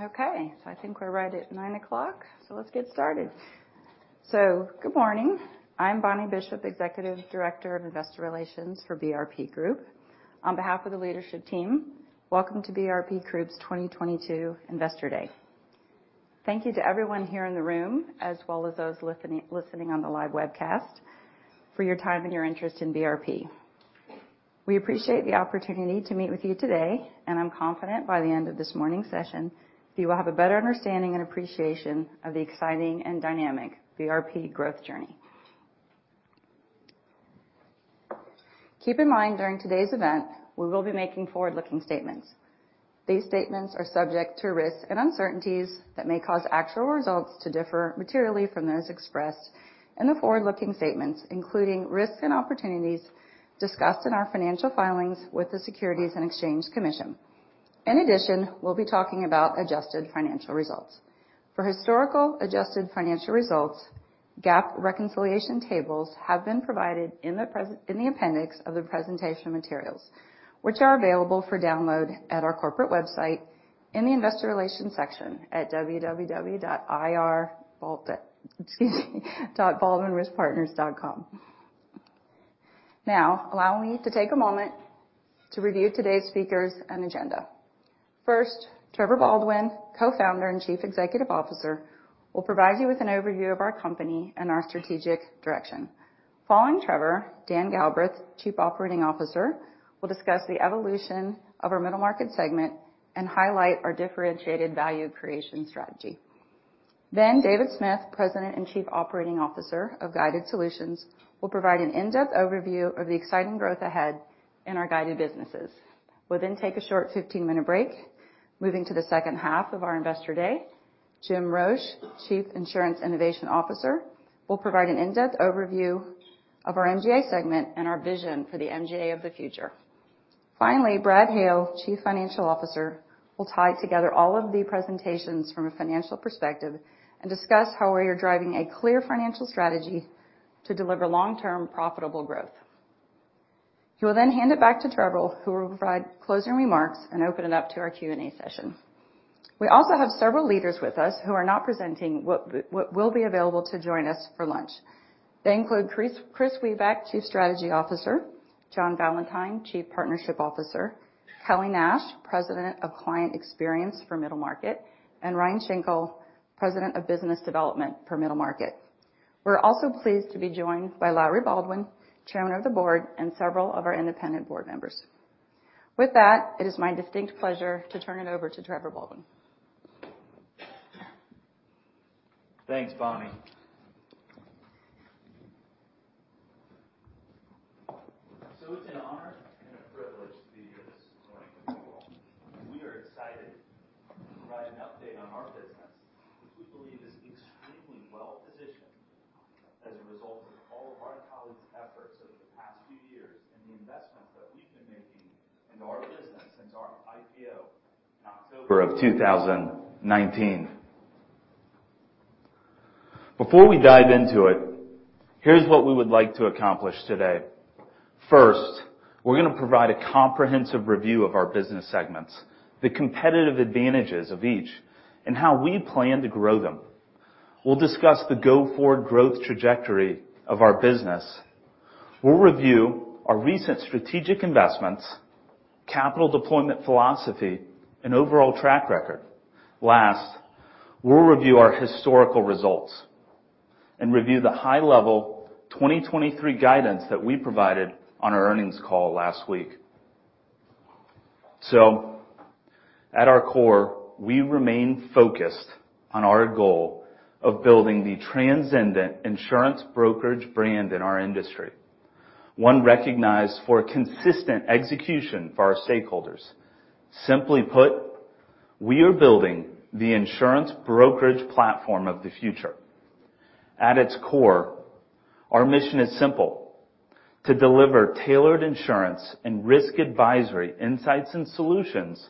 Okay, I think we're right at 9:00 A.M., so let's get started. Good morning. I'm Bonnie Bishop, Executive Director of Investor Relations for BRP Group. On behalf of the leadership team, welcome to BRP Group's 2022 Investor Day. Thank you to everyone here in the room, as well as those listening on the live webcast for your time and your interest in BRP. We appreciate the opportunity to meet with you today, and I'm confident by the end of this morning's session, you will have a better understanding and appreciation of the exciting and dynamic BRP growth journey. Keep in mind, during today's event, we will be making forward-looking statements. These statements are subject to risks and uncertainties that may cause actual results to differ materially from those expressed in the forward-looking statements, including risks and opportunities discussed in our financial filings with the Securities and Exchange Commission. In addition, we'll be talking about adjusted financial results. For historical adjusted financial results, GAAP reconciliation tables have been provided in the appendix of the presentation materials, which are available for download at our corporate website in the investor relations section at www.ir.baldwinriskpartners.com. Now, allow me to take a moment to review today's speakers and agenda. First, Trevor Baldwin, Co-Founder and Chief Executive Officer, will provide you with an overview of our company and our strategic direction. Following Trevor, Dan Galbraith, Chief Operating Officer, will discuss the evolution of our Middle Market segment and highlight our differentiated value creation strategy. David Smith, President and Chief Operating Officer of Guided Solutions, will provide an in-depth overview of the exciting growth ahead in our guided businesses. We'll then take a short 15-minute break. Moving to the second half of our Investor Day, Jim Roche, Chief Insurance Innovation Officer, will provide an in-depth overview of our MGA segment and our vision for the MGA of the future. Finally, Brad Hale, Chief Financial Officer, will tie together all of the presentations from a financial perspective and discuss how we are driving a clear financial strategy to deliver long-term profitable growth. He will then hand it back to Trevor, who will provide closing remarks and open it up to our Q&A session. We also have several leaders with us who are not presenting what will be available to join us for lunch. They include Kris Wiebeck, Chief Strategy Officer, John Valentine, Chief Partnership Officer, Kelly Nash, President of Client Experience for Middle Market, and Ryan Shinkle, President of Business Development for Middle Market. We're also pleased to be joined by Lowry Baldwin, Chairman of the Board, and several of our independent board members. With that, it is my distinct pleasure to turn it over to Trevor Baldwin. Thanks, Bonnie. It's an honor and a privilege to be here this morning with you all. We are excited to provide an update on our business, which we believe is extremely well-positioned as a result of all of our colleagues' efforts over the past few years and the investments that we've been making into our business since our IPO in October of 2019. Before we dive into it, here's what we would like to accomplish today. First, we're gonna provide a comprehensive review of our business segments, the competitive advantages of each, and how we plan to grow them. We'll discuss the go-forward growth trajectory of our business. We'll review our recent strategic investments, capital deployment philosophy, and overall track record. Last, we'll review our historical results and review the high-level 2023 guidance that we provided on our earnings call last week. At our core, we remain focused on our goal of building the transcendent insurance brokerage brand in our industry, one recognized for consistent execution for our stakeholders. Simply put, we are building the insurance brokerage platform of the future. At its core, our mission is simple, to deliver tailored insurance and risk advisory insights and solutions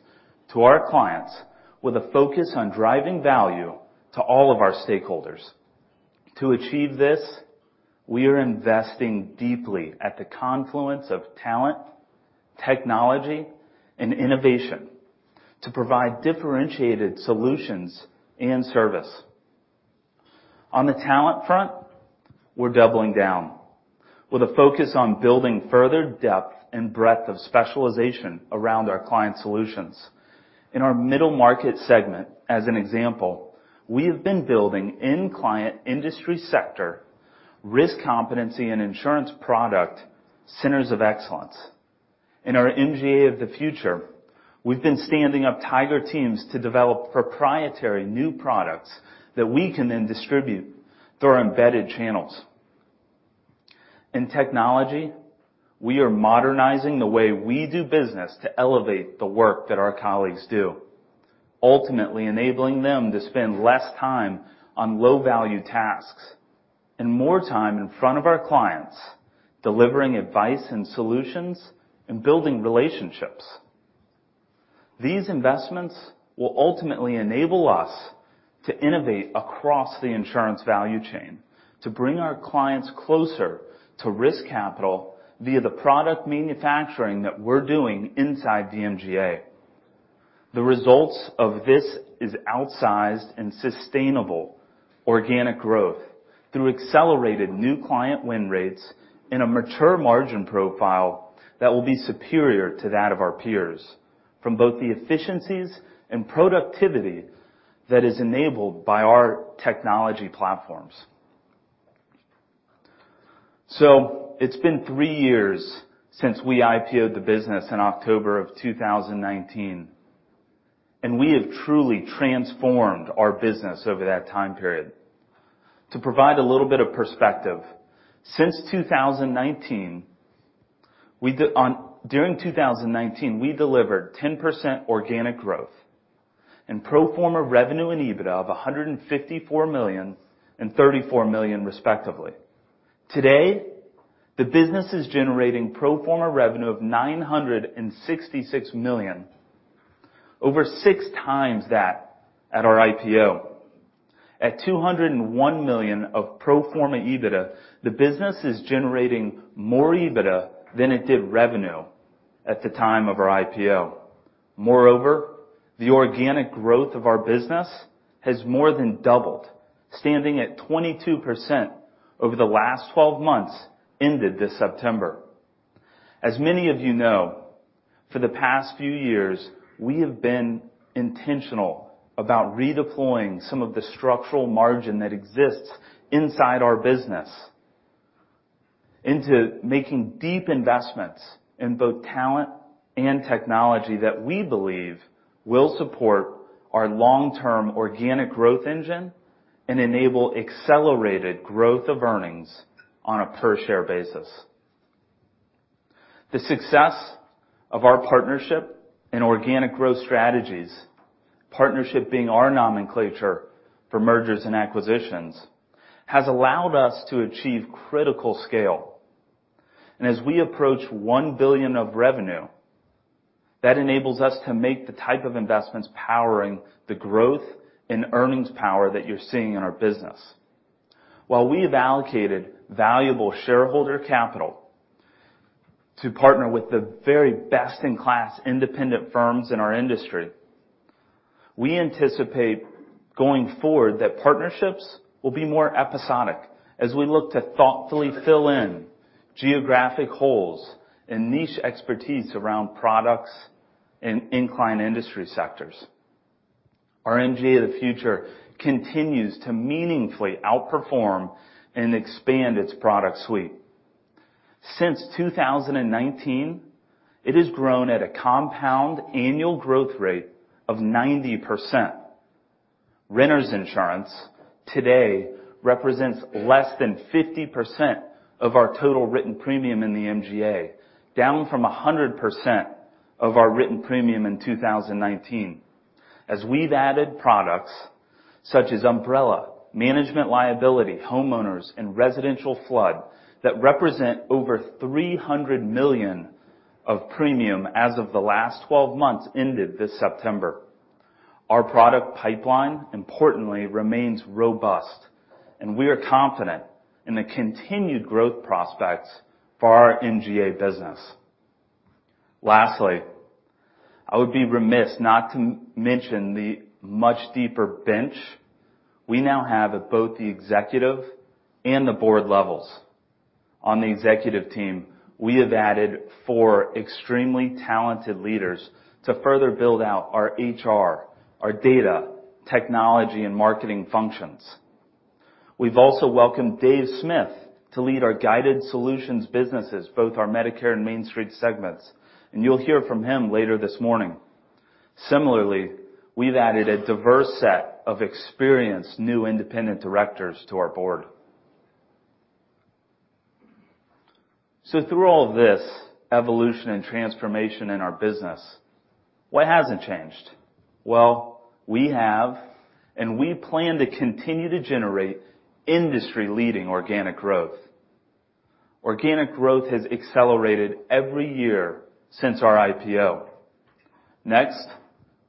to our clients with a focus on driving value to all of our stakeholders. To achieve this, we are investing deeply at the confluence of talent, technology, and innovation to provide differentiated solutions and service. On the talent front, we're doubling down with a focus on building further depth and breadth of specialization around our client solutions. In our Middle Market segment, as an example, we have been building end client industry sector, risk competency, and insurance product centers of excellence. In our MGA of the future, we've been standing up tiger teams to develop proprietary new products that we can then distribute through our embedded channels. In technology, we are modernizing the way we do business to elevate the work that our colleagues do, ultimately enabling them to spend less time on low-value tasks and more time in front of our clients, delivering advice and solutions and building relationships. These investments will ultimately enable us to innovate across the insurance value chain, to bring our clients closer to risk capital via the product manufacturing that we're doing inside the MGA. The results of this is outsized and sustainable organic growth through accelerated new client win rates in a mature margin profile that will be superior to that of our peers from both the efficiencies and productivity that is enabled by our technology platforms. It's been three years since we IPO-ed the business in October of 2019, and we have truly transformed our business over that time period. To provide a little bit of perspective, during 2019, we delivered 10% organic growth and pro forma revenue and EBITDA of $154 million and $34 million, respectively. Today, the business is generating pro forma revenue of $966 million, over six times that at our IPO. At $201 million of pro forma EBITDA, the business is generating more EBITDA than it did revenue at the time of our IPO. Moreover, the organic growth of our business has more than doubled, standing at 22% over the last 12 months ended this September. As many of you know, for the past few years, we have been intentional about redeploying some of the structural margin that exists inside our business into making deep investments in both talent and technology that we believe will support our long-term organic growth engine and enable accelerated growth of earnings on a per-share basis. The success of our partnership and organic growth strategies, partnership being our nomenclature for mergers and acquisitions, has allowed us to achieve critical scale. As we approach $1 billion of revenue, that enables us to make the type of investments powering the growth and earnings power that you're seeing in our business. While we've allocated valuable shareholder capital to partner with the very best-in-class independent firms in our industry, we anticipate going forward that partnerships will be more episodic as we look to thoughtfully fill in geographic holes and niche expertise around products in inclined industry sectors. Our MGA of the future continues to meaningfully outperform and expand its product suite. Since 2019, it has grown at a compound annual growth rate of 90%. Renters insurance today represents less than 50% of our total written premium in the MGA, down from 100% of our written premium in 2019. As we've added products such as umbrella, management liability, homeowners, and residential flood that represent over $300 million of premium as of the last 12 months ended this September. Our product pipeline, importantly, remains robust, and we are confident in the continued growth prospects for our MGA business. Lastly, I would be remiss not to mention the much deeper bench we now have at both the executive and the board levels. On the executive team, we have added four extremely talented leaders to further build out our HR, our data, technology, and marketing functions. We've also welcomed Dave Smith to lead our Guided Solutions businesses, both our Medicare and MainStreet segments, and you'll hear from him later this morning. Similarly, we've added a diverse set of experienced new independent directors to our board. Through all of this evolution and transformation in our business, what hasn't changed? Well, we have, and we plan to continue to generate industry-leading organic growth. Organic growth has accelerated every year since our IPO. Next,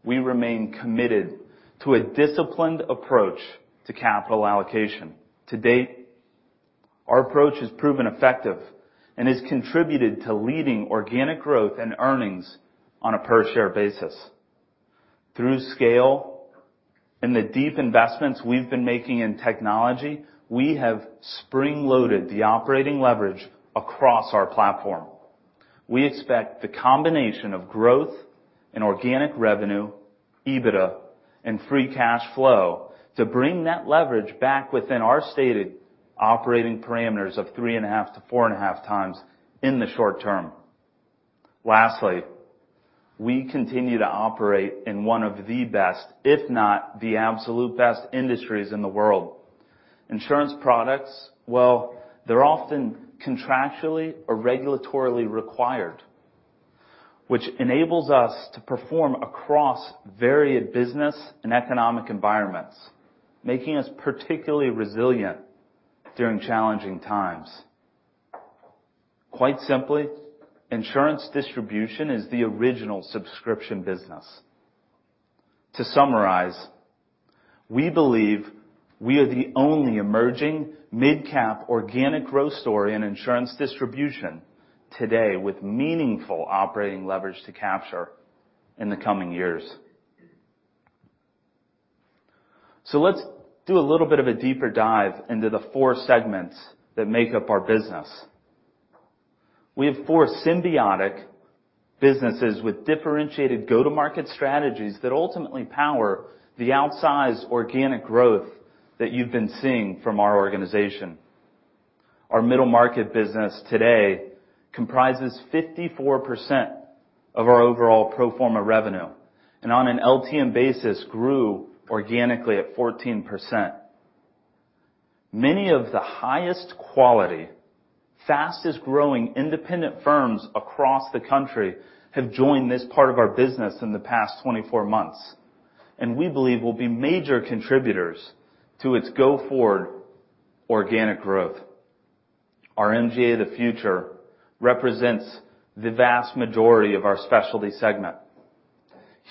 we remain committed to a disciplined approach to capital allocation. To date, our approach has proven effective and has contributed to leading organic growth and earnings on a per-share basis. Through scale and the deep investments we've been making in technology, we have spring-loaded the operating leverage across our platform. We expect the combination of growth in organic revenue, EBITDA, and free cash flow to bring that leverage back within our stated operating parameters of 3.5-4.5x in the short term. Lastly, we continue to operate in one of the best, if not the absolute best, industries in the world. Insurance products, well, they're often contractually or regulatorily required, which enables us to perform across varied business and economic environments, making us particularly resilient during challenging times. Quite simply, insurance distribution is the original subscription business. To summarize, we believe we are the only emerging midcap organic growth story in insurance distribution today with meaningful operating leverage to capture in the coming years. Let's do a little bit of a deeper dive into the four segments that make up our business. We have four symbiotic businesses with differentiated go-to-market strategies that ultimately power the outsized organic growth that you've been seeing from our organization. Our Middle Market business today comprises 54% of our overall pro forma revenue, and on an LTM basis grew organically at 14%. Many of the highest quality, fastest-growing independent firms across the country have joined this part of our business in the past 24 months, and we believe will be major contributors to its go-forward organic growth. Our MGA of the future represents the vast majority of our specialty segment.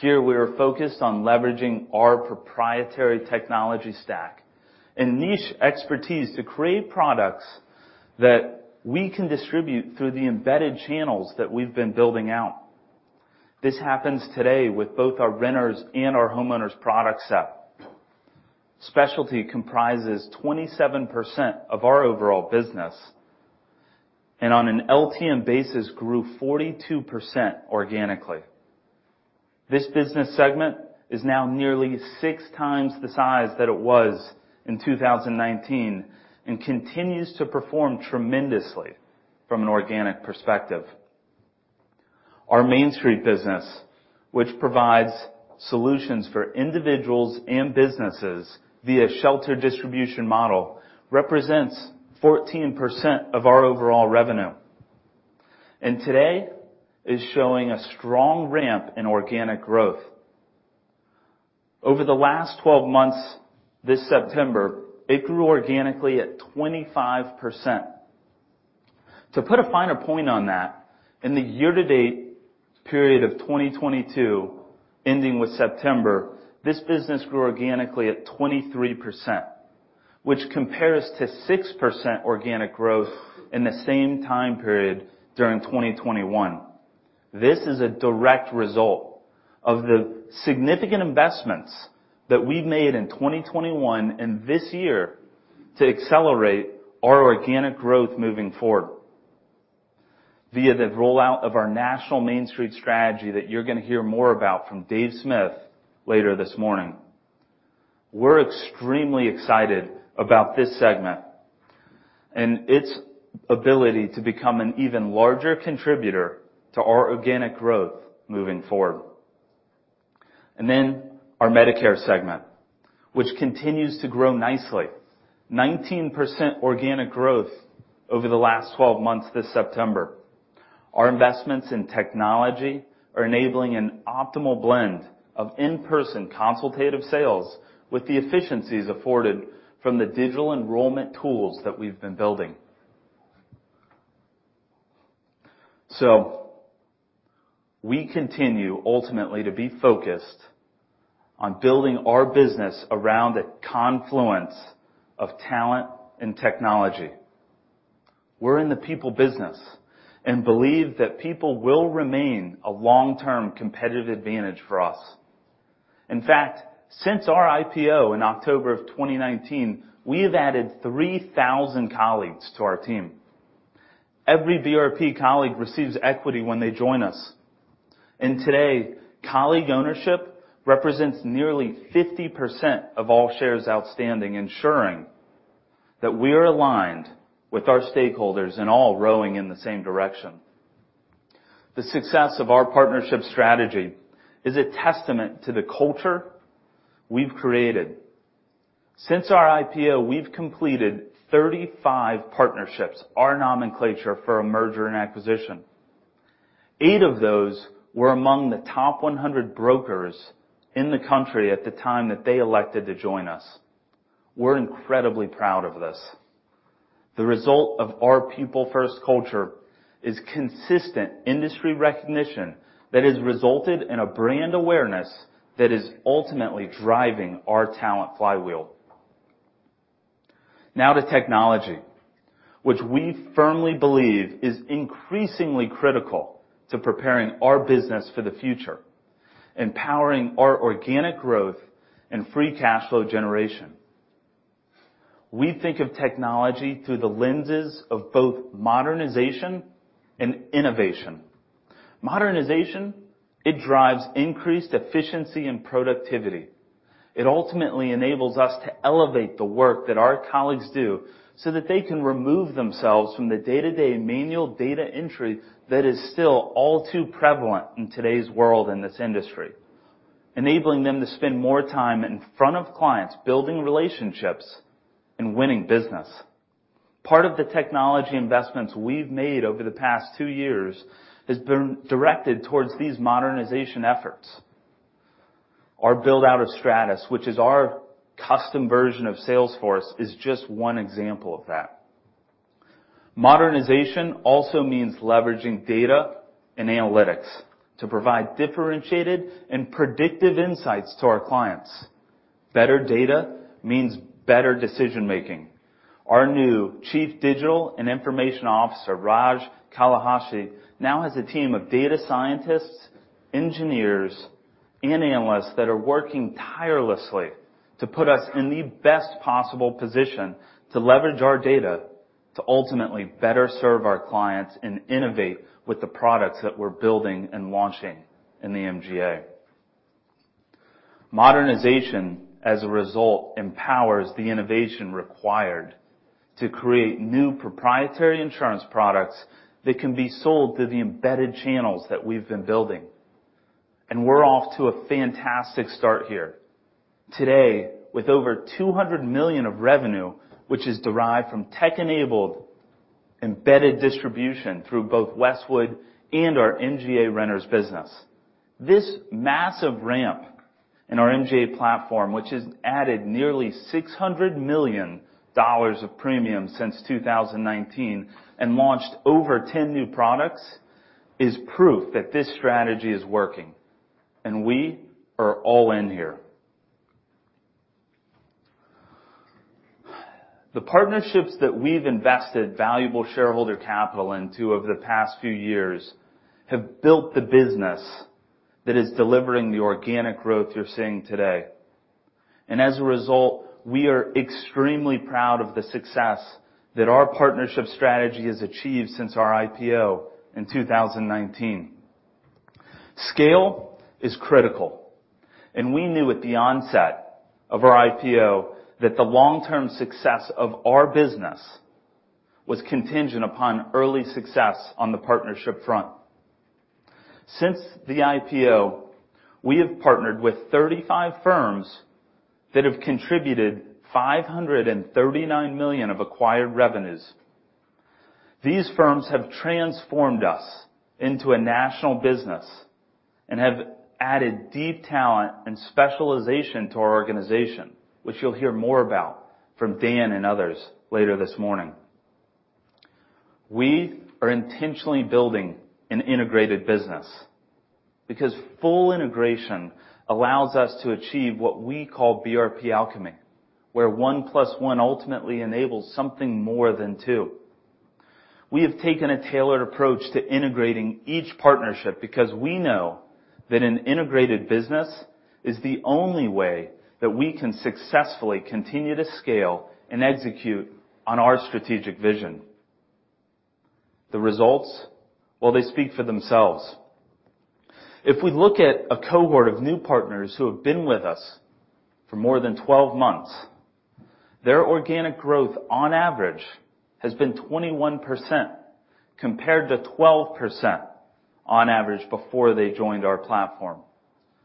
Here we are focused on leveraging our proprietary technology stack and niche expertise to create products that we can distribute through the embedded channels that we've been building out. This happens today with both our renters and our homeowners product set. Specialty comprises 27% of our overall business, and on an LTM basis grew 42% organically. This business segment is now nearly six times the size that it was in 2019 and continues to perform tremendously from an organic perspective. Our MainStreet business, which provides solutions for individuals and businesses via sheltered distribution model, represents 14% of our overall revenue, and today is showing a strong ramp in organic growth. Over the last 12 months this September, it grew organically at 25%. To put a finer point on that, in the year-to-date period of 2022 ending with September, this business grew organically at 23%, which compares to 6% organic growth in the same time period during 2021. This is a direct result of the significant investments that we made in 2021 and this year to accelerate our organic growth moving forward via the rollout of our national MainStreet strategy that you're going to hear more about from Dave Smith later this morning. We're extremely excited about this segment and its ability to become an even larger contributor to our organic growth moving forward. Our Medicare segment, which continues to grow nicely. 19% organic growth over the last 12 months this September. Our investments in technology are enabling an optimal blend of in-person consultative sales with the efficiencies afforded from the digital enrollment tools that we've been building. We continue ultimately to be focused on building our business around the confluence of talent and technology. We're in the people business and believe that people will remain a long-term competitive advantage for us. In fact, since our IPO in October of 2019, we have added 3,000 colleagues to our team. Every BRP colleague receives equity when they join us. Today, colleague ownership represents nearly 50% of all shares outstanding, ensuring that we are aligned with our stakeholders and all rowing in the same direction. The success of our partnership strategy is a testament to the culture we've created. Since our IPO, we've completed 35 partnerships, our nomenclature for a merger and acquisition. Eight of those were among the top 100 brokers in the country at the time that they elected to join us. We're incredibly proud of this. The result of our people first culture is consistent industry recognition that has resulted in a brand awareness that is ultimately driving our talent flywheel. Now to technology, which we firmly believe is increasingly critical to preparing our business for the future, empowering our organic growth and free cash flow generation. We think of technology through the lenses of both modernization and innovation. Modernization, it drives increased efficiency and productivity. It ultimately enables us to elevate the work that our colleagues do so that they can remove themselves from the day-to-day manual data entry that is still all too prevalent in today's world in this industry, enabling them to spend more time in front of clients building relationships and winning business. Part of the technology investments we've made over the past two years has been directed towards these modernization efforts. Our build out of Stratus, which is our custom version of Salesforce, is just one example of that. Modernization also means leveraging data and analytics to provide differentiated and predictive insights to our clients. Better data means better decision-making. Our new Chief Digital and Information Officer, Raj Kalahasthi, now has a team of data scientists, engineers, and analysts that are working tirelessly to put us in the best possible position to leverage our data to ultimately better serve our clients and innovate with the products that we're building and launching in the MGA. Modernization, as a result, empowers the innovation required to create new proprietary insurance products that can be sold through the embedded channels that we've been building. We're off to a fantastic start here. Today, with over $200 million of revenue, which is derived from tech-enabled embedded distribution through both Westwood and our MGA Renters business. This massive ramp in our MGA platform, which has added nearly $600 million of premium since 2019, and launched over 10 new products, is proof that this strategy is working, and we are all in here. The partnerships that we've invested valuable shareholder capital into over the past few years have built the business that is delivering the organic growth you're seeing today. As a result, we are extremely proud of the success that our partnership strategy has achieved since our IPO in 2019. Scale is critical, and we knew at the onset of our IPO that the long-term success of our business was contingent upon early success on the partnership front. Since the IPO, we have partnered with 35 firms that have contributed $539 million of acquired revenues. These firms have transformed us into a national business and have added deep talent and specialization to our organization, which you'll hear more about from Dan and others later this morning. We are intentionally building an integrated business because full integration allows us to achieve what we call BRP Alchemy, where one plus one ultimately enables something more than two. We have taken a tailored approach to integrating each partnership because we know that an integrated business is the only way that we can successfully continue to scale and execute on our strategic vision. The results, well, they speak for themselves. If we look at a cohort of new partners who have been with us for more than 12 months, their organic growth on average has been 21% compared to 12% on average before they joined our platform,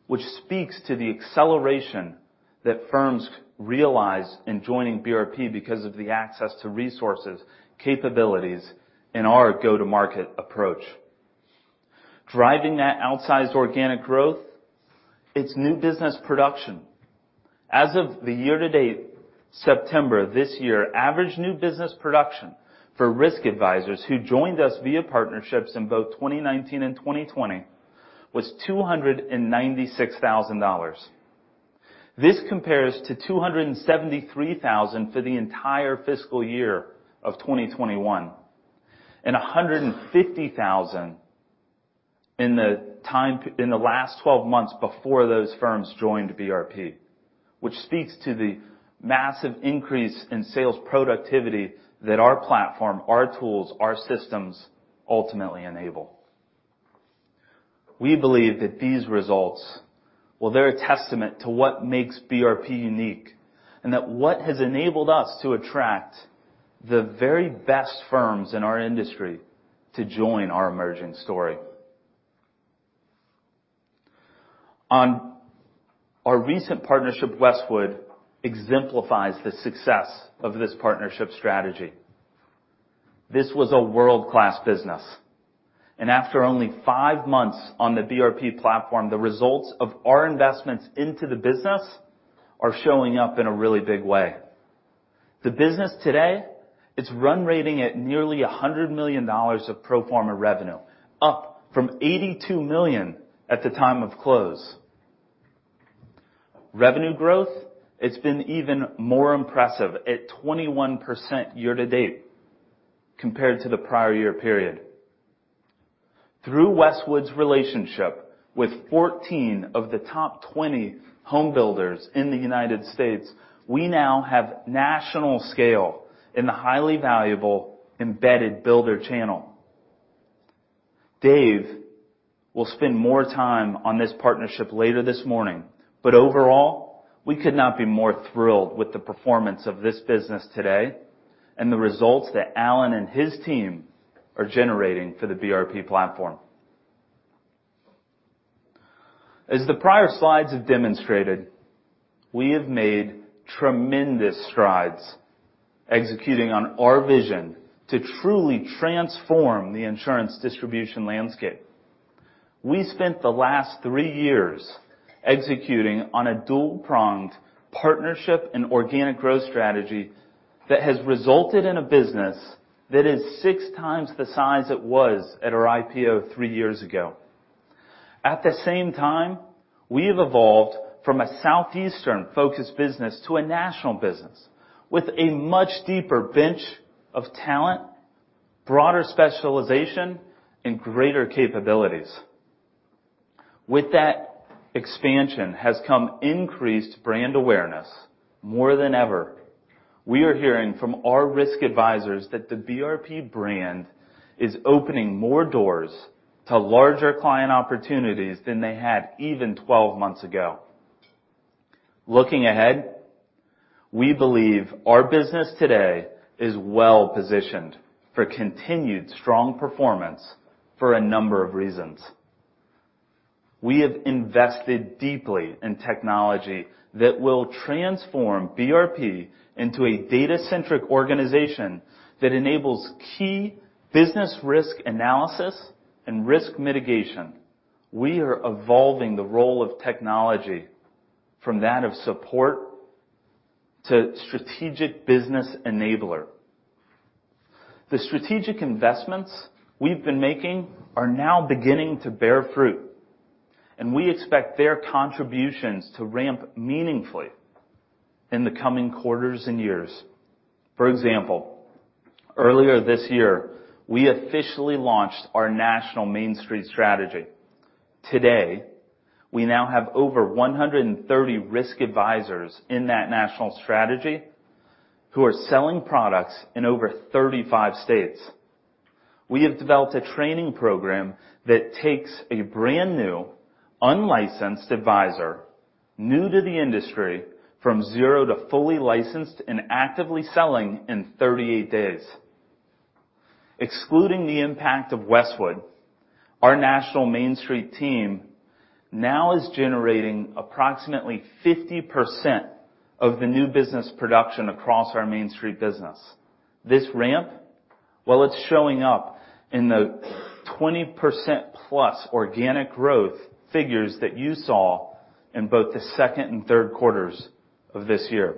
which speaks to the acceleration that firms realize in joining BRP because of the access to resources, capabilities, and our go-to-market approach. Driving that outsized organic growth, it's new business production. As of the year-to-date, September this year, average new business production for risk advisors who joined us via partnerships in both 2019 and 2020 was $296,000. This compares to $273,000 for the entire fiscal year of 2021, and $150,000 in the last 12 months before those firms joined BRP, which speaks to the massive increase in sales productivity that our platform, our tools, our systems ultimately enable. We believe that these results, well, they're a testament to what makes BRP unique, and that what has enabled us to attract the very best firms in our industry to join our emerging story. On our recent partnership, Westwood exemplifies the success of this partnership strategy. This was a world-class business, and after only five months on the BRP platform, the results of our investments into the business are showing up in a really big way. The business today is running at nearly $100 million of pro forma revenue, up from $82 million at the time of close. Revenue growth, it's been even more impressive at 21% year-to-date compared to the prior year period. Through Westwood's relationship with 14 of the top 20 home builders in the United States, we now have national scale in the highly valuable embedded builder channel. Dave will spend more time on this partnership later this morning, but overall, we could not be more thrilled with the performance of this business today and the results that Alan and his team are generating for the BRP platform. As the prior slides have demonstrated. We have made tremendous strides executing on our vision to truly transform the insurance distribution landscape. We spent the last three years executing on a dual-pronged partnership and organic growth strategy that has resulted in a business that is six times the size it was at our IPO three years ago. At the same time, we have evolved from a Southeastern-focused business to a national business with a much deeper bench of talent, broader specialization, and greater capabilities. With that expansion has come increased brand awareness more than ever. We are hearing from our risk advisors that the BRP brand is opening more doors to larger client opportunities than they had even 12 months ago. Looking ahead, we believe our business today is well positioned for continued strong performance for a number of reasons. We have invested deeply in technology that will transform BRP into a data-centric organization that enables key business risk analysis and risk mitigation. We are evolving the role of technology from that of support to strategic business enabler. The strategic investments we've been making are now beginning to bear fruit, and we expect their contributions to ramp meaningfully in the coming quarters and years. For example, earlier this year, we officially launched our national MainStreet strategy. Today, we now have over 130 risk advisors in that national strategy who are selling products in over 35 states. We have developed a training program that takes a brand-new unlicensed advisor, new to the industry, from zero to fully licensed and actively selling in 38 days. Excluding the impact of Westwood, our national MainStreet team now is generating approximately 50% of the new business production across our MainStreet business. This ramp, well, it's showing up in the 20%+ organic growth figures that you saw in both the second and third quarters of this year.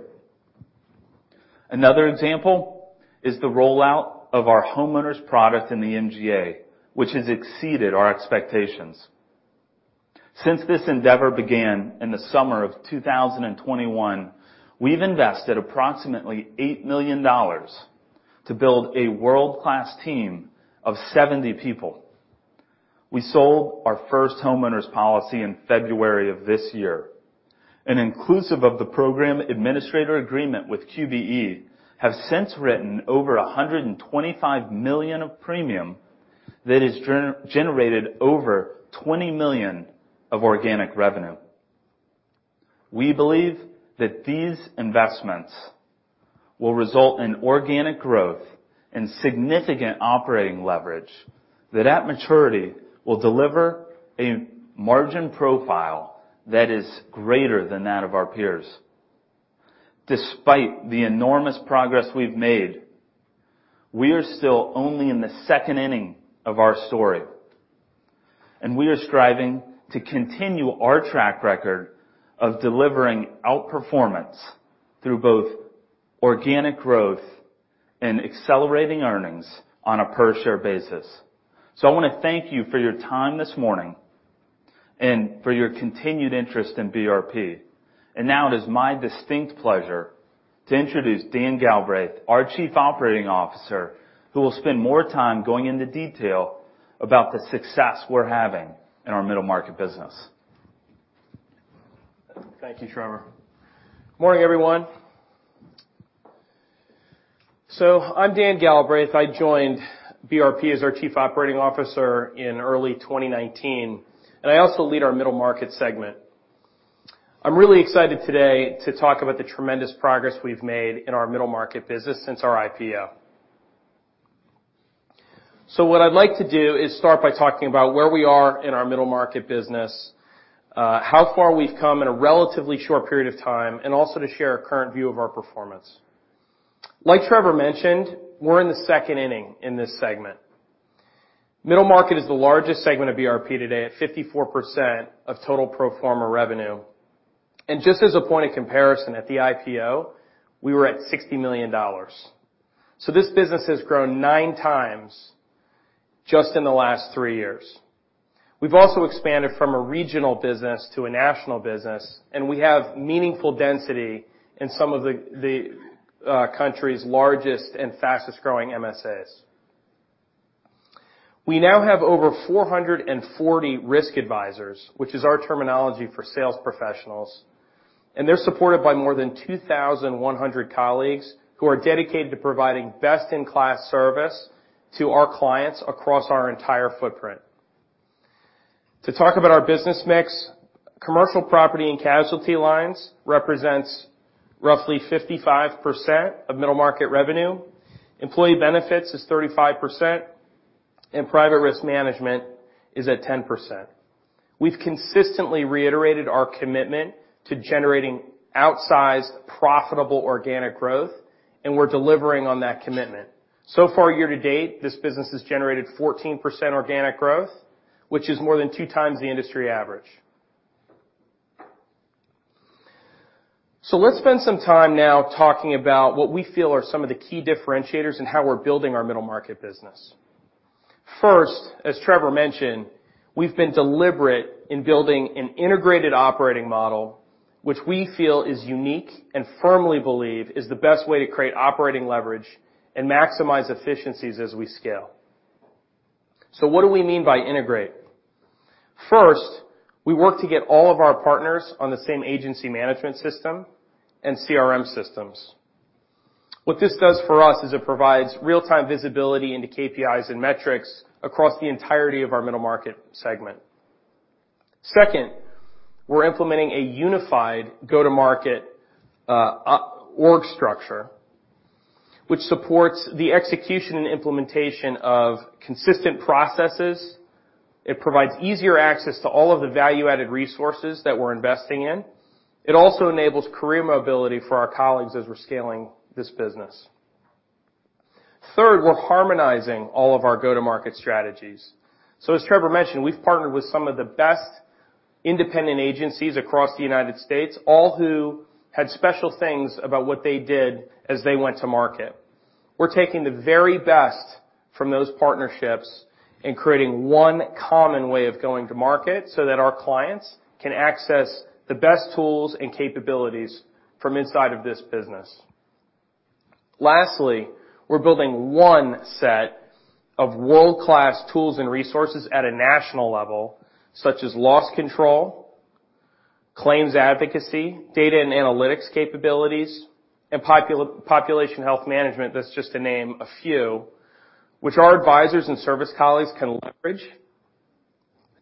Another example is the rollout of our homeowners product in the MGA, which has exceeded our expectations. Since this endeavor began in the summer of 2021, we've invested approximately $8 million to build a world-class team of 70 people. We sold our first homeowners policy in February of this year. Inclusive of the program administrator agreement with QBE, we have since written over $125 million of premium that has generated over $20 million of organic revenue. We believe that these investments will result in organic growth and significant operating leverage that at maturity will deliver a margin profile that is greater than that of our peers. Despite the enormous progress we've made, we are still only in the second inning of our story, and we are striving to continue our track record of delivering outperformance through both organic growth and accelerating earnings on a per-share basis. I wanna thank you for your time this morning and for your continued interest in BRP. Now it is my distinct pleasure to introduce Dan Galbraith, our Chief Operating Officer, who will spend more time going into detail about the success we're having in our Middle Market business. Thank you, Trevor. Morning, everyone. I'm Dan Galbraith. I joined BRP as our Chief Operating Officer in early 2019, and I also lead our Middle Market segment. I'm really excited today to talk about the tremendous progress we've made in our Middle Market business since our IPO. What I'd like to do is start by talking about where we are in our Middle Market business, how far we've come in a relatively short period of time, and also to share our current view of our performance. Like Trevor mentioned, we're in the second inning in this segment. Middle Market is the largest segment of BRP today at 54% of total pro forma revenue. Just as a point of comparison, at the IPO, we were at $60 million. This business has grown nine times just in the last three years. We've also expanded from a regional business to a national business, and we have meaningful density in some of the country's largest and fastest-growing MSAs. We now have over 440 risk advisors, which is our terminology for sales professionals, and they're supported by more than 2,100 colleagues who are dedicated to providing best-in-class service to our clients across our entire footprint. To talk about our business mix, commercial property and casualty lines represents roughly 55% of Middle Market revenue. Employee benefits is 35%. Private risk management is at 10%. We've consistently reiterated our commitment to generating outsized, profitable organic growth, and we're delivering on that commitment. So far, year to date, this business has generated 14% organic growth, which is more than two times the industry average. Let's spend some time now talking about what we feel are some of the key differentiators in how we're building our Middle Market business. First, as Trevor mentioned, we've been deliberate in building an integrated operating model, which we feel is unique and firmly believe is the best way to create operating leverage and maximize efficiencies as we scale. What do we mean by integrate? First, we work to get all of our partners on the same agency management system and CRM systems. What this does for us is it provides real-time visibility into KPIs and metrics across the entirety of our Middle Market segment. Second, we're implementing a unified go-to-market org structure, which supports the execution and implementation of consistent processes. It provides easier access to all of the value-added resources that we're investing in. It also enables career mobility for our colleagues as we're scaling this business. Third, we're harmonizing all of our go-to-market strategies. As Trevor mentioned, we've partnered with some of the best independent agencies across the United States, all who had special things about what they did as they went to market. We're taking the very best from those partnerships and creating one common way of going to market so that our clients can access the best tools and capabilities from inside of this business. Lastly, we're building one set of world-class tools and resources at a national level, such as loss control, claims advocacy, data and analytics capabilities, and population health management, that's just to name a few, which our advisors and service colleagues can leverage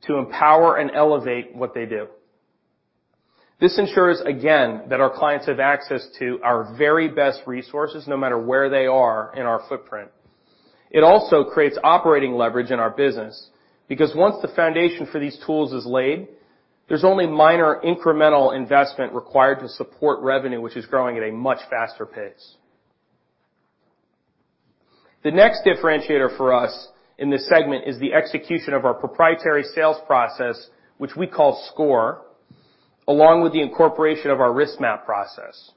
to empower and elevate what they do. This ensures again, that our clients have access to our very best resources no matter where they are in our footprint. It also creates operating leverage in our business because once the foundation for these tools is laid, there's only minor incremental investment required to support revenue, which is growing at a much faster pace. The next differentiator for us in this segment is the execution of our proprietary sales process, which we call SCORE, along with the incorporation of our risk map process.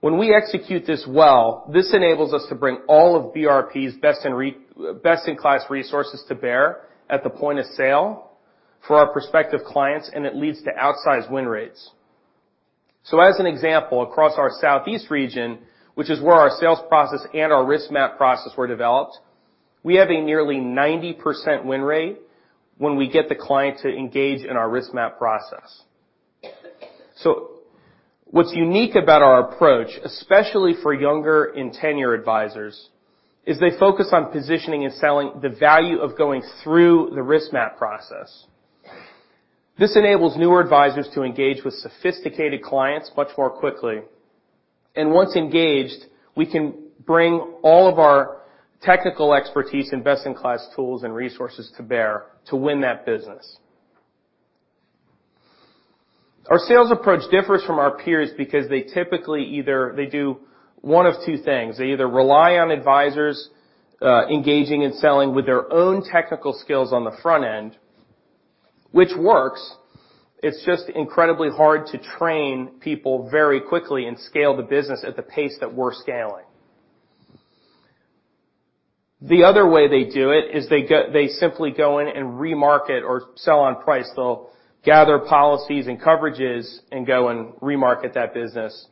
When we execute this well, this enables us to bring all of BRP's best-in-class resources to bear at the point of sale for our prospective clients, and it leads to outsized win rates. As an example, across our southeast region, which is where our sales process and our risk map process were developed, we have a nearly 90% win rate when we get the client to engage in our risk map process. What's unique about our approach, especially for younger and tenured advisors, is they focus on positioning and selling the value of going through the risk map process. This enables newer advisors to engage with sophisticated clients much more quickly. Once engaged, we can bring all of our technical expertise and best-in-class tools and resources to bear to win that business. Our sales approach differs from our peers because they typically do one of two things. They either rely on advisors engaging and selling with their own technical skills on the front end, which works. It's just incredibly hard to train people very quickly and scale the business at the pace that we're scaling. The other way they do it is they simply go in and remarket or sell on price. They'll gather policies and coverages and go and remarket that business.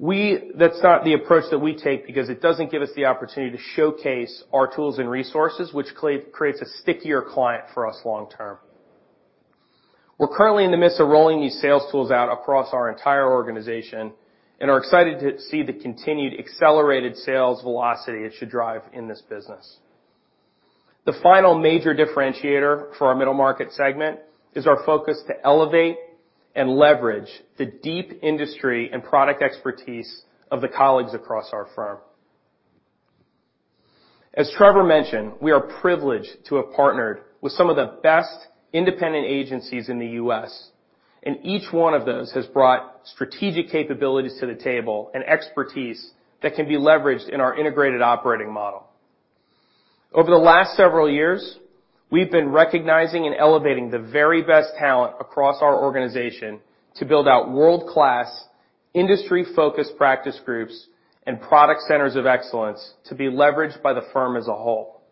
That's not the approach that we take because it doesn't give us the opportunity to showcase our tools and resources, which creates a stickier client for us long term. We're currently in the midst of rolling these sales tools out across our entire organization and are excited to see the continued accelerated sales velocity it should drive in this business. The final major differentiator for our Middle Market segment is our focus to elevate and leverage the deep industry and product expertise of the colleagues across our firm. As Trevor mentioned, we are privileged to have partnered with some of the best independent agencies in the U.S., and each one of those has brought strategic capabilities to the table and expertise that can be leveraged in our integrated operating model. Over the last several years, we've been recognizing and elevating the very best talent across our organization to build out world-class, industry-focused practice groups and product centers of excellence to be leveraged by the firm as a whole.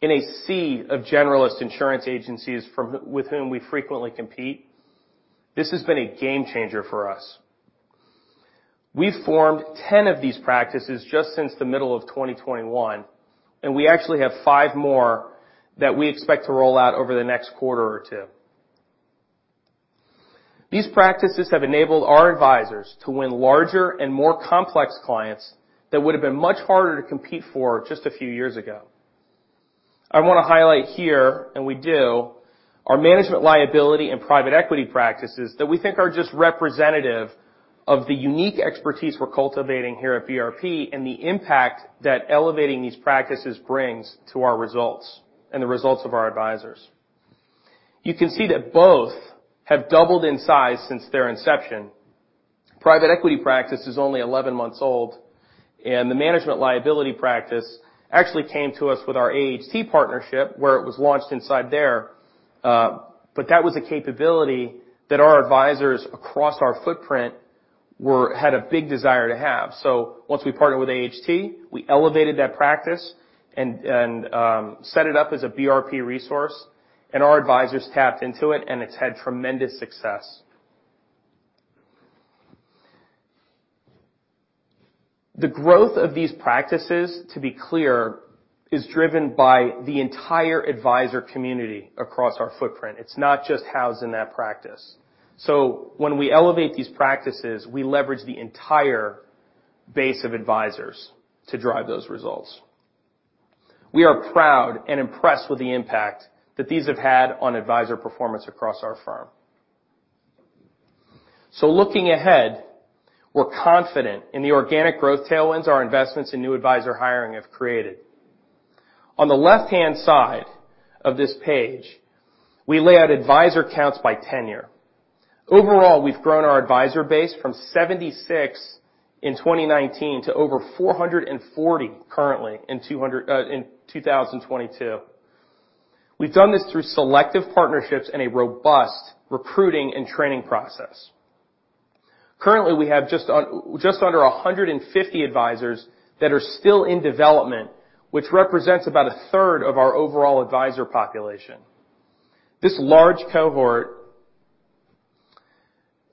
In a sea of generalist insurance agencies with whom we frequently compete, this has been a game changer for us. We formed 10 of these practices just since the middle of 2021, and we actually have five more that we expect to roll out over the next quarter or two. These practices have enabled our advisors to win larger and more complex clients that would have been much harder to compete for just a few years ago. I want to highlight here, and we do, our management liability and private equity practices that we think are just representative of the unique expertise we're cultivating here at BRP and the impact that elevating these practices brings to our results and the results of our advisors. You can see that both have doubled in size since their inception. Private equity practice is only 11 months old, and the management liability practice actually came to us with our AHT partnership, where it was launched inside there. But that was a capability that our advisors across our footprint had a big desire to have. Once we partnered with AHT, we elevated that practice and set it up as a BRP resource, and our advisors tapped into it, and it's had tremendous success. The growth of these practices, to be clear, is driven by the entire advisor community across our footprint. It's not just housed in that practice. When we elevate these practices, we leverage the entire base of advisors to drive those results. We are proud and impressed with the impact that these have had on advisor performance across our firm. Looking ahead, we're confident in the organic growth tailwinds our investments in new advisor hiring have created. On the left-hand side of this page, we lay out advisor counts by tenure. Overall, we've grown our advisor base from 76 in 2019 to over 440 currently in 2022. We've done this through selective partnerships and a robust recruiting and training process. Currently, we have just under 150 advisors that are still in development, which represents about a third of our overall advisor population. This large cohort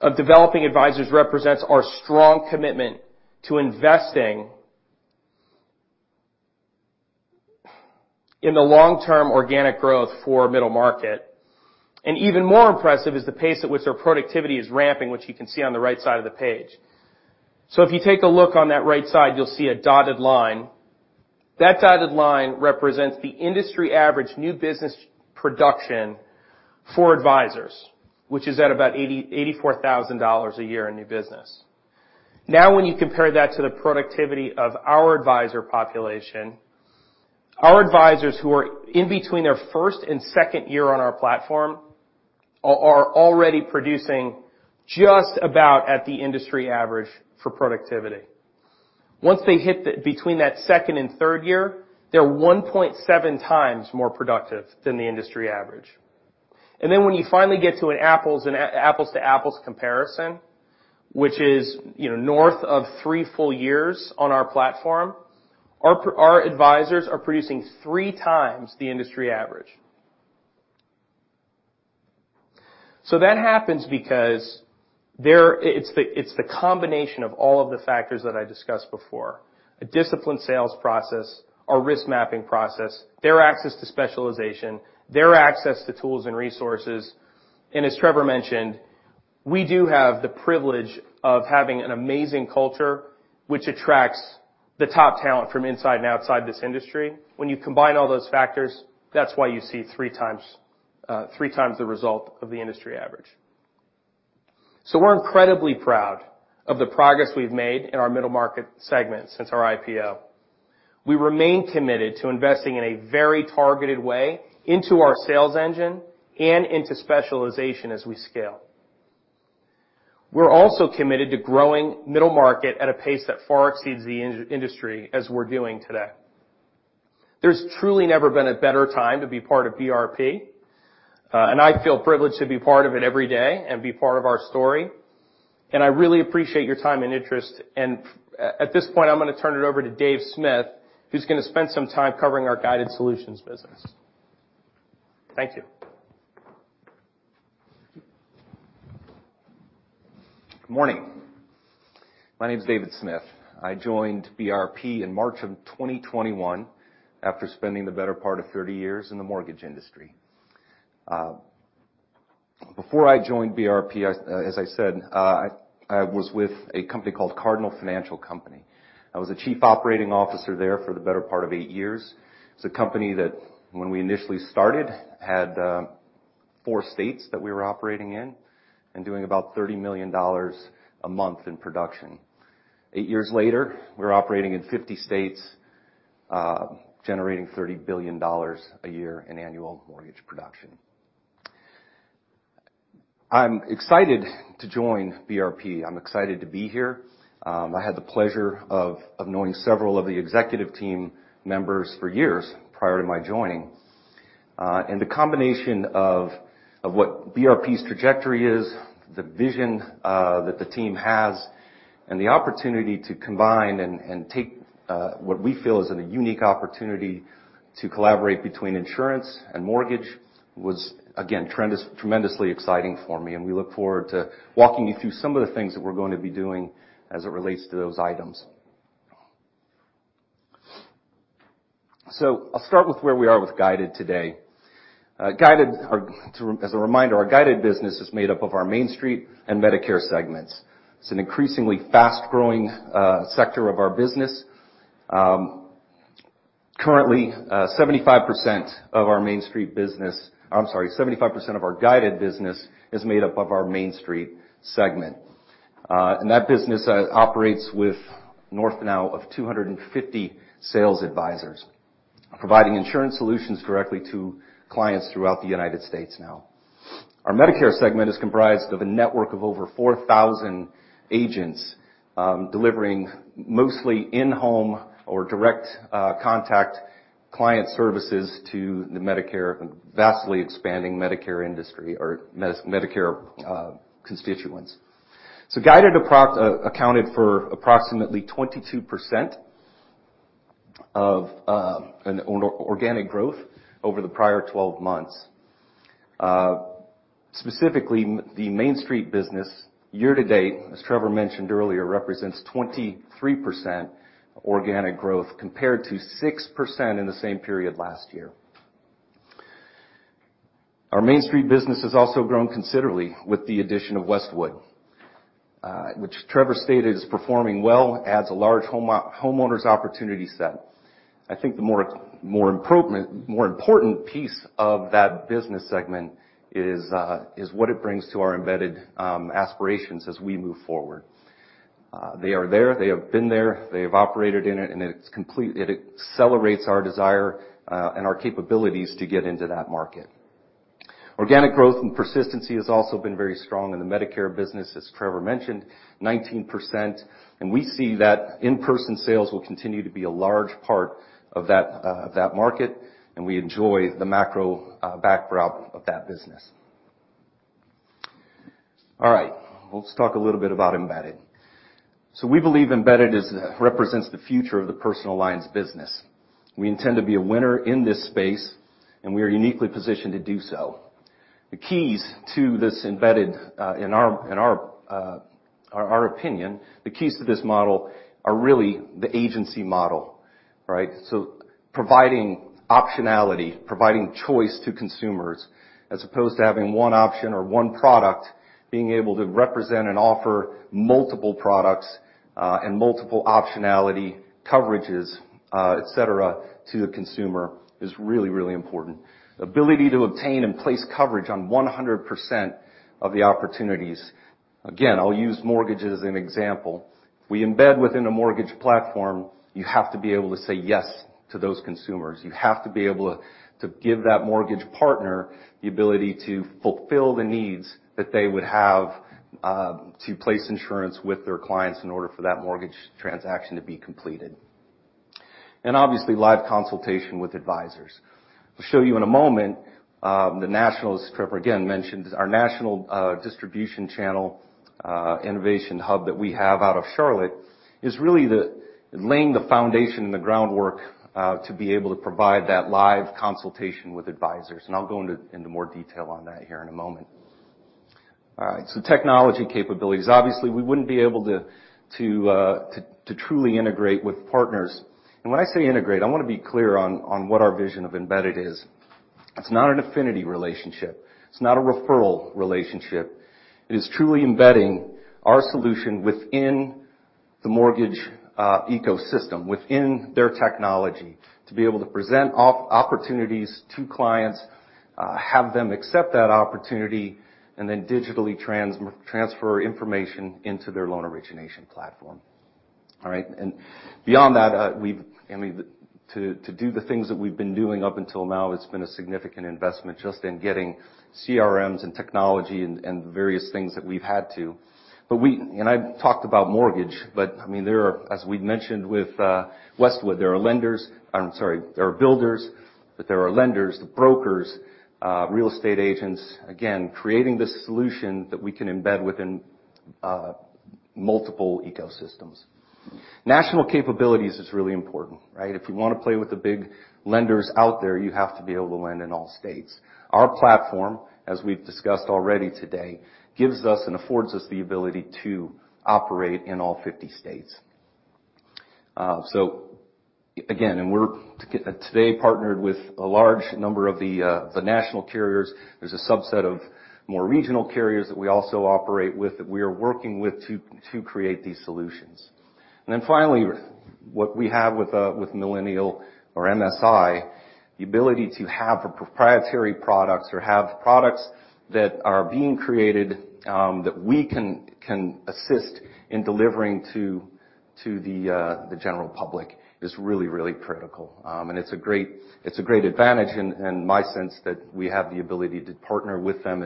of developing advisors represents our strong commitment to investing in the long-term organic growth for Middle Market. Even more impressive is the pace at which their productivity is ramping, which you can see on the right side of the page. If you take a look on that right side, you'll see a dotted line. That dotted line represents the industry average new business production for advisors, which is at about $84,000 a year in new business. Now, when you compare that to the productivity of our advisor population, our advisors who are in between their first and second year on our platform are already producing just about at the industry average for productivity. Once they hit between that second and third year, they're 1.7 times more productive than the industry average. When you finally get to an apples to apples comparison, which is, you know, north of three full years on our platform, our advisors are producing three times the industry average. That happens because it's the combination of all of the factors that I discussed before. A disciplined sales process, our risk mapping process, their access to specialization, their access to tools and resources. As Trevor mentioned, we do have the privilege of having an amazing culture which attracts the top talent from inside and outside this industry. When you combine all those factors, that's why you see three times the result of the industry average. We're incredibly proud of the progress we've made in our Middle Market segment since our IPO. We remain committed to investing in a very targeted way into our sales engine and into specialization as we scale. We're also committed to growing Middle Market at a pace that far exceeds the industry as we're doing today. There's truly never been a better time to be part of BRP, and I feel privileged to be part of it every day and be part of our story. I really appreciate your time and interest. At this point, I'm gonna turn it over to Dave Smith, who's gonna spend some time covering our Guided Solutions business. Thank you. Good morning. My name is David Smith. I joined BRP in March of 2021 after spending the better part of 30 years in the mortgage industry. Before I joined BRP, as I said, I was with a company called Cardinal Financial Company. I was the Chief Operating Officer there for the better part of eight years. It's a company that when we initially started, had four states that we were operating in and doing about $30 million a month in production. Eight years later, we're operating in 50 states, generating $30 billion a year in annual mortgage production. I'm excited to join BRP. I'm excited to be here. I had the pleasure of knowing several of the executive team members for years prior to my joining. The combination of what BRP's trajectory is, the vision that the team has, and the opportunity to combine and take what we feel is a unique opportunity to collaborate between insurance and mortgage was again tremendously exciting for me. We look forward to walking you through some of the things that we're going to be doing as it relates to those items. I'll start with where we are with Guided today. As a reminder, our Guided business is made up of our MainStreet and Medicare segments. It's an increasingly fast-growing sector of our business. Currently, 75% of our Guided business is made up of our MainStreet segment. That business operates with north of 250 sales advisors providing insurance solutions directly to clients throughout the United States now. Our Medicare segment is comprised of a network of over 4,000 agents, delivering mostly in-home or direct contact client services to the vastly expanding Medicare industry constituents. Guided accounted for approximately 22% of organic growth over the prior 12 months. Specifically, the MainStreet business year to date, as Trevor mentioned earlier, represents 23% organic growth compared to 6% in the same period last year. Our MainStreet business has also grown considerably with the addition of Westwood, which Trevor stated is performing well, adds a large homeowners opportunity set. I think the more important piece of that business segment is what it brings to our embedded aspirations as we move forward. They are there, they have been there, they have operated in it, and it's complete. It accelerates our desire and our capabilities to get into that market. Organic growth and persistency has also been very strong in the Medicare business, as Trevor mentioned, 19%, and we see that in-person sales will continue to be a large part of that market, and we enjoy the macro backdrop of that business. All right, let's talk a little bit about embedded. We believe embedded represents the future of the personal lines business. We intend to be a winner in this space, and we are uniquely positioned to do so. In our opinion, the keys to this model are really the agency model, right? Providing optionality, providing choice to consumers as opposed to having one option or one product, being able to represent and offer multiple products, and multiple optionality coverages, et cetera, to the consumer is really, really important. Ability to obtain and place coverage on 100% of the opportunities. Again, I'll use mortgage as an example. If we embed within a mortgage platform, you have to be able to say yes to those consumers. You have to be able to give that mortgage partner the ability to fulfill the needs that they would have to place insurance with their clients in order for that mortgage transaction to be completed. Obviously live consultation with advisors. I'll show you in a moment, the nationals Trevor again mentioned. Our national distribution channel innovation hub that we have out of Charlotte is really laying the foundation and the groundwork to be able to provide that live consultation with advisors, and I'll go into more detail on that here in a moment. All right, technology capabilities. Obviously, we wouldn't be able to truly integrate with partners. When I say integrate, I wanna be clear on what our vision of embedded is. It's not an affinity relationship. It's not a referral relationship. It is truly embedding our solution within the mortgage ecosystem, within their technology to be able to present opportunities to clients, have them accept that opportunity, and then digitally transfer information into their loan origination platform. All right, beyond that, I mean, to do the things that we've been doing up until now, it's been a significant investment just in getting CRMs and technology and the various things that we've had to. I talked about mortgage, but I mean, there are, as we'd mentioned with Westwood, there are lenders. I'm sorry, there are builders, but there are lenders, the brokers, real estate agents, again, creating the solution that we can embed within multiple ecosystems. National capabilities is really important, right? If you wanna play with the big lenders out there, you have to be able to lend in all states. Our platform, as we've discussed already today, gives us and affords us the ability to operate in all 50 states. So again, we're today partnered with a large number of the national carriers. There's a subset of more regional carriers that we also operate with, that we are working with to create these solutions. Then finally, what we have with Millennial or MSI, the ability to have the proprietary products or have products that are being created, that we can assist in delivering to the general public is really critical. It's a great advantage in my sense that we have the ability to partner with them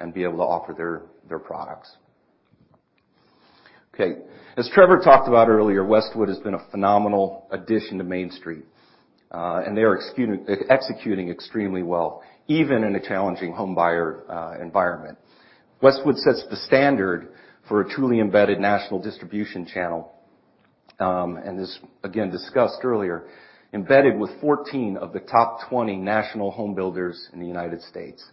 and be able to offer their products. Okay, as Trevor talked about earlier, Westwood has been a phenomenal addition to MainStreet, and they are executing extremely well, even in a challenging home buyer environment. Westwood sets the standard for a truly embedded national distribution channel, and this, again, discussed earlier, embedded with 14 of the top 20 national home builders in the United States.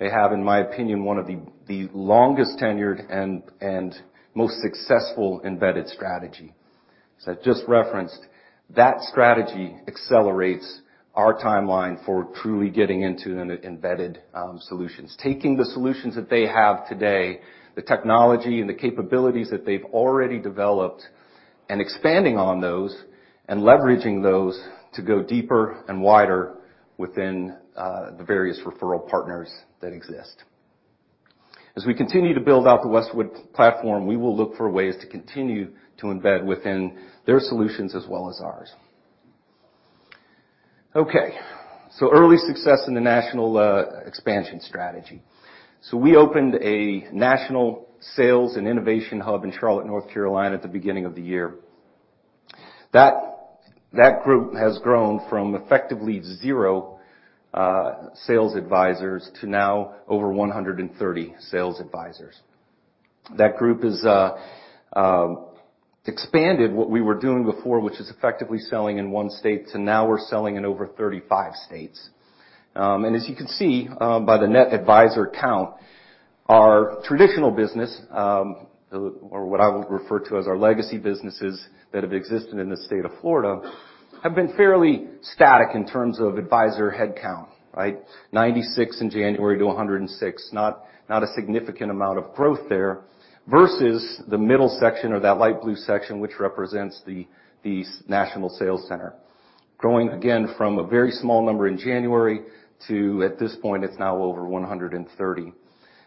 They have, in my opinion, one of the longest tenured and most successful embedded strategy. As I just referenced, that strategy accelerates our timeline for truly getting into an embedded solutions. Taking the solutions that they have today, the technology and the capabilities that they've already developed, and expanding on those and leveraging those to go deeper and wider within the various referral partners that exist. As we continue to build out the Westwood platform, we will look for ways to continue to embed within their solutions as well as ours. Okay. Early success in the national expansion strategy. We opened a national sales and innovation hub in Charlotte, North Carolina, at the beginning of the year. That group has grown from effectively zero sales advisors to now over 130 sales advisors. That group has expanded what we were doing before, which is effectively selling in one state, to now we're selling in over 35 states. As you can see by the net advisor count, our traditional business or what I would refer to as our legacy businesses that have existed in the state of Florida have been fairly static in terms of advisor headcount, right? 96 in January to 106, not a significant amount of growth there, versus the middle section or that light blue section, which represents the national sales center. Growing, again, from a very small number in January to, at this point, it's now over 130.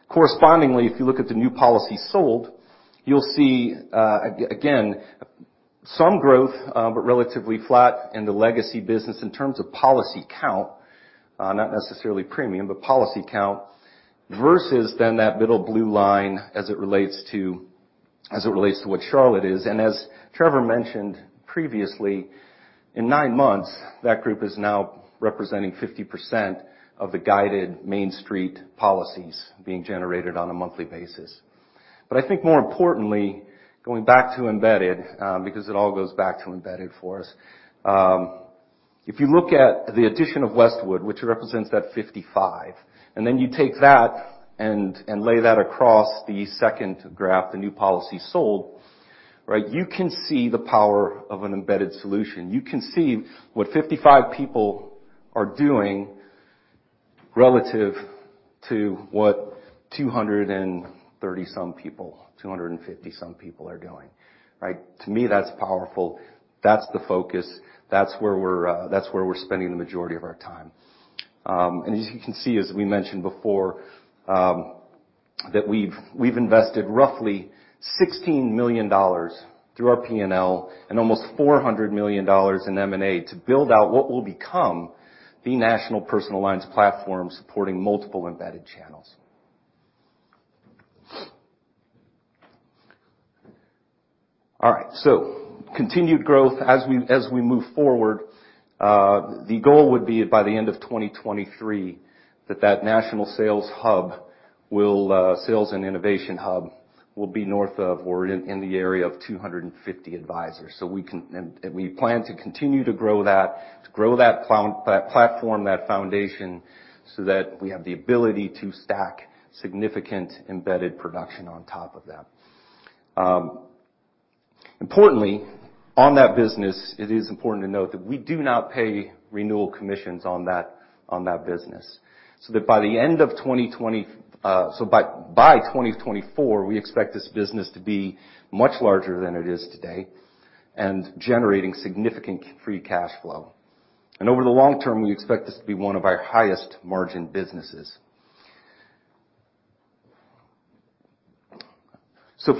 Correspondingly, if you look at the new policy sold, you'll see again, some growth, but relatively flat in the legacy business in terms of policy count, not necessarily premium, but policy count, versus then that middle blue line as it relates to what Charlotte is. As Trevor mentioned previously, in nine months, that group is now representing 50% of the Guided MainStreet policies being generated on a monthly basis. I think more importantly, going back to embedded, because it all goes back to embedded for us, if you look at the addition of Westwood, which represents that 55, and then you take that and lay that across the second graph, the new policy sold, right, you can see the power of an embedded solution. You can see what 55 people are doing relative to what 230-some people, 250-some people are doing, right? To me, that's powerful. That's the focus. That's where we're, that's where we're spending the majority of our time. And as you can see, as we mentioned before, that we've invested roughly $16 million through our P&L and almost $400 million in M&A to build out what will become the national personal lines platform supporting multiple embedded channels. All right. Continued growth as we move forward, the goal would be by the end of 2023 that national sales and innovation hub will be north of or in the area of 250 advisors. We can and we plan to continue to grow that platform, that foundation, so that we have the ability to stack significant embedded production on top of that. Importantly, on that business, it is important to note that we do not pay renewal commissions on that business. By 2024, we expect this business to be much larger than it is today, and generating significant free cash flow. Over the long term, we expect this to be one of our highest margin businesses.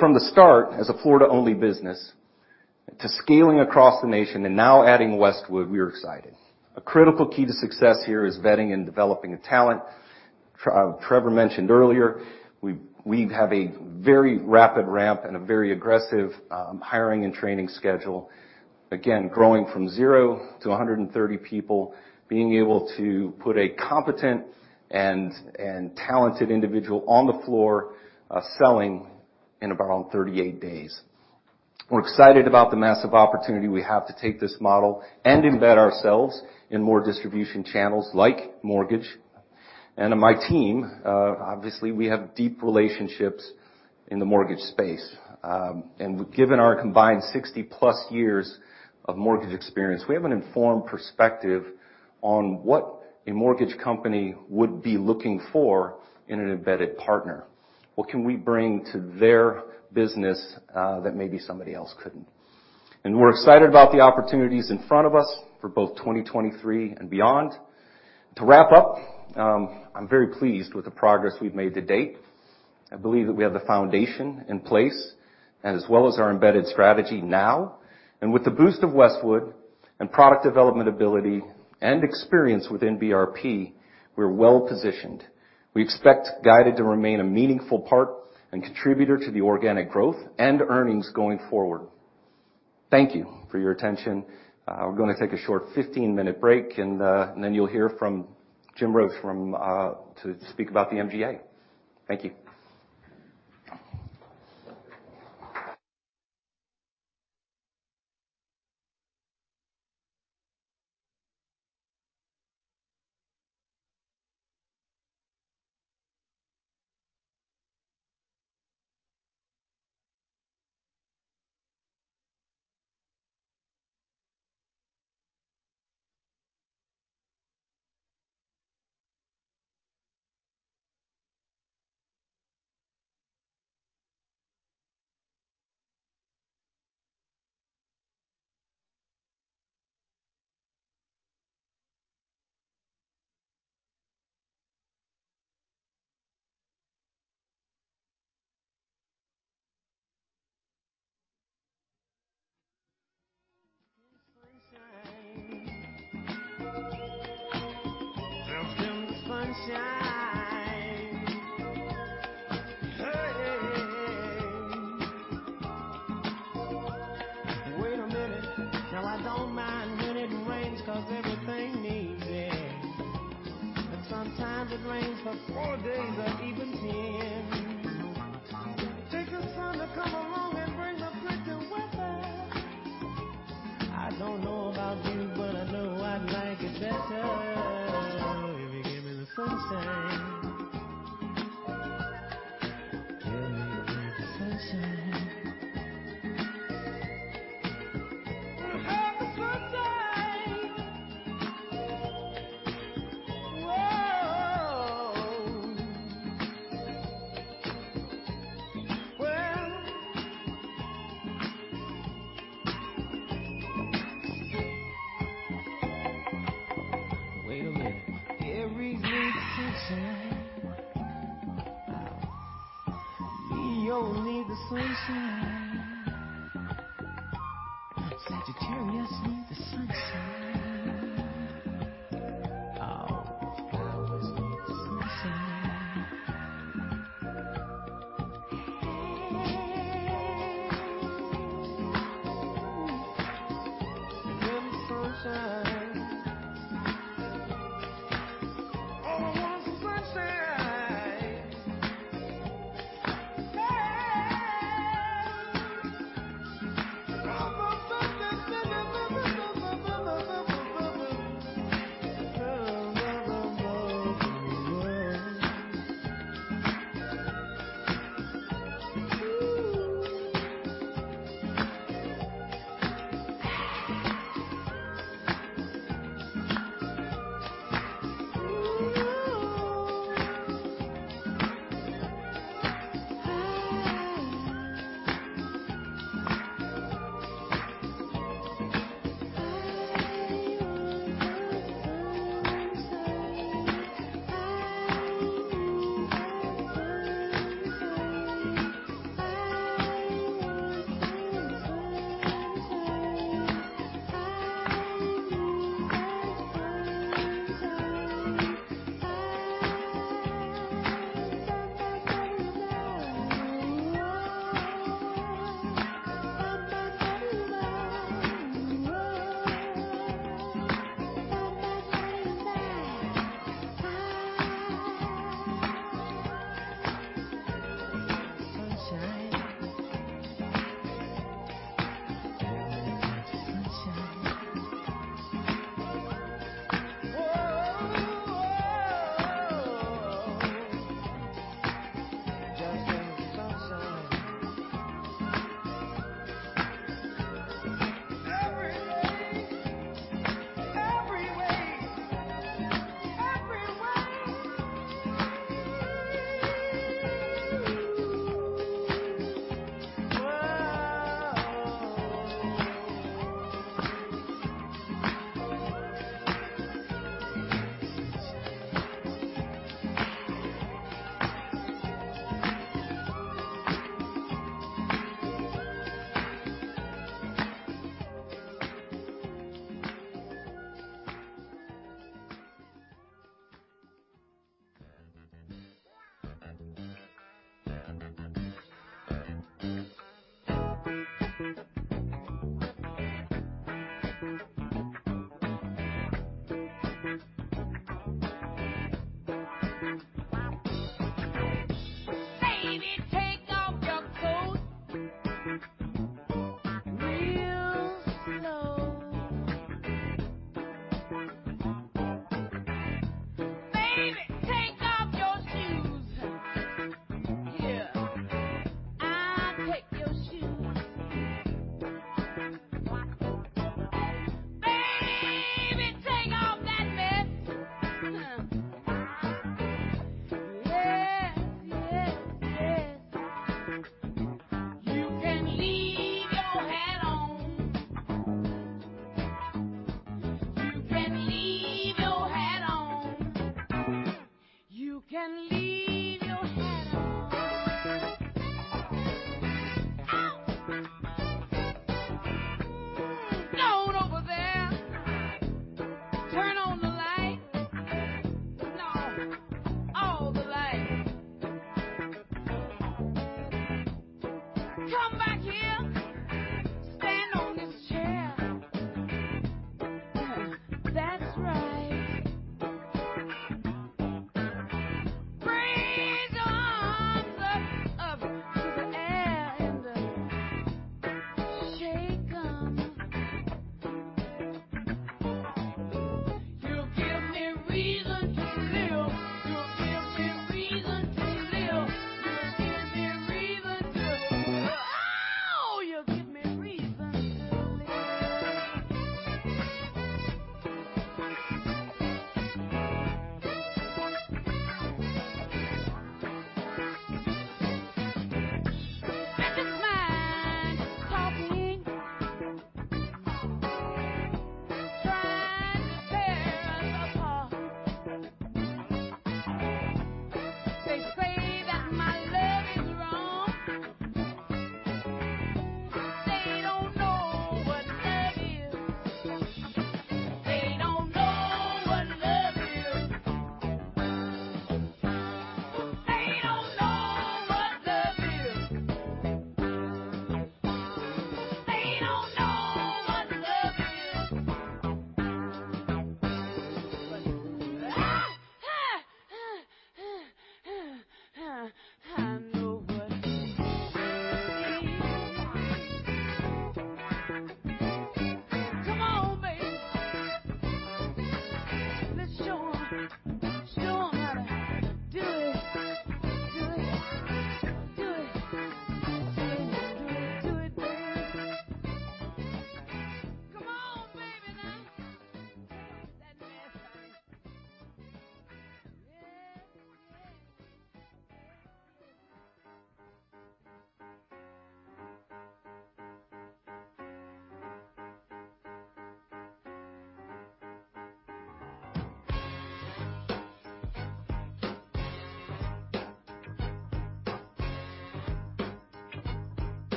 From the start, as a Florida-only business, to scaling across the nation and now adding Westwood, we are excited. A critical key to success here is vetting and developing talent. Trevor mentioned earlier, we have a very rapid ramp and a very aggressive hiring and training schedule. Again, growing from zero to 130 people, being able to put a competent and talented individual on the floor selling in around 38 days. We're excited about the massive opportunity we have to take this model and embed ourselves in more distribution channels like mortgage. My team obviously, we have deep relationships in the mortgage space. Given our combined 60+ years of mortgage experience, we have an informed perspective on what a mortgage company would be looking for in an embedded partner. What can we bring to their business that maybe somebody else couldn't? We're excited about the opportunities in front of us for both 2023 and beyond. To wrap up, I'm very pleased with the progress we've made to date. I believe that we have the foundation in place, as well as our embedded strategy now. With the boost of Westwood and product development ability and experience within BRP, we're well-positioned. We expect Guided to remain a meaningful part and contributor to the organic growth and earnings going forward. Thank you for your attention. We're gonna take a short 15-minute break and then you'll hear from Jim Roche to speak about the MGA. Thank you.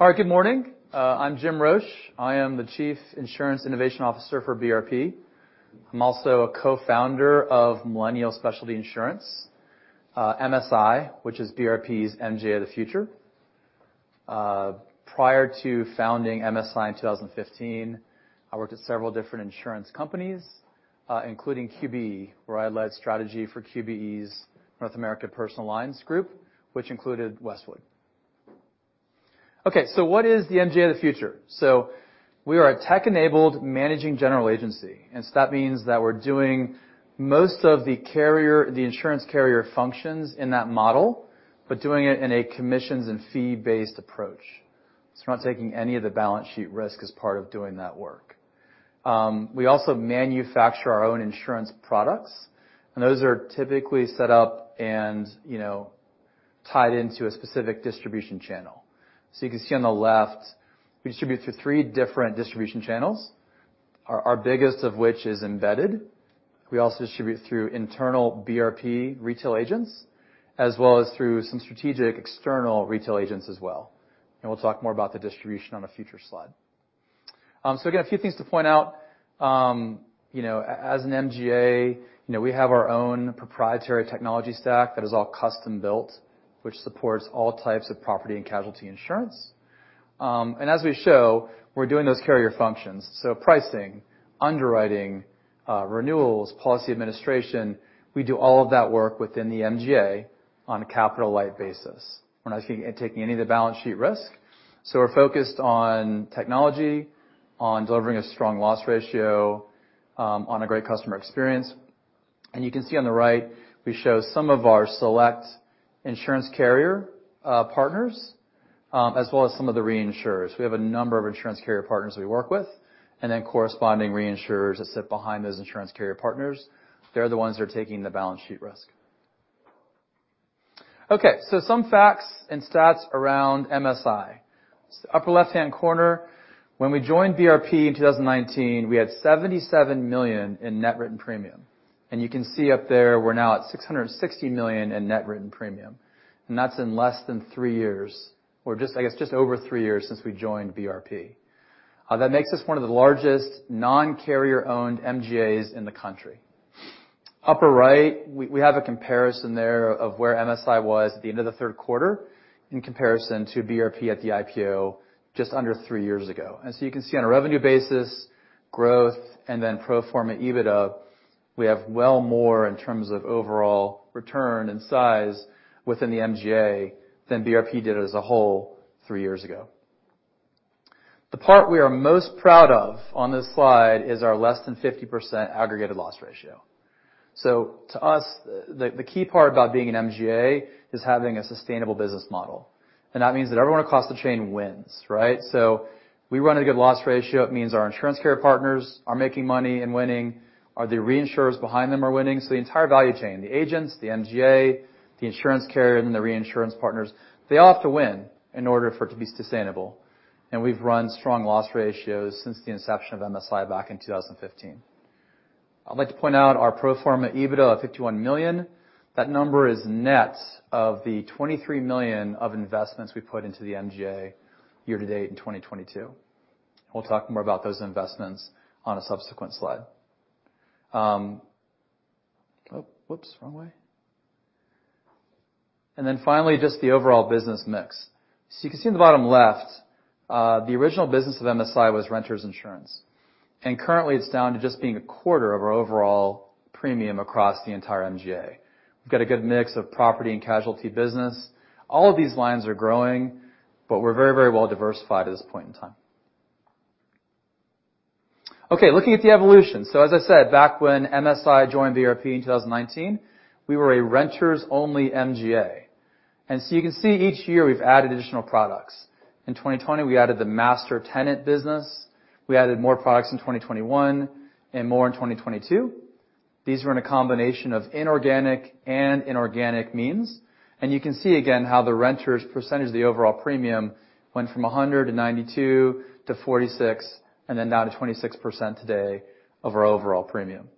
All right. Good morning. I'm Jim Roche. I am the Chief Insurance Innovation Officer for BRP. I'm also a Co-Founder of Millennial Specialty Insurance, MSI, which is BRP's MGA of the future. Prior to founding MSI in 2015, I worked at several different insurance companies, including QBE, where I led strategy for QBE's North America Personal Alliance group, which included Westwood. Okay, what is the MGA of the future? We are a tech-enabled managing general agency, and that means that we're doing most of the insurance carrier functions in that model, but doing it in a commissions and fee-based approach. We're not taking any of the balance sheet risk as part of doing that work. We also manufacture our own insurance products, and those are typically set up and, you know, tied into a specific distribution channel. You can see on the left, we distribute through three different distribution channels. Our biggest of which is embedded. We also distribute through internal BRP retail agents, as well as through some strategic external retail agents as well. We'll talk more about the distribution on a future slide. Again, a few things to point out. You know, as an MGA, you know, we have our own proprietary technology stack that is all custom-built, which supports all types of property and casualty insurance. As we show, we're doing those carrier functions. Pricing, underwriting, renewals, policy administration, we do all of that work within the MGA on a capital-light basis. We're not taking any of the balance sheet risk. We're focused on technology, on delivering a strong loss ratio, on a great customer experience. You can see on the right, we show some of our select insurance carrier partners, as well as some of the reinsurers. We have a number of insurance carrier partners we work with, and then corresponding reinsurers that sit behind those insurance carrier partners. They're the ones that are taking the balance sheet risk. Okay, some facts and stats around MSI. Upper left-hand corner, when we joined BRP in 2019, we had $77 million in net written premium. You can see up there, we're now at $660 million in net written premium, and that's in less than three years, or just, I guess, just over three years since we joined BRP. That makes us one of the largest non-carrier-owned MGAs in the country. Upper right, we have a comparison there of where MSI was at the end of the third quarter in comparison to BRP at the IPO just under three years ago. You can see on a revenue basis, growth, and then pro forma EBITDA, we have well more in terms of overall return and size within the MGA than BRP did as a whole three years ago. The part we are most proud of on this slide is our less than 50% aggregated loss ratio. To us, the key part about being an MGA is having a sustainable business model. That means that everyone across the chain wins, right? We run a good loss ratio, it means our insurance carrier partners are making money and winning, or the reinsurers behind them are winning. The entire value chain, the agents, the MGA, the insurance carrier, and the reinsurance partners, they all have to win in order for it to be sustainable. We've run strong loss ratios since the inception of MSI back in 2015. I'd like to point out our pro forma EBITDA of $51 million. That number is net of the $23 million of investments we put into the MGA year to date in 2022. We'll talk more about those investments on a subsequent slide. Then finally, just the overall business mix. You can see in the bottom left, the original business of MSI was renters insurance. Currently, it's down to just being a quarter of our overall premium across the entire MGA. We've got a good mix of property and casualty business. All of these lines are growing, but we're very, very well diversified at this point in time. Okay, looking at the evolution. As I said, back when MSI joined BRP in 2019, we were a renters-only MGA. You can see each year we've added additional products. In 2020, we added the master tenant business. We added more products in 2021, and more in 2022. These were in a combination of organic and inorganic means. You can see again how the renters percentage of the overall premium went from 100 to 92 to 46, and then now to 26% today of our overall premium.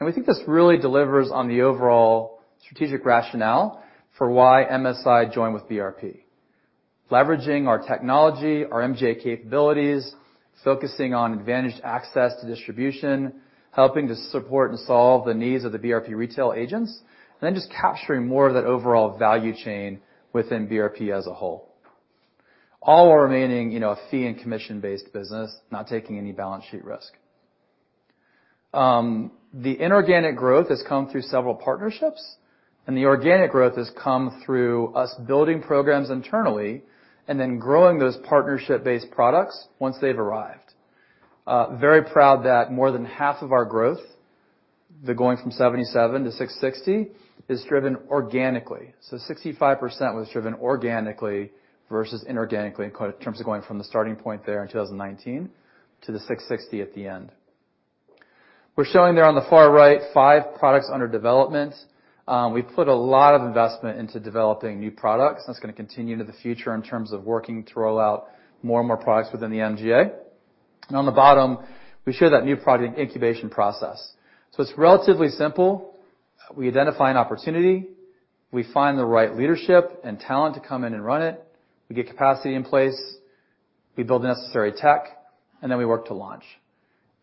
We think this really delivers on the overall strategic rationale for why MSI joined with BRP. Leveraging our technology, our MGA capabilities, focusing on advantaged access to distribution, helping to support and solve the needs of the BRP retail agents, and then just capturing more of that overall value chain within BRP as a whole. All while remaining, you know, a fee and commission-based business, not taking any balance sheet risk. The inorganic growth has come through several partnerships, and the organic growth has come through us building programs internally and then growing those partnership-based products once they've arrived. Very proud that more than half of our growth, the going from 77 to 660, is driven organically. 65% was driven organically versus inorganically in terms of going from the starting point there in 2019 to the 660 at the end. We're showing there on the far right five products under development. We've put a lot of investment into developing new products. That's gonna continue into the future in terms of working to roll out more and more products within the MGA. On the bottom, we show that new product incubation process. It's relatively simple. We identify an opportunity, we find the right leadership and talent to come in and run it. We get capacity in place, we build the necessary tech, and then we work to launch.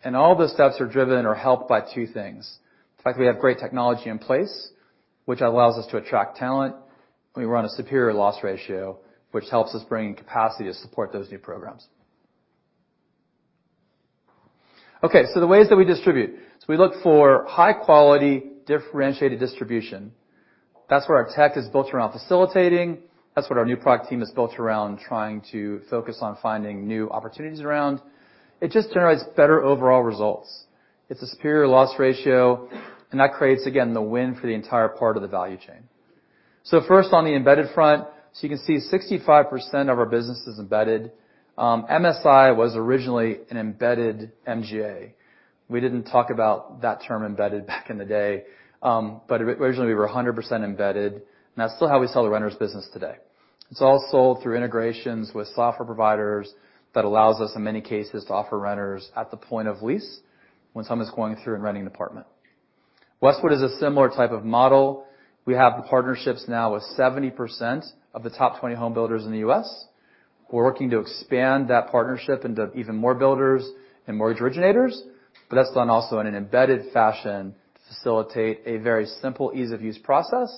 All those steps are driven or helped by two things. The fact that we have great technology in place, which allows us to attract talent, and we run a superior loss ratio, which helps us bring in capacity to support those new programs. Okay, the ways that we distribute. We look for high-quality, differentiated distribution. That's where our tech is built around facilitating. That's what our new product team is built around, trying to focus on finding new opportunities around. It just generates better overall results. It's a superior loss ratio, and that creates, again, the win for the entire part of the value chain. First on the embedded front. You can see 65% of our business is embedded. MSI was originally an embedded MGA. We didn't talk about that term embedded back in the day, but originally we were 100% embedded. That's still how we sell the renters business today. It's all sold through integrations with software providers that allows us, in many cases, to offer renters at the point of lease when someone's going through and renting an apartment. Westwood is a similar type of model. We have partnerships now with 70% of the top 20 home builders in the U.S. We're working to expand that partnership into even more builders and mortgage originators. That's done also in an embedded fashion to facilitate a very simple ease of use process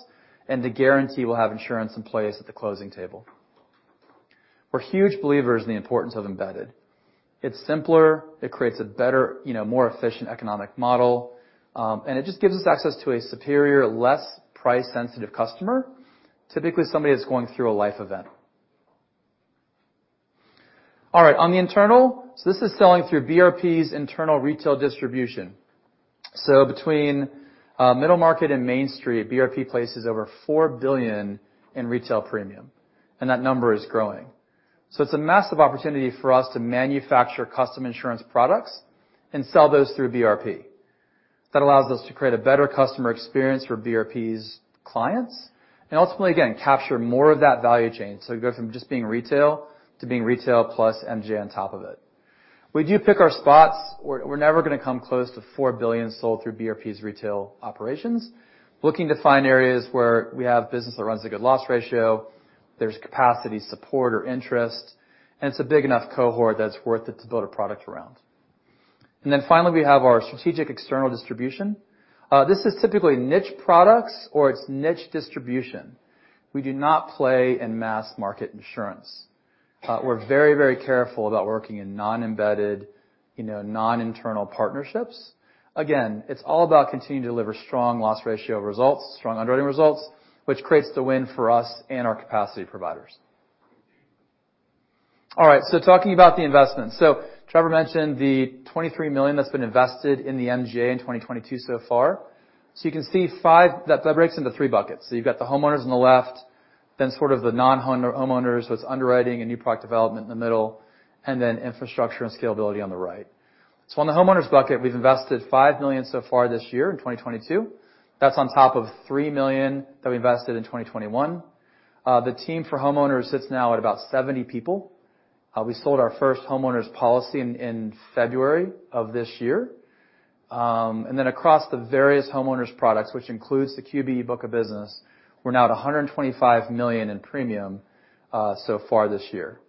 and to guarantee we'll have insurance in place at the closing table. We're huge believers in the importance of embedded. It's simpler, it creates a better, you know, more efficient economic model, and it just gives us access to a superior, less price-sensitive customer, typically somebody that's going through a life event. All right, on the internal. This is selling through BRP's internal retail distribution. Between Middle Market and MainStreet, BRP places over $4 billion in retail premium, and that number is growing. It's a massive opportunity for us to manufacture custom insurance products and sell those through BRP. That allows us to create a better customer experience for BRP's clients and ultimately, again, capture more of that value chain. Go from just being retail to being retail plus MGA on top of it. We do pick our spots. We're never gonna come close to $4 billion sold through BRP's retail operations. Looking to find areas where we have business that runs a good loss ratio, there's capacity support or interest, and it's a big enough cohort that's worth it to build a product around. Finally, we have our strategic external distribution. This is typically niche products or it's niche distribution. We do not play in mass market insurance. We're very, very careful about working in non-embedded, you know, non-internal partnerships. Again, it's all about continuing to deliver strong loss ratio results, strong underwriting results, which creates the win for us and our capacity providers. All right, talking about the investment. Trevor mentioned the $23 million that's been invested in the MGA in 2022 so far. You can see five, that breaks into three buckets. You've got the homeowners on the left, then sort of the non-homeowners, so it's underwriting and new product development in the middle, and then infrastructure and scalability on the right. On the homeowners bucket, we've invested $5 million so far this year in 2022. That's on top of $3 million that we invested in 2021. The team for homeowners sits now at about 70 people. We sold our first homeowners policy in February of this year. Across the various homeowners products, which includes the QBE book of business, we're now at $125 million in premium so far this year.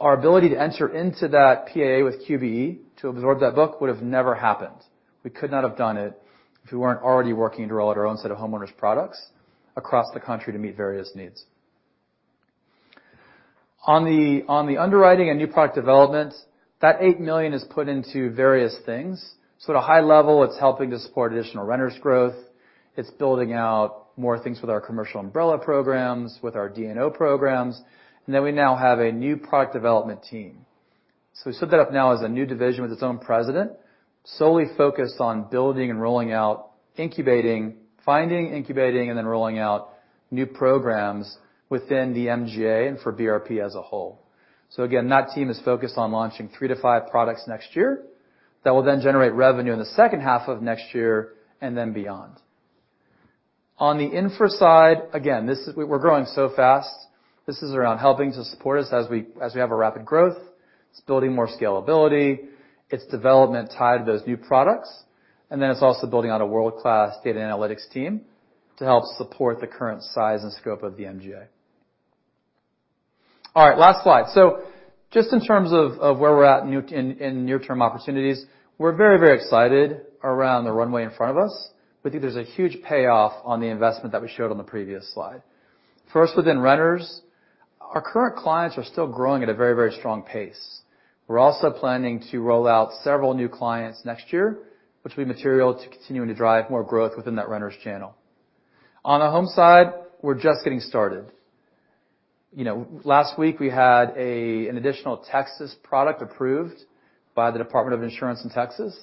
Our ability to enter into that PAA with QBE to absorb that book would have never happened. We could not have done it if we weren't already working to roll out our own set of homeowners products across the country to meet various needs. On the underwriting and new product development, that $8 million is put into various things. At a high level, it's helping to support additional renters growth. It's building out more things with our commercial umbrella programs, with our D&O programs. We now have a new product development team. We set that up now as a new division with its own president, solely focused on building and rolling out, finding, incubating, and then rolling out new programs within the MGA and for BRP as a whole. Again, that team is focused on launching three-five products next year that will then generate revenue in the second half of next year and then beyond. On the infra side, again, we're growing so fast. This is around helping to support us as we have a rapid growth. It's building more scalability. It's development tied to those new products. It's also building out a world-class data analytics team to help support the current size and scope of the MGA. All right, last slide. Just in terms of where we're at in near-term opportunities, we're very, very excited around the runway in front of us. We think there's a huge payoff on the investment that we showed on the previous slide. First, within renters, our current clients are still growing at a very, very strong pace. We're also planning to roll out several new clients next year, which will be material to continuing to drive more growth within that renters channel. On the home side, we're just getting started. You know, last week, we had an additional Texas product approved by the Department of Insurance in Texas.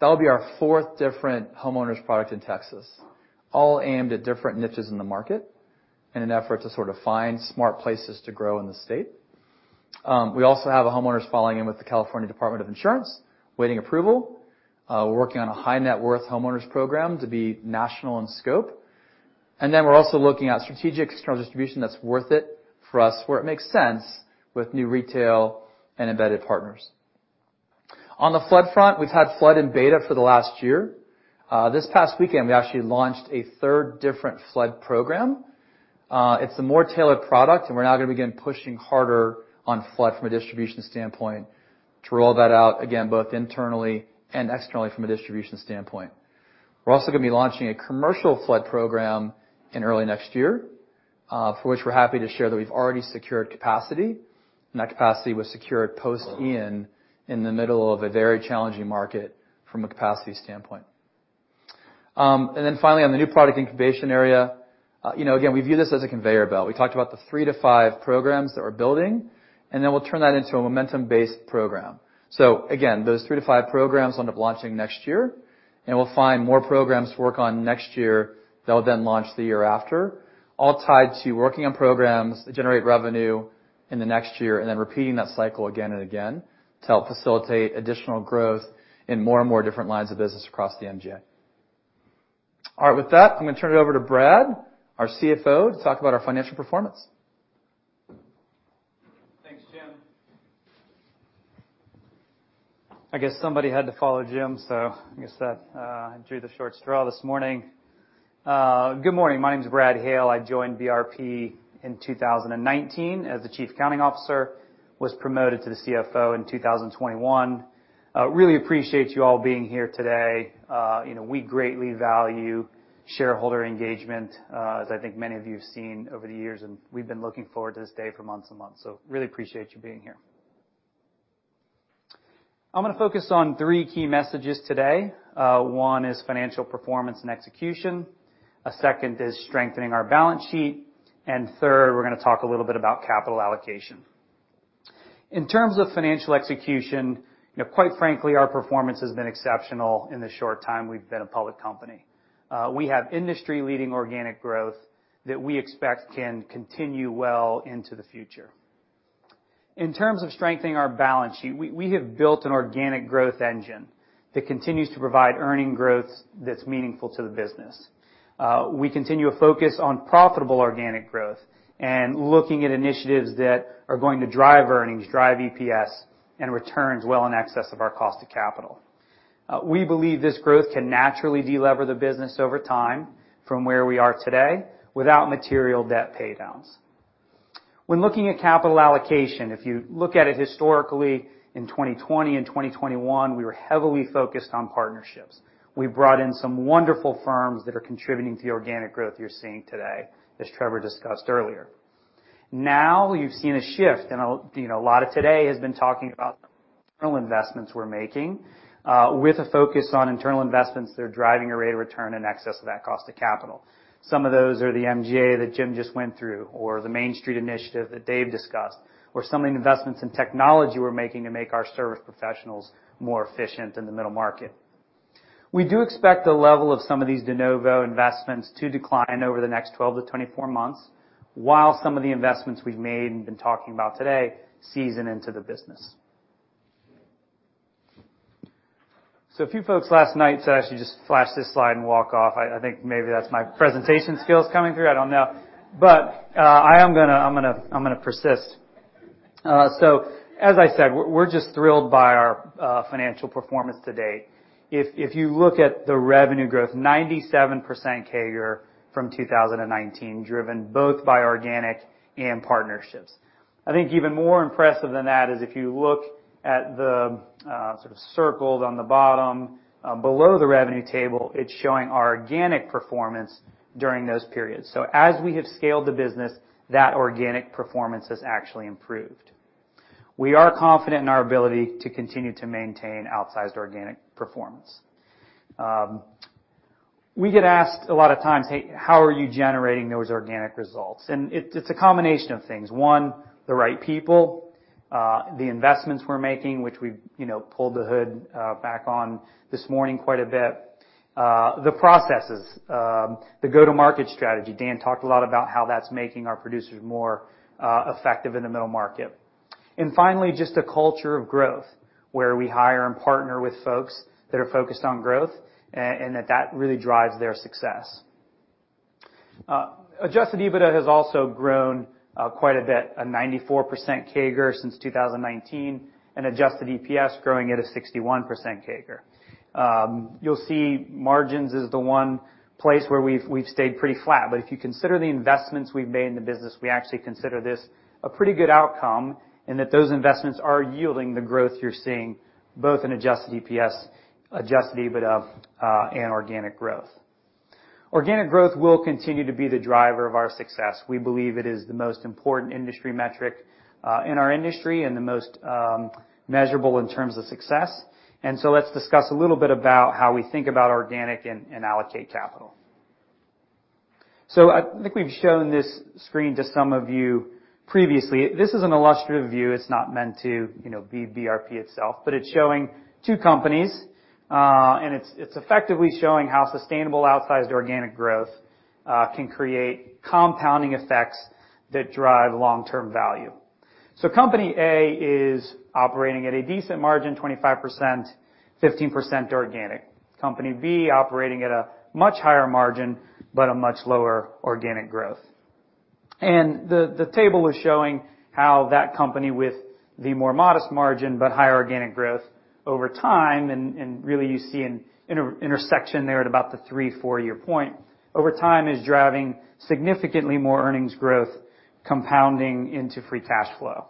That'll be our fourth different homeowners product in Texas, all aimed at different niches in the market in an effort to sort of find smart places to grow in the state. We also have a homeowners filing in with the California Department of Insurance awaiting approval. We're working on a high net worth homeowners program to be national in scope. We're also looking at strategic external distribution that's worth it for us, where it makes sense with new retail and embedded partners. On the flood front, we've had flood in beta for the last year. This past weekend we actually launched a third different flood program. It's a more tailored product, and we're now gonna begin pushing harder on flood from a distribution standpoint to roll that out again, both internally and externally from a distribution standpoint. We're also gonna be launching a commercial flood program in early next year, for which we're happy to share that we've already secured capacity, and that capacity was secured post Ian in the middle of a very challenging market from a capacity standpoint. Finally, on the new product incubation area, you know, again, we view this as a conveyor belt. We talked about the three-five programs that we're building, and then we'll turn that into a momentum-based program. Those three-five programs will end up launching next year, and we'll find more programs to work on next year that will then launch the year after, all tied to working on programs that generate revenue in the next year, and then repeating that cycle again and again to help facilitate additional growth in more and more different lines of business across the MGA. All right. With that, I'm gonna turn it over to Brad, our CFO, to talk about our financial performance. Thanks, Jim. I guess somebody had to follow Jim, so I guess that, I drew the short straw this morning. Good morning. My name is Brad Hale. I joined BRP in 2019 as the Chief Accounting Officer, was promoted to the CFO in 2021. Really appreciate you all being here today. You know, we greatly value shareholder engagement, as I think many of you have seen over the years, and we've been looking forward to this day for months and months. Really appreciate you being here. I'm gonna focus on three key messages today. One is financial performance and execution. A second is strengthening our balance sheet. Third, we're gonna talk a little bit about capital allocation. In terms of financial execution, you know, quite frankly, our performance has been exceptional in the short time we've been a public company. We have industry-leading organic growth that we expect can continue well into the future. In terms of strengthening our balance sheet, we have built an organic growth engine that continues to provide earnings growth that's meaningful to the business. We continue to focus on profitable organic growth and looking at initiatives that are going to drive earnings, drive EPS, and returns well in excess of our cost of capital. We believe this growth can naturally de-lever the business over time from where we are today without material debt paydowns. When looking at capital allocation, if you look at it historically, in 2020 and 2021, we were heavily focused on partnerships. We brought in some wonderful firms that are contributing to the organic growth you're seeing today, as Trevor discussed earlier. Now you've seen a shift, you know, a lot of today has been talking about the investments we're making, with a focus on internal investments that are driving a rate of return in excess of that cost of capital. Some of those are the MGA that Jim just went through or the MainStreet initiative that Dave discussed, or some of the investments in technology we're making to make our service professionals more efficient in the Middle Market. We do expect the level of some of these de novo investments to decline over the next 12-24 months, while some of the investments we've made and been talking about today season into the business. A few folks last night said I should just flash this slide and walk off. I think maybe that's my presentation skills coming through, I don't know. I am gonna persist. As I said, we're just thrilled by our financial performance to date. If you look at the revenue growth, 97% CAGR from 2019, driven both by organic and partnerships. I think even more impressive than that is if you look at the sort of circled on the bottom below the revenue table, it's showing our organic performance during those periods. As we have scaled the business, that organic performance has actually improved. We are confident in our ability to continue to maintain outsized organic performance. We get asked a lot of times, "Hey, how are you generating those organic results?" It's a combination of things. One, the right people. The investments we're making, which we, you know, pulled the hood back on this morning quite a bit. The processes, the go-to-market strategy. Dan talked a lot about how that's making our producers more effective in the Middle Market. Finally, just a culture of growth, where we hire and partner with folks that are focused on growth and that really drives their success. Adjusted EBITDA has also grown quite a bit, a 94% CAGR since 2019, and adjusted EPS growing at a 61% CAGR. You'll see margins is the one place where we've stayed pretty flat, but if you consider the investments we've made in the business, we actually consider this a pretty good outcome, and that those investments are yielding the growth you're seeing both in adjusted EPS, Adjusted EBITDA, and organic growth. Organic growth will continue to be the driver of our success. We believe it is the most important industry metric in our industry and the most measurable in terms of success. Let's discuss a little bit about how we think about organic and allocate capital. I think we've shown this screen to some of you previously. This is an illustrative view. It's not meant to, you know, be BRP itself, but it's showing two companies. It's effectively showing how sustainable outsized organic growth can create compounding effects that drive long-term value. Company A is operating at a decent margin, 25%, 15% organic. Company B operating at a much higher margin, but a much lower organic growth. The table is showing how that company with the more modest margin but higher organic growth over time, and really you see an intersection there at about the three, four-year point, over time is driving significantly more earnings growth compounding into free cash flow.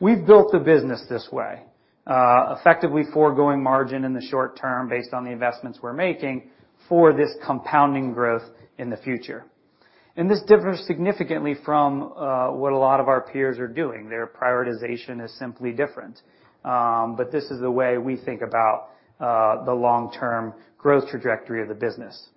We've built the business this way, effectively foregoing margin in the short term based on the investments we're making for this compounding growth in the future. This differs significantly from what a lot of our peers are doing. Their prioritization is simply different. This is the way we think about the long-term growth trajectory of the business.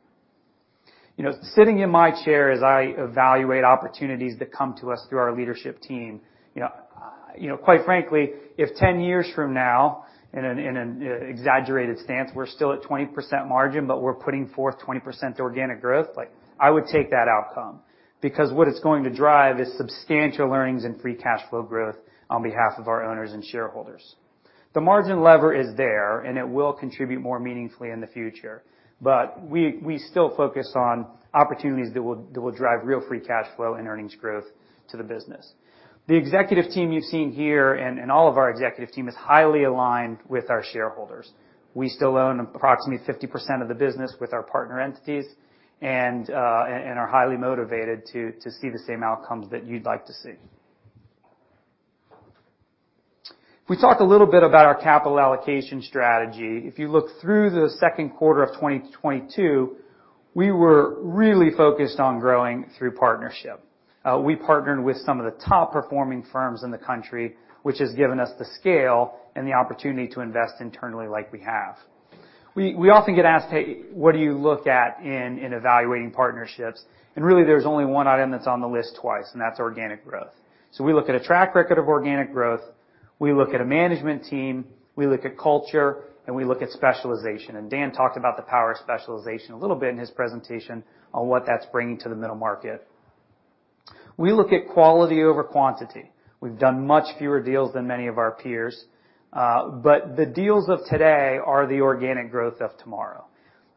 You know, sitting in my chair as I evaluate opportunities that come to us through our leadership team, you know, quite frankly, if 10 years from now, in an exaggerated stance, we're still at 20% margin, but we're putting forth 20% organic growth, like I would take that outcome because what it's going to drive is substantial earnings and free cash flow growth on behalf of our owners and shareholders. The margin lever is there, and it will contribute more meaningfully in the future, but we still focus on opportunities that will drive real free cash flow and earnings growth to the business. The executive team you've seen here and all of our executive team is highly aligned with our shareholders. We still own approximately 50% of the business with our partner entities and are highly motivated to see the same outcomes that you'd like to see. If we talk a little bit about our capital allocation strategy. If you look through the second quarter of 2022, we were really focused on growing through partnership. We partnered with some of the top-performing firms in the country, which has given us the scale and the opportunity to invest internally like we have. We often get asked, "Hey, what do you look at in evaluating partnerships?" Really there's only one item that's on the list twice, and that's organic growth. We look at a track record of organic growth, we look at a management team, we look at culture, and we look at specialization. Dan talked about the power of specialization a little bit in his presentation on what that's bringing to the Middle Market. We look at quality over quantity. We've done much fewer deals than many of our peers, but the deals of today are the organic growth of tomorrow.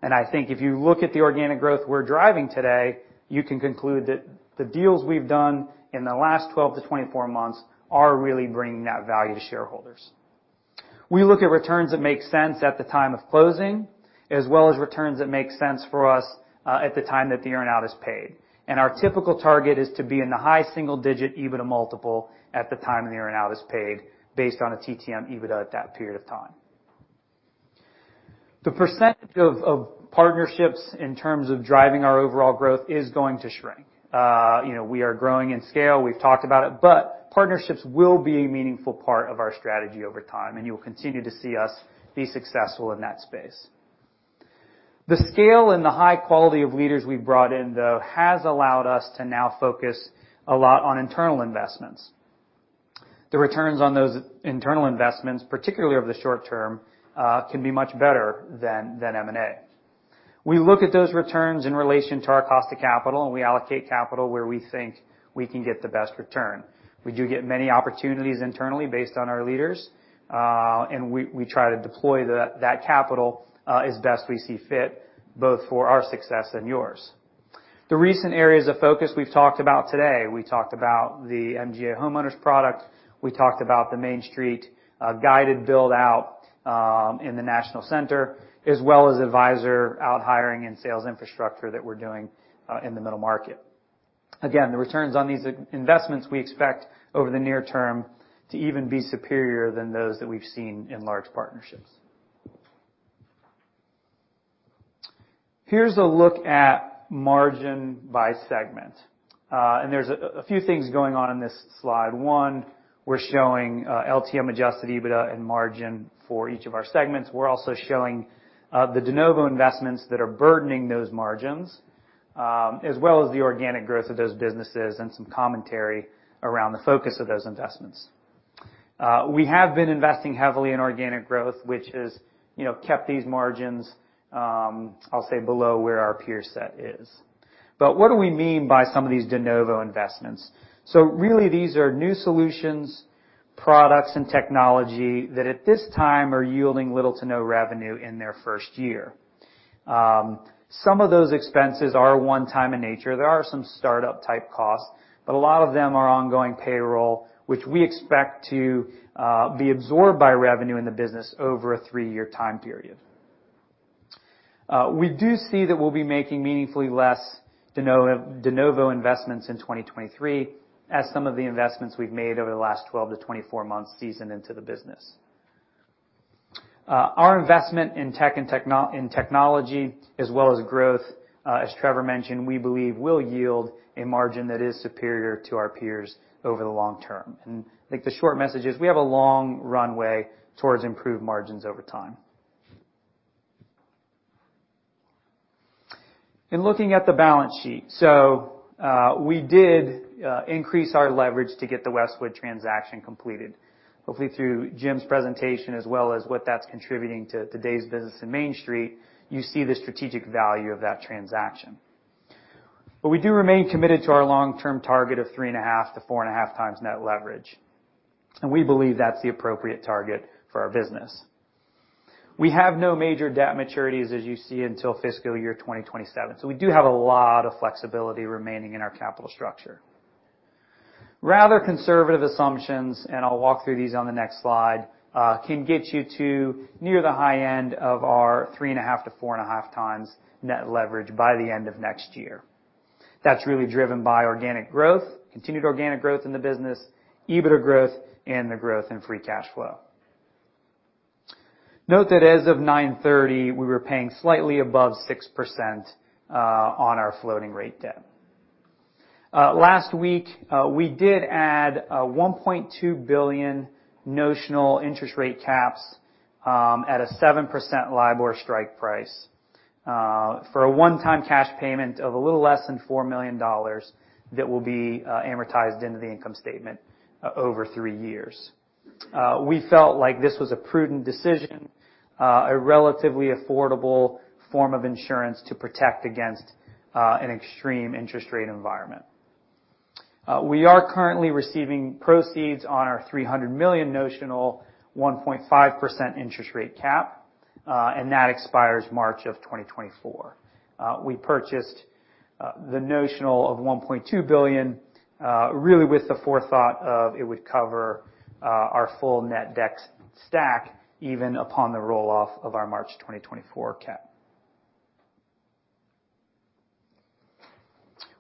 I think if you look at the organic growth we're driving today, you can conclude that the deals we've done in the last 12-24 months are really bringing that value to shareholders. We look at returns that make sense at the time of closing, as well as returns that make sense for us, at the time that the earn-out is paid. Our typical target is to be in the high single digit EBITDA multiple at the time the earn-out is paid based on a TTM EBITDA at that period of time. The percentage of partnerships in terms of driving our overall growth is going to shrink. You know, we are growing in scale, we've talked about it, but partnerships will be a meaningful part of our strategy over time, and you'll continue to see us be successful in that space. The scale and the high quality of leaders we've brought in, though, has allowed us to now focus a lot on internal investments. The returns on those internal investments, particularly over the short term, can be much better than M&A. We look at those returns in relation to our cost of capital, and we allocate capital where we think we can get the best return. We do get many opportunities internally based on our leaders, and we try to deploy that capital as best we see fit, both for our success and yours. The recent areas of focus we've talked about today, we talked about the MGA homeowners product, we talked about the MainStreet Guided build-out in the national center, as well as advisor out hiring and sales infrastructure that we're doing in the Middle Market. Again, the returns on these investments we expect over the near term to even be superior than those that we've seen in large partnerships. Here's a look at margin by segment. There's a few things going on in this slide. One, we're showing LTM Adjusted EBITDA and margin for each of our segments. We're also showing the de novo investments that are burdening those margins, as well as the organic growth of those businesses and some commentary around the focus of those investments. We have been investing heavily in organic growth, which has, you know, kept these margins, I'll say, below where our peer set is. What do we mean by some of these de novo investments? Really these are new solutions, products and technology that at this time are yielding little to no revenue in their first year. Some of those expenses are one-time in nature. There are some startup type costs, but a lot of them are ongoing payroll, which we expect to be absorbed by revenue in the business over a three-year time period. We do see that we'll be making meaningfully less de novo investments in 2023 as some of the investments we've made over the last 12-24 months season into the business. Our investment in tech and technology as well as growth, as Trevor mentioned, we believe will yield a margin that is superior to our peers over the long term. I think the short message is we have a long runway towards improved margins over time. In looking at the balance sheet, we did increase our leverage to get the Westwood transaction completed. Hopefully, through Jim's presentation as well as what that's contributing to today's business in MainStreet, you see the strategic value of that transaction. We do remain committed to our long-term target of 3.5-4.5x net leverage, and we believe that's the appropriate target for our business. We have no major debt maturities, as you see, until fiscal year 2027, so we do have a lot of flexibility remaining in our capital structure. Rather conservative assumptions, and I'll walk through these on the next slide, can get you to near the high end of our 3.5-4.5x net leverage by the end of next year. That's really driven by organic growth, continued organic growth in the business, EBITDA growth, and the growth in free cash flow. Note that as of 9/30, we were paying slightly above 6%, on our floating rate debt. Last week, we did add $1.2 billion notional interest rate caps at a 7% LIBOR strike price for a one-time cash payment of a little less than $4 million that will be amortized into the income statement over three years. We felt like this was a prudent decision, a relatively affordable form of insurance to protect against an extreme interest rate environment. We are currently receiving proceeds on our $300 million notional 1.5% interest rate cap, and that expires March of 2024. We purchased the notional of $1.2 billion really with the forethought of it would cover our full net debt stack even upon the roll-off of our March 2024 cap.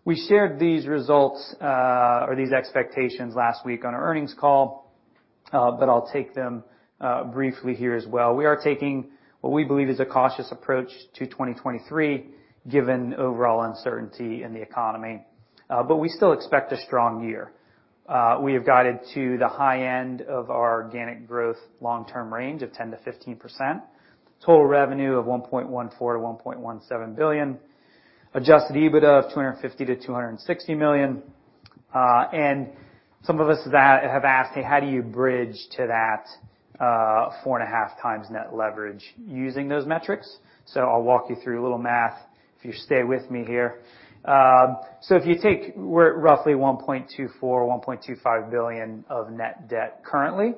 We shared these results or these expectations last week on our earnings call, but I'll take them briefly here as well. We are taking what we believe is a cautious approach to 2023 given overall uncertainty in the economy, but we still expect a strong year. We have guided to the high end of our organic growth long-term range of 10%-15%. Total revenue of $1.14 billion-$1.17 billion. Adjusted EBITDA of $250 million-$260 million. Some of us that have asked, "Hey, how do you bridge to that 4.5x net leverage using those metrics?" I'll walk you through a little math if you stay with me here. If you take, we're at roughly $1.24-$1.25 billion of net debt currently.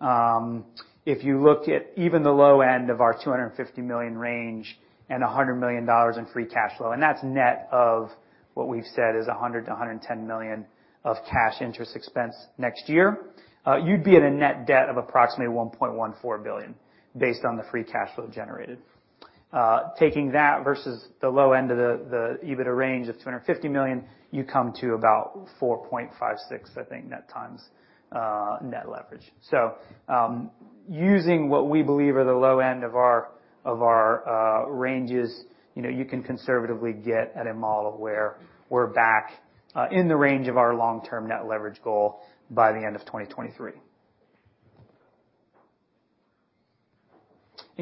If you look at even the low end of our $250 million range and $100 million in free cash flow, and that's net of what we've said is $100-$110 million of cash interest expense next year, you'd be at a net debt of approximately $1.14 billion based on the free cash flow generated. Taking that versus the low end of the EBITDA range of $250 million, you come to about 4.56x, I think, net leverage. Using what we believe are the low end of our ranges, you know, you can conservatively get at a model where we're back in the range of our long-term net leverage goal by the end of 2023.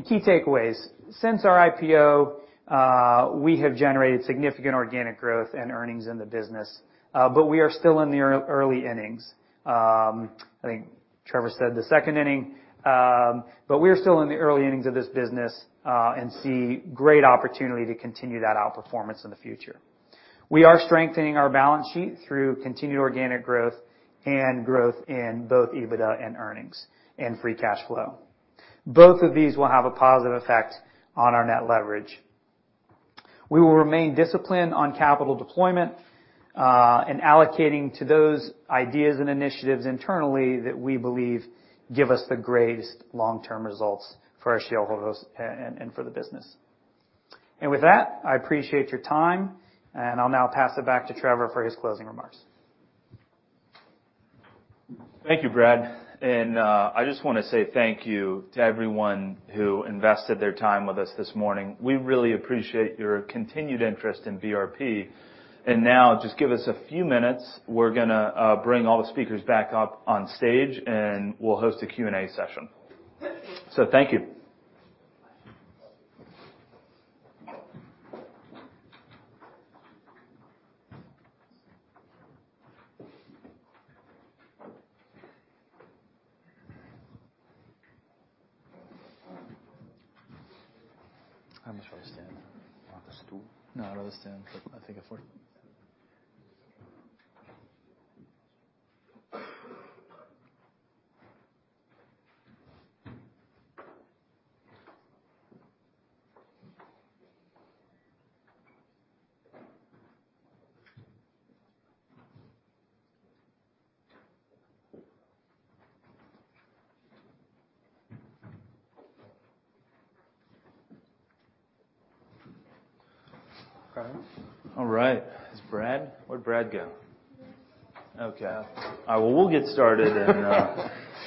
Key takeaways. Since our IPO, we have generated significant organic growth and earnings in the business, but we are still in the early innings. I think Trevor said the second inning. But we're still in the early innings of this business, and see great opportunity to continue that outperformance in the future. We are strengthening our balance sheet through continued organic growth and growth in both EBITDA and earnings and free cash flow. Both of these will have a positive effect on our net leverage. We will remain disciplined on capital deployment, and allocating to those ideas and initiatives internally that we believe give us the greatest long-term results for our shareholders and for the business. With that, I appreciate your time, and I'll now pass it back to Trevor for his closing remarks Thank you, Brad. I just wanna say thank you to everyone who invested their time with us this morning. We really appreciate your continued interest in BRP. Now just give us a few minutes. We're gonna bring all the speakers back up on stage, and we'll host a Q&A session. Thank you. All right. Is Brad? Where'd Brad go? Okay. Well, we'll get started, and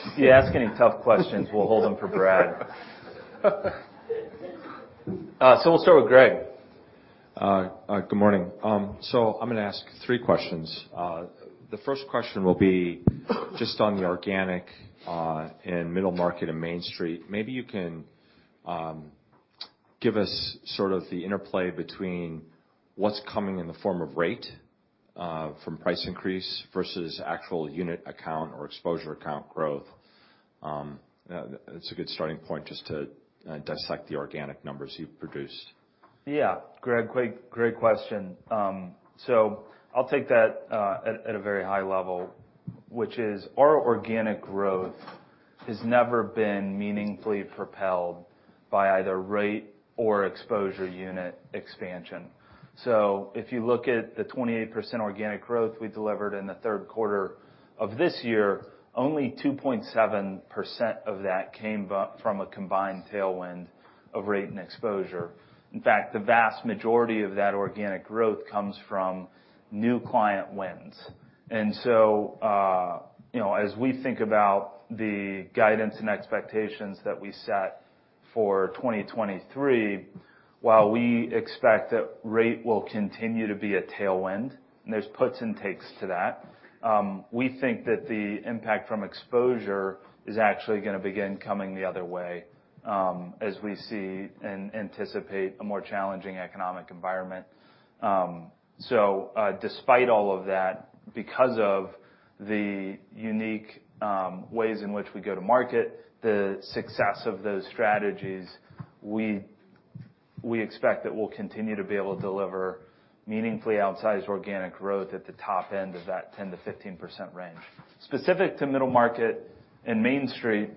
if you ask any tough questions, we'll hold them for Brad. We'll start with Greg. Good morning. So I'm gonna ask three questions. The first question will be just on the organic and Middle Market and MainStreet. Maybe you can give us sort of the interplay between what's coming in the form of rate from price increase versus actual unit account or exposure account growth. That's a good starting point just to dissect the organic numbers you've produced. Yeah. Greg, great question. I'll take that at a very high level, which is our organic growth has never been meaningfully propelled by either rate or exposure unit expansion. If you look at the 28% organic growth we delivered in the third quarter of this year, only 2.7% of that came from a combined tailwind of rate and exposure. In fact, the vast majority of that organic growth comes from new client wins. You know, as we think about the guidance and expectations that we set for 2023, while we expect that rate will continue to be a tailwind, and there's puts and takes to that, we think that the impact from exposure is actually gonna begin coming the other way, as we see and anticipate a more challenging economic environment. Despite all of that, because of the unique ways in which we go to market, the success of those strategies, we expect that we'll continue to be able to deliver meaningfully outsized organic growth at the top end of that 10%-15% range. Specific to Middle Market and MainStreet,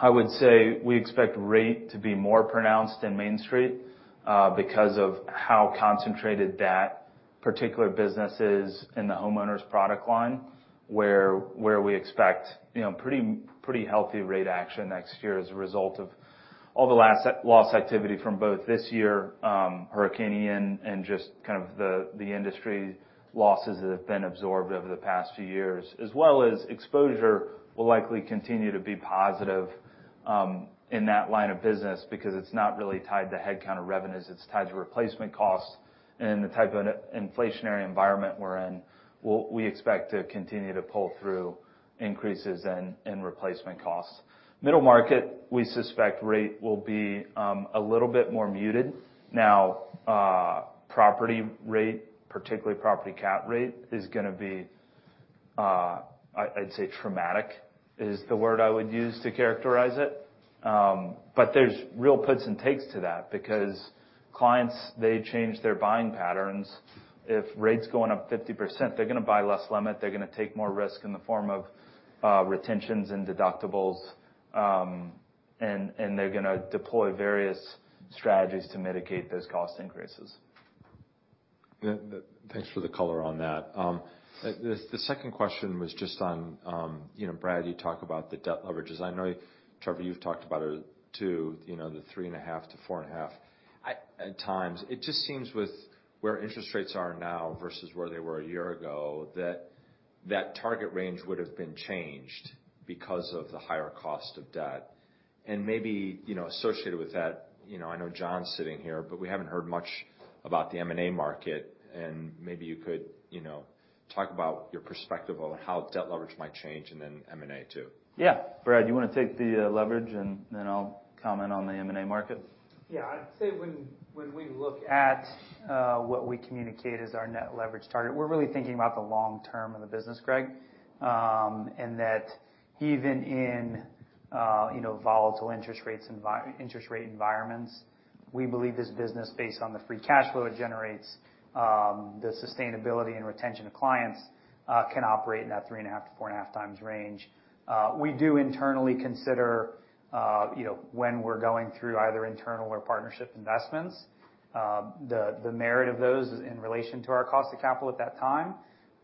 I would say we expect rate to be more pronounced in MainStreet, because of how concentrated that particular business is in the homeowners product line, where we expect, you know, pretty healthy rate action next year as a result of all the loss activity from both this year, Hurricane Ian and just kind of the industry losses that have been absorbed over the past few years, as well as exposure will likely continue to be positive in that line of business because it's not really tied to headcount or revenues, it's tied to replacement costs. In the type of an inflationary environment we're in, we expect to continue to pull through increases in replacement costs. Middle Market, we suspect rate will be a little bit more muted. Now, property rate, particularly property catastrophe rate, is gonna be, I'd say traumatic, is the word I would use to characterize it. There's real puts and takes to that because clients, they change their buying patterns. If rate's going up 50%, they're gonna buy less limit, they're gonna take more risk in the form of, retentions and deductibles, and they're gonna deploy various strategies to mitigate those cost increases. Yeah. Thanks for the color on that. The second question was just on, you know, Brad, you talk about the debt leverage. I know, Trevor, you've talked about it too, you know, the 3.5-4.5 at times. It just seems with where interest rates are now versus where they were a year ago, that target range would have been changed because of the higher cost of debt. Maybe, you know, associated with that, you know, I know John's sitting here, but we haven't heard much about the M&A market, and maybe you could, you know, talk about your perspective on how debt leverage might change, and then M&A too. Yeah. Brad, do you wanna take the leverage, and then I'll comment on the M&A market? Yeah. I'd say when we look at what we communicate as our net leverage target, we're really thinking about the long term of the business, Greg. In that even in, you know, volatile interest rate environments, we believe this business, based on the free cash flow it generates, the sustainability and retention of clients, can operate in that 3.5-4.5x range. We do internally consider, you know, when we're going through either internal or partnership investments, the merit of those in relation to our cost of capital at that time,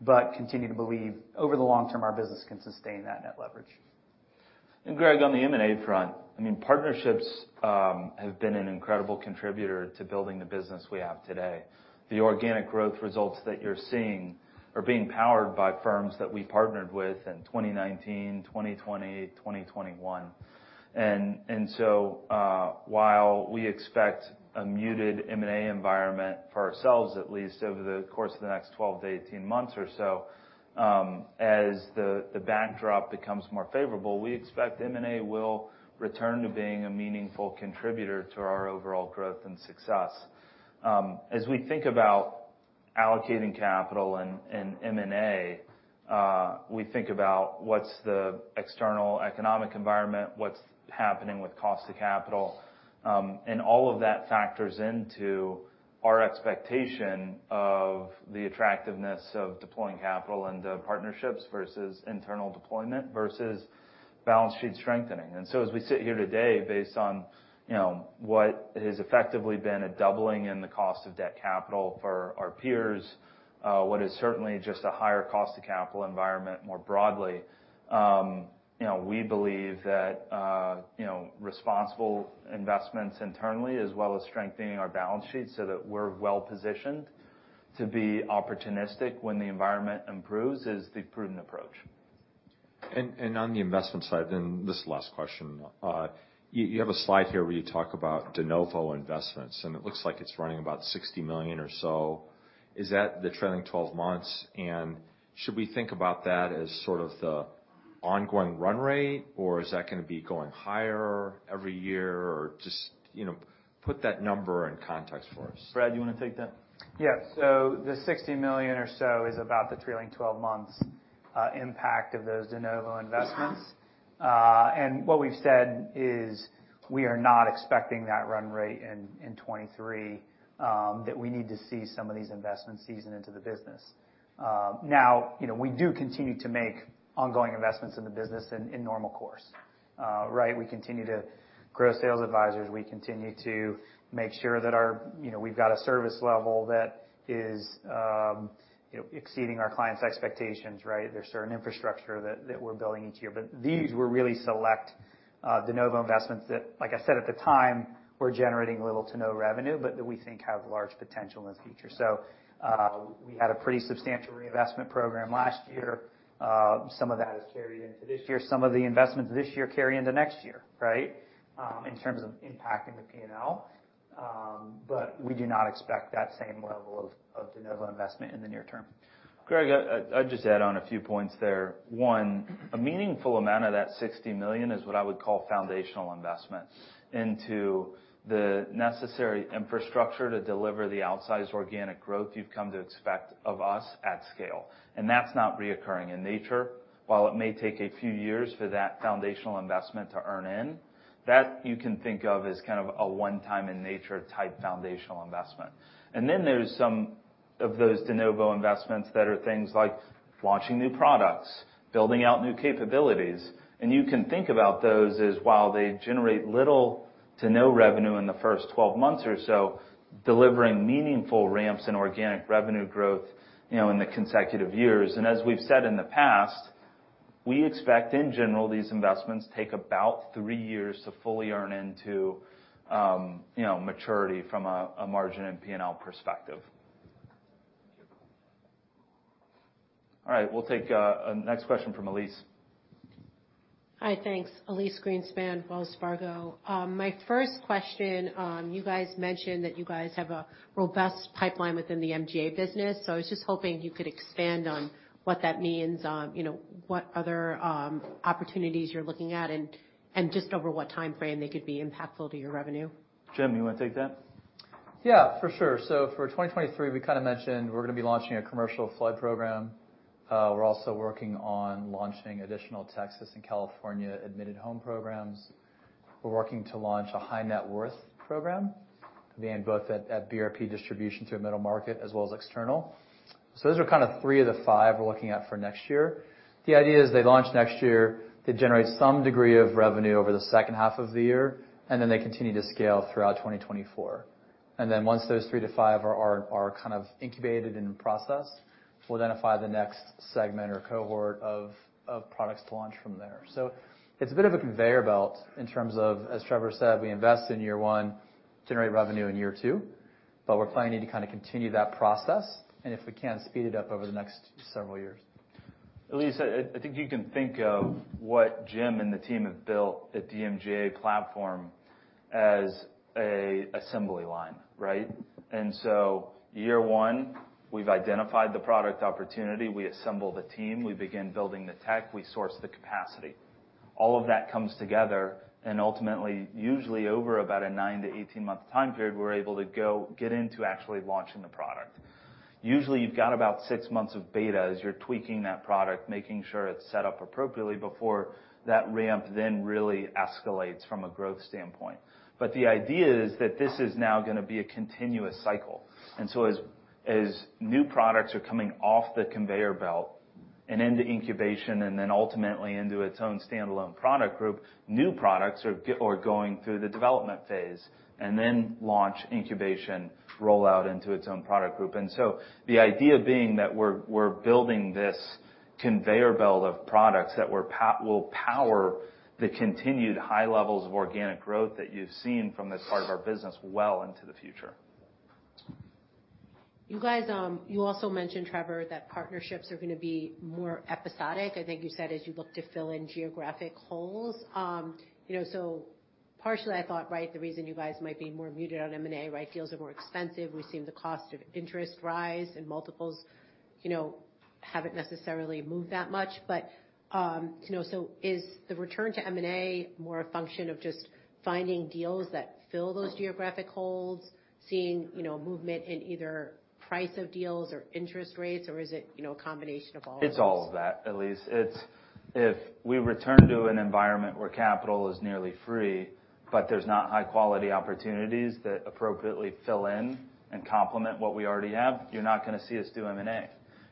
but continue to believe over the long term, our business can sustain that net leverage. Greg, on the M&A front, I mean, partnerships have been an incredible contributor to building the business we have today. The organic growth results that you're seeing are being powered by firms that we partnered with in 2019, 2020, 2021. While we expect a muted M&A environment for ourselves, at least over the course of the next 12-18 months or so, as the backdrop becomes more favorable, we expect M&A will return to being a meaningful contributor to our overall growth and success. As we think about allocating capital and M&A, we think about what's the external economic environment, what's happening with cost of capital, and all of that factors into our expectation of the attractiveness of deploying capital into partnerships versus internal deployment versus balance sheet strengthening. As we sit here today, based on, you know, what has effectively been a doubling in the cost of debt capital for our peers, what is certainly just a higher cost of capital environment more broadly, you know, we believe that, you know, responsible investments internally, as well as strengthening our balance sheets so that we're well-positioned to be opportunistic when the environment improves, is the prudent approach. On the investment side, this is the last question. You have a slide here where you talk about de novo investments, and it looks like it's running about $60 million or so. Is that the trailing 12 months? Should we think about that as sort of the ongoing run rate, or is that gonna be going higher every year? Or just, you know, put that number in context for us. Brad, you wanna take that? Yeah. The $60 million or so is about the trailing 12 months impact of those de novo investments. What we've said is we are not expecting that run rate in 2023, that we need to see some of these investments season into the business. Now, you know, we do continue to make ongoing investments in the business in normal course, right? We continue to grow sales advisors, we continue to make sure that our, you know, we've got a service level that is, you know, exceeding our clients' expectations, right? There's certain infrastructure that we're building each year. These were really select de novo investments that, like I said at the time, were generating little to no revenue, but that we think have large potential in the future. We had a pretty substantial reinvestment program last year. Some of that is carried into this year. Some of the investments this year carry into next year, right? In terms of impacting the P&L. We do not expect that same level of de novo investment in the near term. Greg, I'd just add on a few points there. One, a meaningful amount of that $60 million is what I would call foundational investment into the necessary infrastructure to deliver the outsized organic growth you've come to expect of us at scale. That's not recurring in nature. While it may take a few years for that foundational investment to earn in, that you can think of as kind of a one-time-in-nature type foundational investment. Then there's some of those de novo investments that are things like launching new products, building out new capabilities. You can think about those as, while they generate little to no revenue in the first 12 months or so, delivering meaningful ramps in organic revenue growth, you know, in the consecutive years. As we've said in the past, we expect, in general, these investments take about three years to fully earn into, you know, maturity from a margin and P&L perspective. Thank you. All right, we'll take next question from Elyse. Hi. Thanks. Elyse Greenspan, Wells Fargo. My first question, you guys mentioned that you guys have a robust pipeline within the MGA business. I was just hoping you could expand on what that means. You know, what other opportunities you're looking at and just over what timeframe they could be impactful to your revenue? Jim, you wanna take that? Yeah, for sure. For 2023, we kinda mentioned we're gonna be launching a commercial flood program. We're also working on launching additional Texas and California admitted home programs. We're working to launch a high net worth program, again, both at BRP distribution through Middle Market as well as external. Those are kind of three of the five we're looking at for next year. The idea is they launch next year, they generate some degree of revenue over the second half of the year, and then they continue to scale throughout 2024. Once those three-five are kind of incubated and in process, we'll identify the next segment or cohort of products to launch from there. it's a bit of a conveyor belt in terms of, as Trevor said, we invest in year one, generate revenue in year two, but we're planning to kinda continue that process, and if we can, speed it up over the next several years. Elyse, I think you can think of what Jim and the team have built at the MGA platform as an assembly line, right? Year one, we've identified the product opportunity, we assemble the team, we begin building the tech, we source the capacity. All of that comes together, and ultimately, usually over about a nine-18-month time period, we're able to go get into actually launching the product. Usually, you've got about six months of beta as you're tweaking that product, making sure it's set up appropriately before that ramp then really escalates from a growth standpoint. The idea is that this is now gonna be a continuous cycle. As new products are coming off the conveyor belt and into incubation, and then ultimately into its own standalone product group, new products are going through the development phase, and then launch incubation rollout into its own product group. The idea being that we're building this conveyor belt of products that will power the continued high levels of organic growth that you've seen from this part of our business well into the future. You guys, you also mentioned, Trevor, that partnerships are gonna be more episodic, I think you said, as you look to fill in geographic holes. You know, partially I thought, right, the reason you guys might be more muted on M&A, right? Deals are more expensive, we've seen the cost of interest rise, and multiples, you know, haven't necessarily moved that much. You know, is the return to M&A more a function of just finding deals that fill those geographic holes, seeing, you know, movement in either price of deals or interest rates, or is it, you know, a combination of all of those? It's all of that, Elyse. It's if we return to an environment where capital is nearly free, but there's not high-quality opportunities that appropriately fill in and complement what we already have, you're not gonna see us do M&A.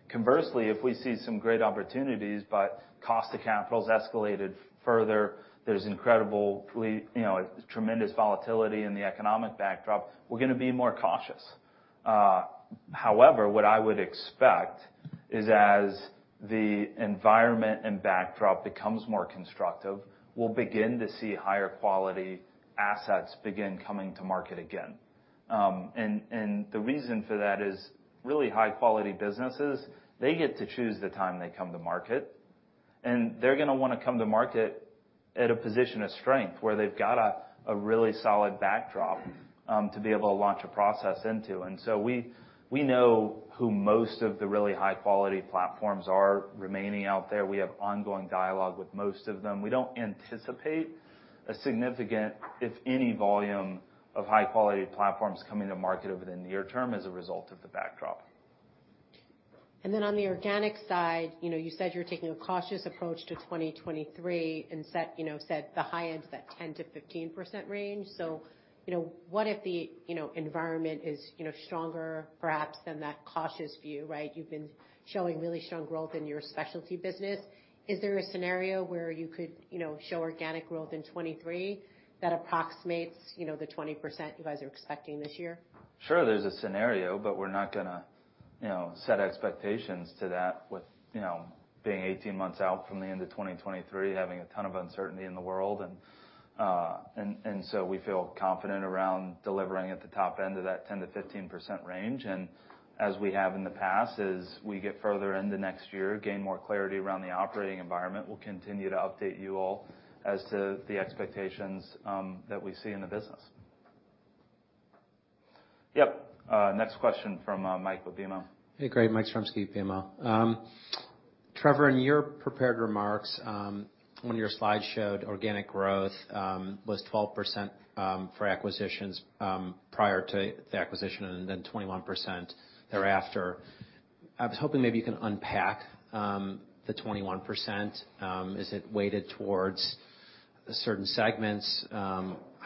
Conversely, if we see some great opportunities, but cost of capital's escalated further, there's incredibly, you know, tremendous volatility in the economic backdrop, we're gonna be more cautious. However, what I would expect is as the environment and backdrop becomes more constructive, we'll begin to see higher quality assets begin coming to market again. And the reason for that is really high-quality businesses, they get to choose the time they come to market, and they're gonna wanna come to market at a position of strength where they've got a really solid backdrop to be able to launch a process into. We know who most of the really high-quality platforms are remaining out there. We have ongoing dialogue with most of them. We don't anticipate a significant, if any volume of high-quality platforms coming to market over the near term as a result of the backdrop. Then on the organic side, you know, you said you're taking a cautious approach to 2023 and set the high end of that 10%-15% range. You know, what if the, you know, environment is, you know, stronger perhaps than that cautious view, right? You've been showing really strong growth in your specialty business. Is there a scenario where you could, you know, show organic growth in 2023 that approximates, you know, the 20% you guys are expecting this year? Sure, there's a scenario, but we're not gonna, you know, set expectations to that with, you know, being 18 months out from the end of 2023, having a ton of uncertainty in the world. We feel confident around delivering at the top end of that 10%-15% range. As we have in the past, as we get further into next year, gain more clarity around the operating environment, we'll continue to update you all as to the expectations that we see in the business. Yep. Next question from Mike with BMO. Hey, great. Mike Zaremski, BMO. Trevor, in your prepared remarks, one of your slides showed organic growth was 12% for acquisitions prior to the acquisition and then 21% thereafter. I was hoping maybe you can unpack the 21%. Is it weighted towards certain segments?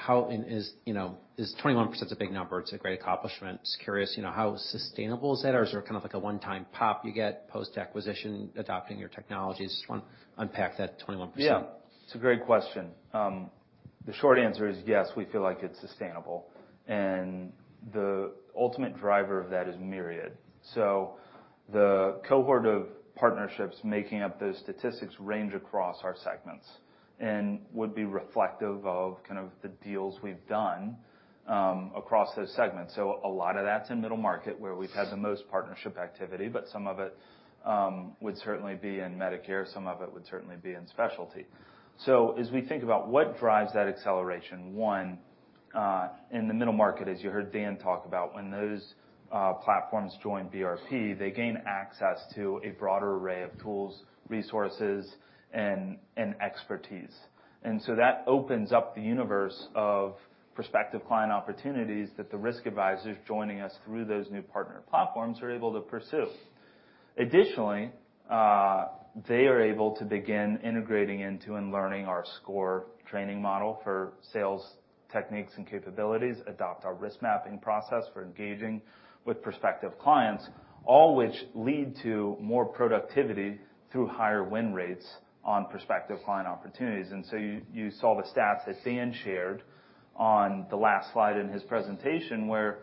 How and is, you know, 21% a big number. It's a great accomplishment. Just curious, you know, how sustainable is that? Or is there kind of like a one-time pop you get post-acquisition adopting your technologies? Just wanna unpack that 21%. Yeah. It's a great question. The short answer is yes, we feel like it's sustainable. The ultimate driver of that is myriad. The cohort of partnerships making up those statistics range across our segments and would be reflective of kind of the deals we've done, across those segments. A lot of that's in Middle Market where we've had the most partnership activity, but some of it would certainly be in Medicare, some of it would certainly be in specialty. As we think about what drives that acceleration, one, in the Middle Market, as you heard Dan talk about, when those platforms join BRP, they gain access to a broader array of tools, resources, and expertise. That opens up the universe of prospective client opportunities that the risk advisors joining us through those new partner platforms are able to pursue. Additionally, they are able to begin integrating into and learning our SCORE training model for sales techniques and capabilities, adopt our risk mapping process for engaging with prospective clients, all of which lead to more productivity through higher win rates on prospective client opportunities. You saw the stats that Dan shared on the last slide in his presentation, where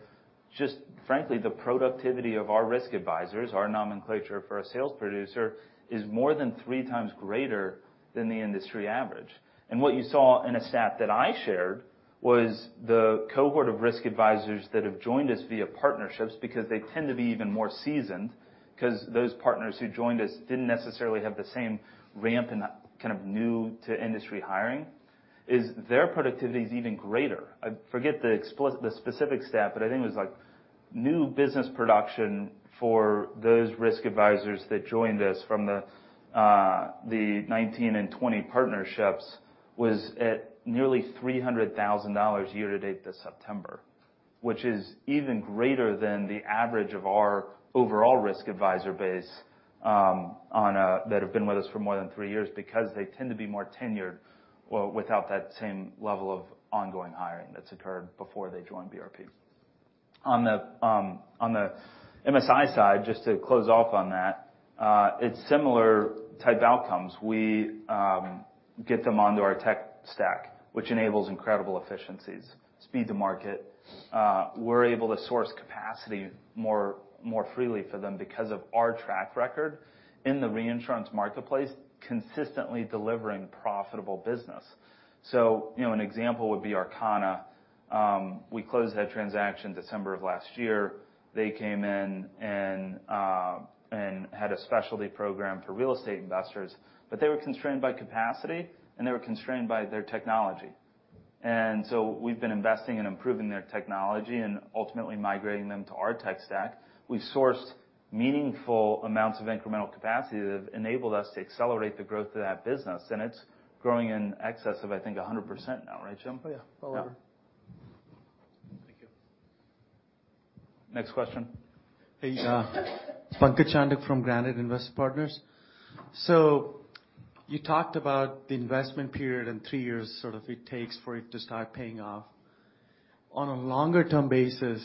just frankly, the productivity of our risk advisors, our nomenclature for a sales producer, is more than three times greater than the industry average. What you saw in a stat that I shared was the cohort of risk advisors that have joined us via partnerships because they tend to be even more seasoned, 'cause those partners who joined us didn't necessarily have the same ramp in that kind of new to industry hiring. Their productivity is even greater. I forget the specific stat, but I think it was like new business production for those risk advisors that joined us from the 2019 and 2020 partnerships was at nearly $300,000 year to date this September, which is even greater than the average of our overall risk advisor base that have been with us for more than three years because they tend to be more tenured without that same level of ongoing hiring that's occurred before they joined BRP. On the MSI side, just to close off on that, it's similar type outcomes. We get them onto our tech stack, which enables incredible efficiencies, speed to market. We're able to source capacity more freely for them because of our track record in the reinsurance marketplace, consistently delivering profitable business. You know, an example would be Arcana. We closed that transaction December of last year. They came in and had a specialty program for real estate investors, but they were constrained by capacity, and they were constrained by their technology. We've been investing in improving their technology and ultimately migrating them to our tech stack. We sourced meaningful amounts of incremental capacity that have enabled us to accelerate the growth of that business, and it's growing in excess of, I think, 100% now, right, Jim? Oh, yeah. Well over. Yeah. Thank you. Next question? Hey, Pankaj Chandak from Granite Investment Partners. You talked about the investment period in three years, sort of it takes for it to start paying off. On a longer-term basis,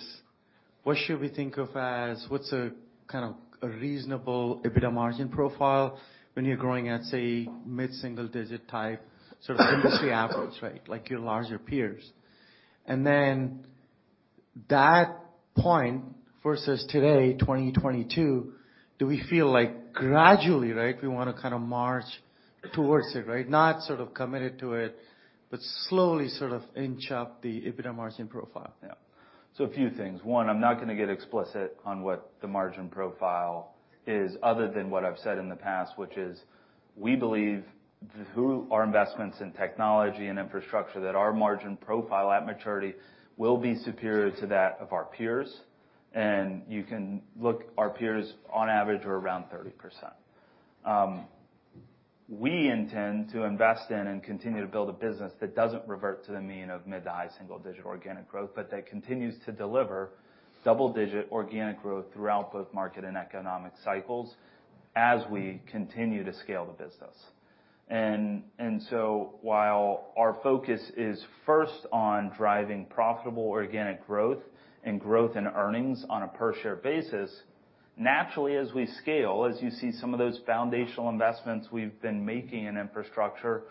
what should we think of as what's a kind of a reasonable EBITDA margin profile when you're growing at, say, mid-single digit type, sort of industry average, right? Like your larger peers. Then that point versus today, 2022, do we feel like gradually, right, we wanna kinda march towards it, right? Not sort of committed to it, but slowly sort of inch up the EBITDA margin profile now? A few things. One, I'm not gonna get explicit on what the margin profile is other than what I've said in the past, which is we believe through our investments in technology and infrastructure, that our margin profile at maturity will be superior to that of our peers. You can look, our peers on average are around 30%. We intend to invest in and continue to build a business that doesn't revert to the mean of mid- to high-single-digit organic growth, but that continues to deliver double-digit organic growth throughout both market and economic cycles as we continue to scale the business. While our focus is first on driving profitable organic growth and growth in earnings on a per share basis, naturally, as we scale, as you see some of those foundational investments we've been making in infrastructure,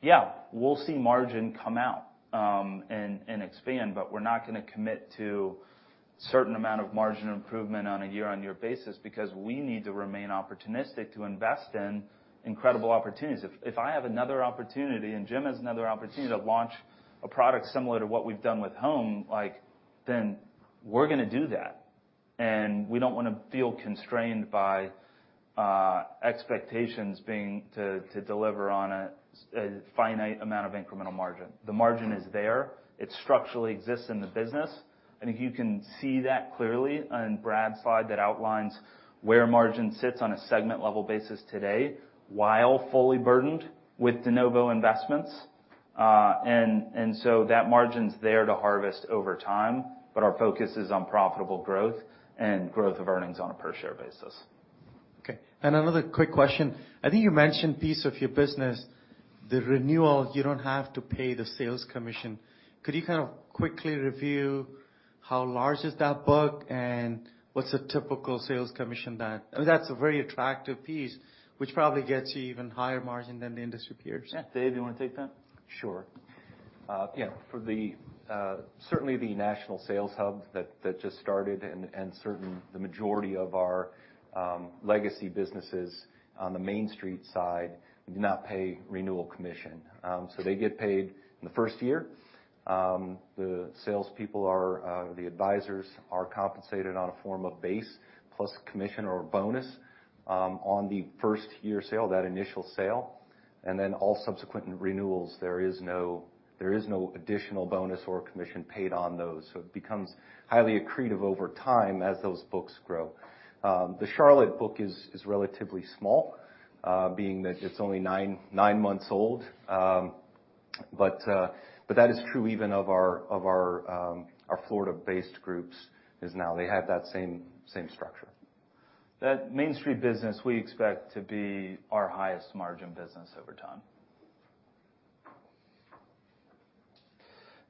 yeah, we'll see margin come out and expand. We're not gonna commit to certain amount of margin improvement on a year-on-year basis because we need to remain opportunistic to invest in incredible opportunities. If I have another opportunity and Jim has another opportunity to launch a product similar to what we've done with home, like, then we're gonna do that. We don't wanna feel constrained by expectations being to deliver on a finite amount of incremental margin. The margin is there. It structurally exists in the business, and you can see that clearly on Brad's slide that outlines where margin sits on a segment level basis today, while fully burdened with de novo investments. That margin's there to harvest over time, but our focus is on profitable growth and growth of earnings on a per share basis. Okay. Another quick question. I think you mentioned piece of your business, the renewal, you don't have to pay the sales commission. Could you kind of quickly review how large is that book and what's a typical sales commission? I mean, that's a very attractive piece which probably gets you even higher margin than the industry peers. Yeah. Dave, do you wanna take that? Sure. Yeah, for certainly the national sales hub that just started and certainly the majority of our legacy businesses on the MainStreet side do not pay renewal commission. They get paid in the first year. The salespeople, the advisors, are compensated on a form of base plus commission or bonus on the first-year sale, that initial sale, and then all subsequent renewals, there is no additional bonus or commission paid on those. It becomes highly accretive over time as those books grow. The Charlotte book is relatively small, being that it's only nine months old. But that is true even of our Florida-based groups. Now they have that same structure. That MainStreet business we expect to be our highest margin business over time.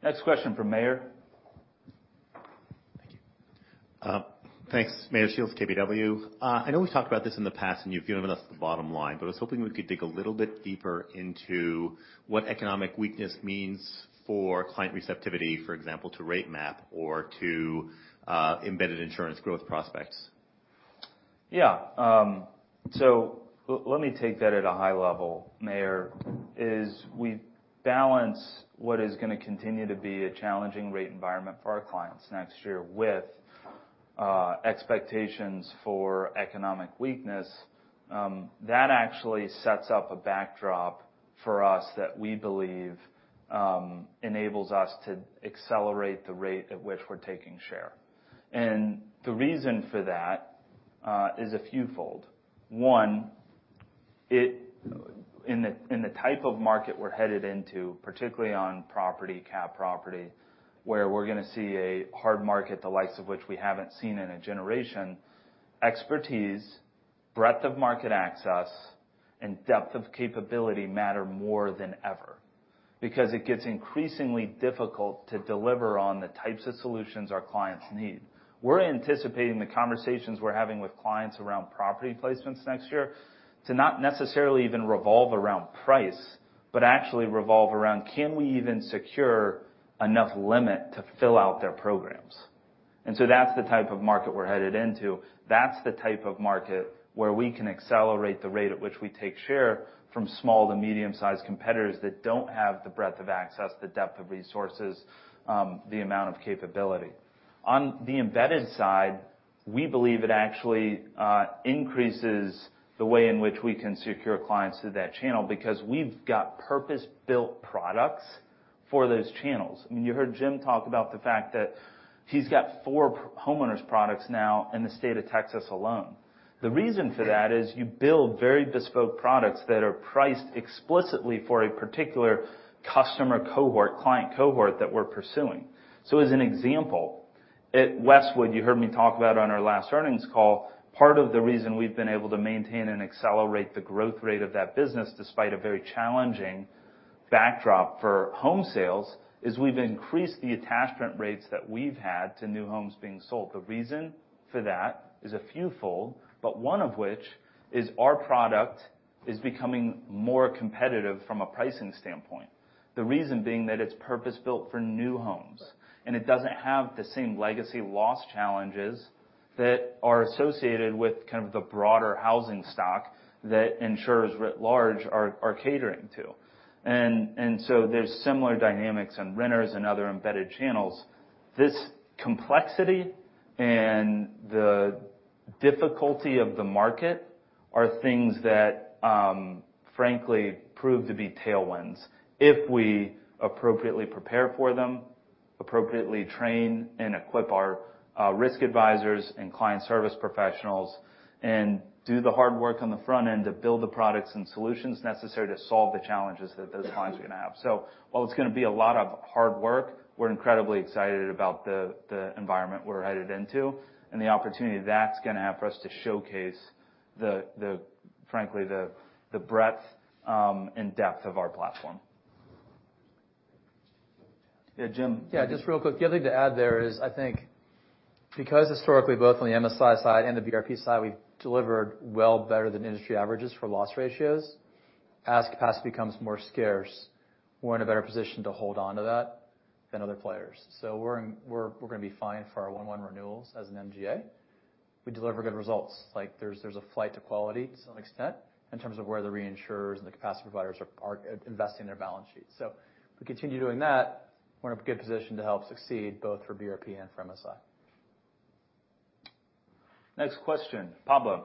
Next question from Meyer. Thank you. Thanks. Meyer Shields, KBW. I know we've talked about this in the past, and you've given us the bottom line, but I was hoping we could dig a little bit deeper into what economic weakness means for client receptivity, for example, to rate map or to embedded insurance growth prospects. Yeah. So let me take that at a high level, Meyer, is we balance what is gonna continue to be a challenging rate environment for our clients next year with expectations for economic weakness. That actually sets up a backdrop for us that we believe enables us to accelerate the rate at which we're taking share. The reason for that is a few fold. One, in the type of market we're headed into, particularly on property catastrophe, where we're gonna see a hard market, the likes of which we haven't seen in a generation, expertise, breadth of market access, and depth of capability matter more than ever because it gets increasingly difficult to deliver on the types of solutions our clients need. We're anticipating the conversations we're having with clients around property placements next year to not necessarily even revolve around price, but actually revolve around can we even secure enough limit to fill out their programs? That's the type of market we're headed into. That's the type of market where we can accelerate the rate at which we take share from small to medium-sized competitors that don't have the breadth of access, the depth of resources, the amount of capability. On the embedded side, we believe it actually increases the way in which we can secure clients through that channel because we've got purpose-built products for those channels. I mean, you heard Jim talk about the fact that he's got four homeowners products now in the state of Texas alone. The reason for that is you build very bespoke products that are priced explicitly for a particular customer cohort, client cohort that we're pursuing. As an example, at Westwood, you heard me talk about on our last earnings call, part of the reason we've been able to maintain and accelerate the growth rate of that business despite a very challenging backdrop for home sales, is we've increased the attachment rates that we've had to new homes being sold. The reason for that is a few fold, but one of which is our product is becoming more competitive from a pricing standpoint. The reason being that it's purpose-built for new homes, and it doesn't have the same legacy loss challenges that are associated with kind of the broader housing stock that insurers writ large are catering to. There's similar dynamics on renters and other embedded channels. This complexity and the difficulty of the market are things that, frankly prove to be tailwinds if we appropriately prepare for them, appropriately train and equip our, risk advisors and client service professionals, and do the hard work on the front end to build the products and solutions necessary to solve the challenges that those clients are gonna have. While it's gonna be a lot of hard work, we're incredibly excited about the environment we're headed into and the opportunity that's gonna have for us to showcase the, frankly, the breadth and depth of our platform. Yeah, Jim? Yeah, just real quick. The other thing to add there is I think because historically, both on the MSI side and the BRP side, we've delivered well better than industry averages for loss ratios, as capacity becomes more scarce, we're in a better position to hold onto that than other players. We're gonna be fine for our 1/1 renewals as an MGA. We deliver good results. Like, there's a flight to quality to some extent in terms of where the reinsurers and the capacity providers are investing their balance sheets. If we continue doing that, we're in a good position to help succeed both for BRP and for MSI. Next question, Pablo.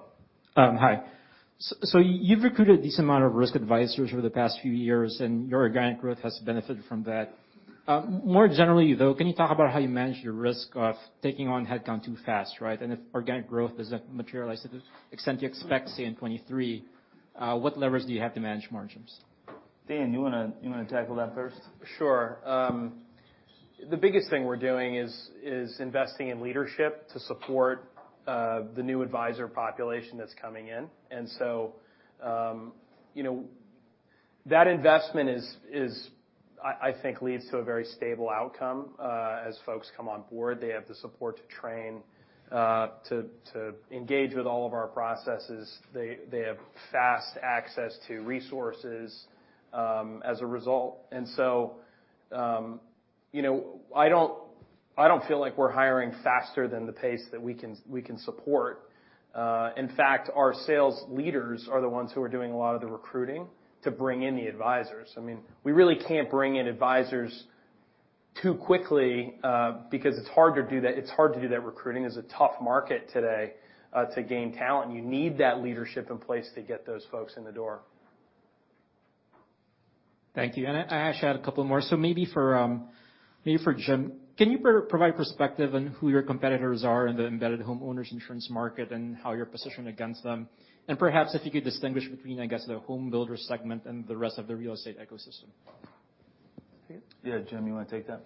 You've recruited a decent amount of risk advisors over the past few years, and your organic growth has benefited from that. More generally, though, can you talk about how you manage your risk of taking on headcount too fast, right? If organic growth doesn't materialize to the extent you expect, say, in 2023, what levers do you have to manage margins? Dan, you wanna tackle that first? Sure. The biggest thing we're doing is investing in leadership to support the new advisor population that's coming in. You know, that investment, I think, leads to a very stable outcome. As folks come on board, they have the support to train to engage with all of our processes. They have fast access to resources as a result. You know, I don't feel like we're hiring faster than the pace that we can support. In fact, our sales leaders are the ones who are doing a lot of the recruiting to bring in the advisors. I mean, we really can't bring in advisors too quickly because it's hard to do that. It's hard to do that recruiting. It's a tough market today to gain talent. You need that leadership in place to get those folks in the door. Thank you. I actually had a couple more. Maybe for Jim. Can you provide perspective on who your competitors are in the embedded homeowners insurance market and how you're positioned against them? And perhaps if you could distinguish between, I guess, the home builder segment and the rest of the real estate ecosystem. Yeah, Jim, you wanna take that?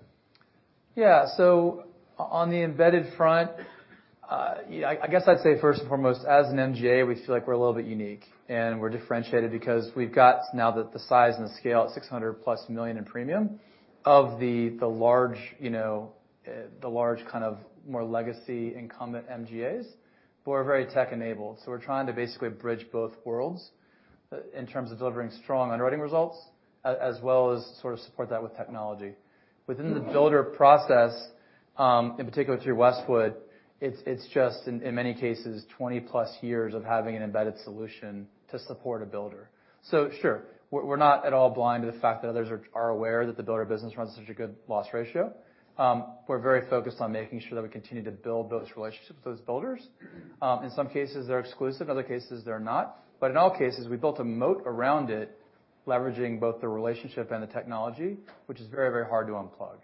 On the embedded front, I guess I'd say first and foremost, as an MGA, we feel like we're a little bit unique, and we're differentiated because we've got now the size and scale at $600+ million in premium of the large kind of more legacy incumbent MGAs, but we're very tech-enabled. We're trying to basically bridge both worlds in terms of delivering strong underwriting results as well as sort of support that with technology. Within the builder process, in particular to your Westwood, it's just in many cases, 20+ years of having an embedded solution to support a builder. Sure, we're not at all blind to the fact that others are aware that the builder business runs such a good loss ratio. We're very focused on making sure that we continue to build those relationships with those builders. In some cases, they're exclusive, in other cases they're not. In all cases, we built a moat around it, leveraging both the relationship and the technology, which is very, very hard to unplug.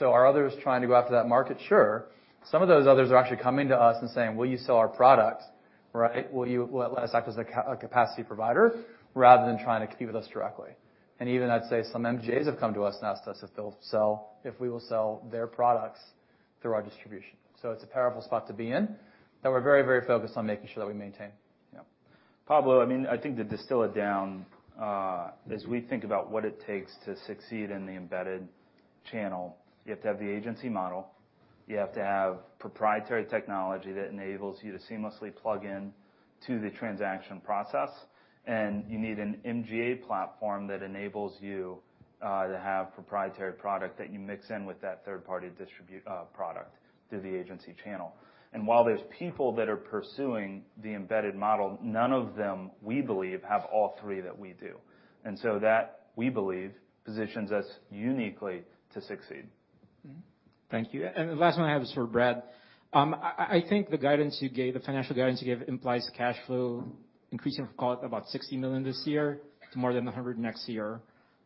Are others trying to go after that market? Sure. Some of those others are actually coming to us and saying, "Will you sell our products?" right? "Will you let us act as a capacity provider?" Rather than trying to compete with us directly. Even I'd say some MGAs have come to us and asked us if we will sell their products through our distribution. It's a powerful spot to be in, that we're very, very focused on making sure that we maintain. Yeah. Pablo, I mean, I think to distill it down, as we think about what it takes to succeed in the embedded channel, you have to have the agency model, you have to have proprietary technology that enables you to seamlessly plug in to the transaction process, and you need an MGA platform that enables you to have proprietary product that you mix in with that third-party distributed product through the agency channel. While there's people that are pursuing the embedded model, none of them, we believe, have all three that we do. That, we believe, positions us uniquely to succeed. The last one I have is for Brad. I think the guidance you gave, the financial guidance you gave, implies cash flow increasing from, call it, about $60 million this year to more than $100 million next year.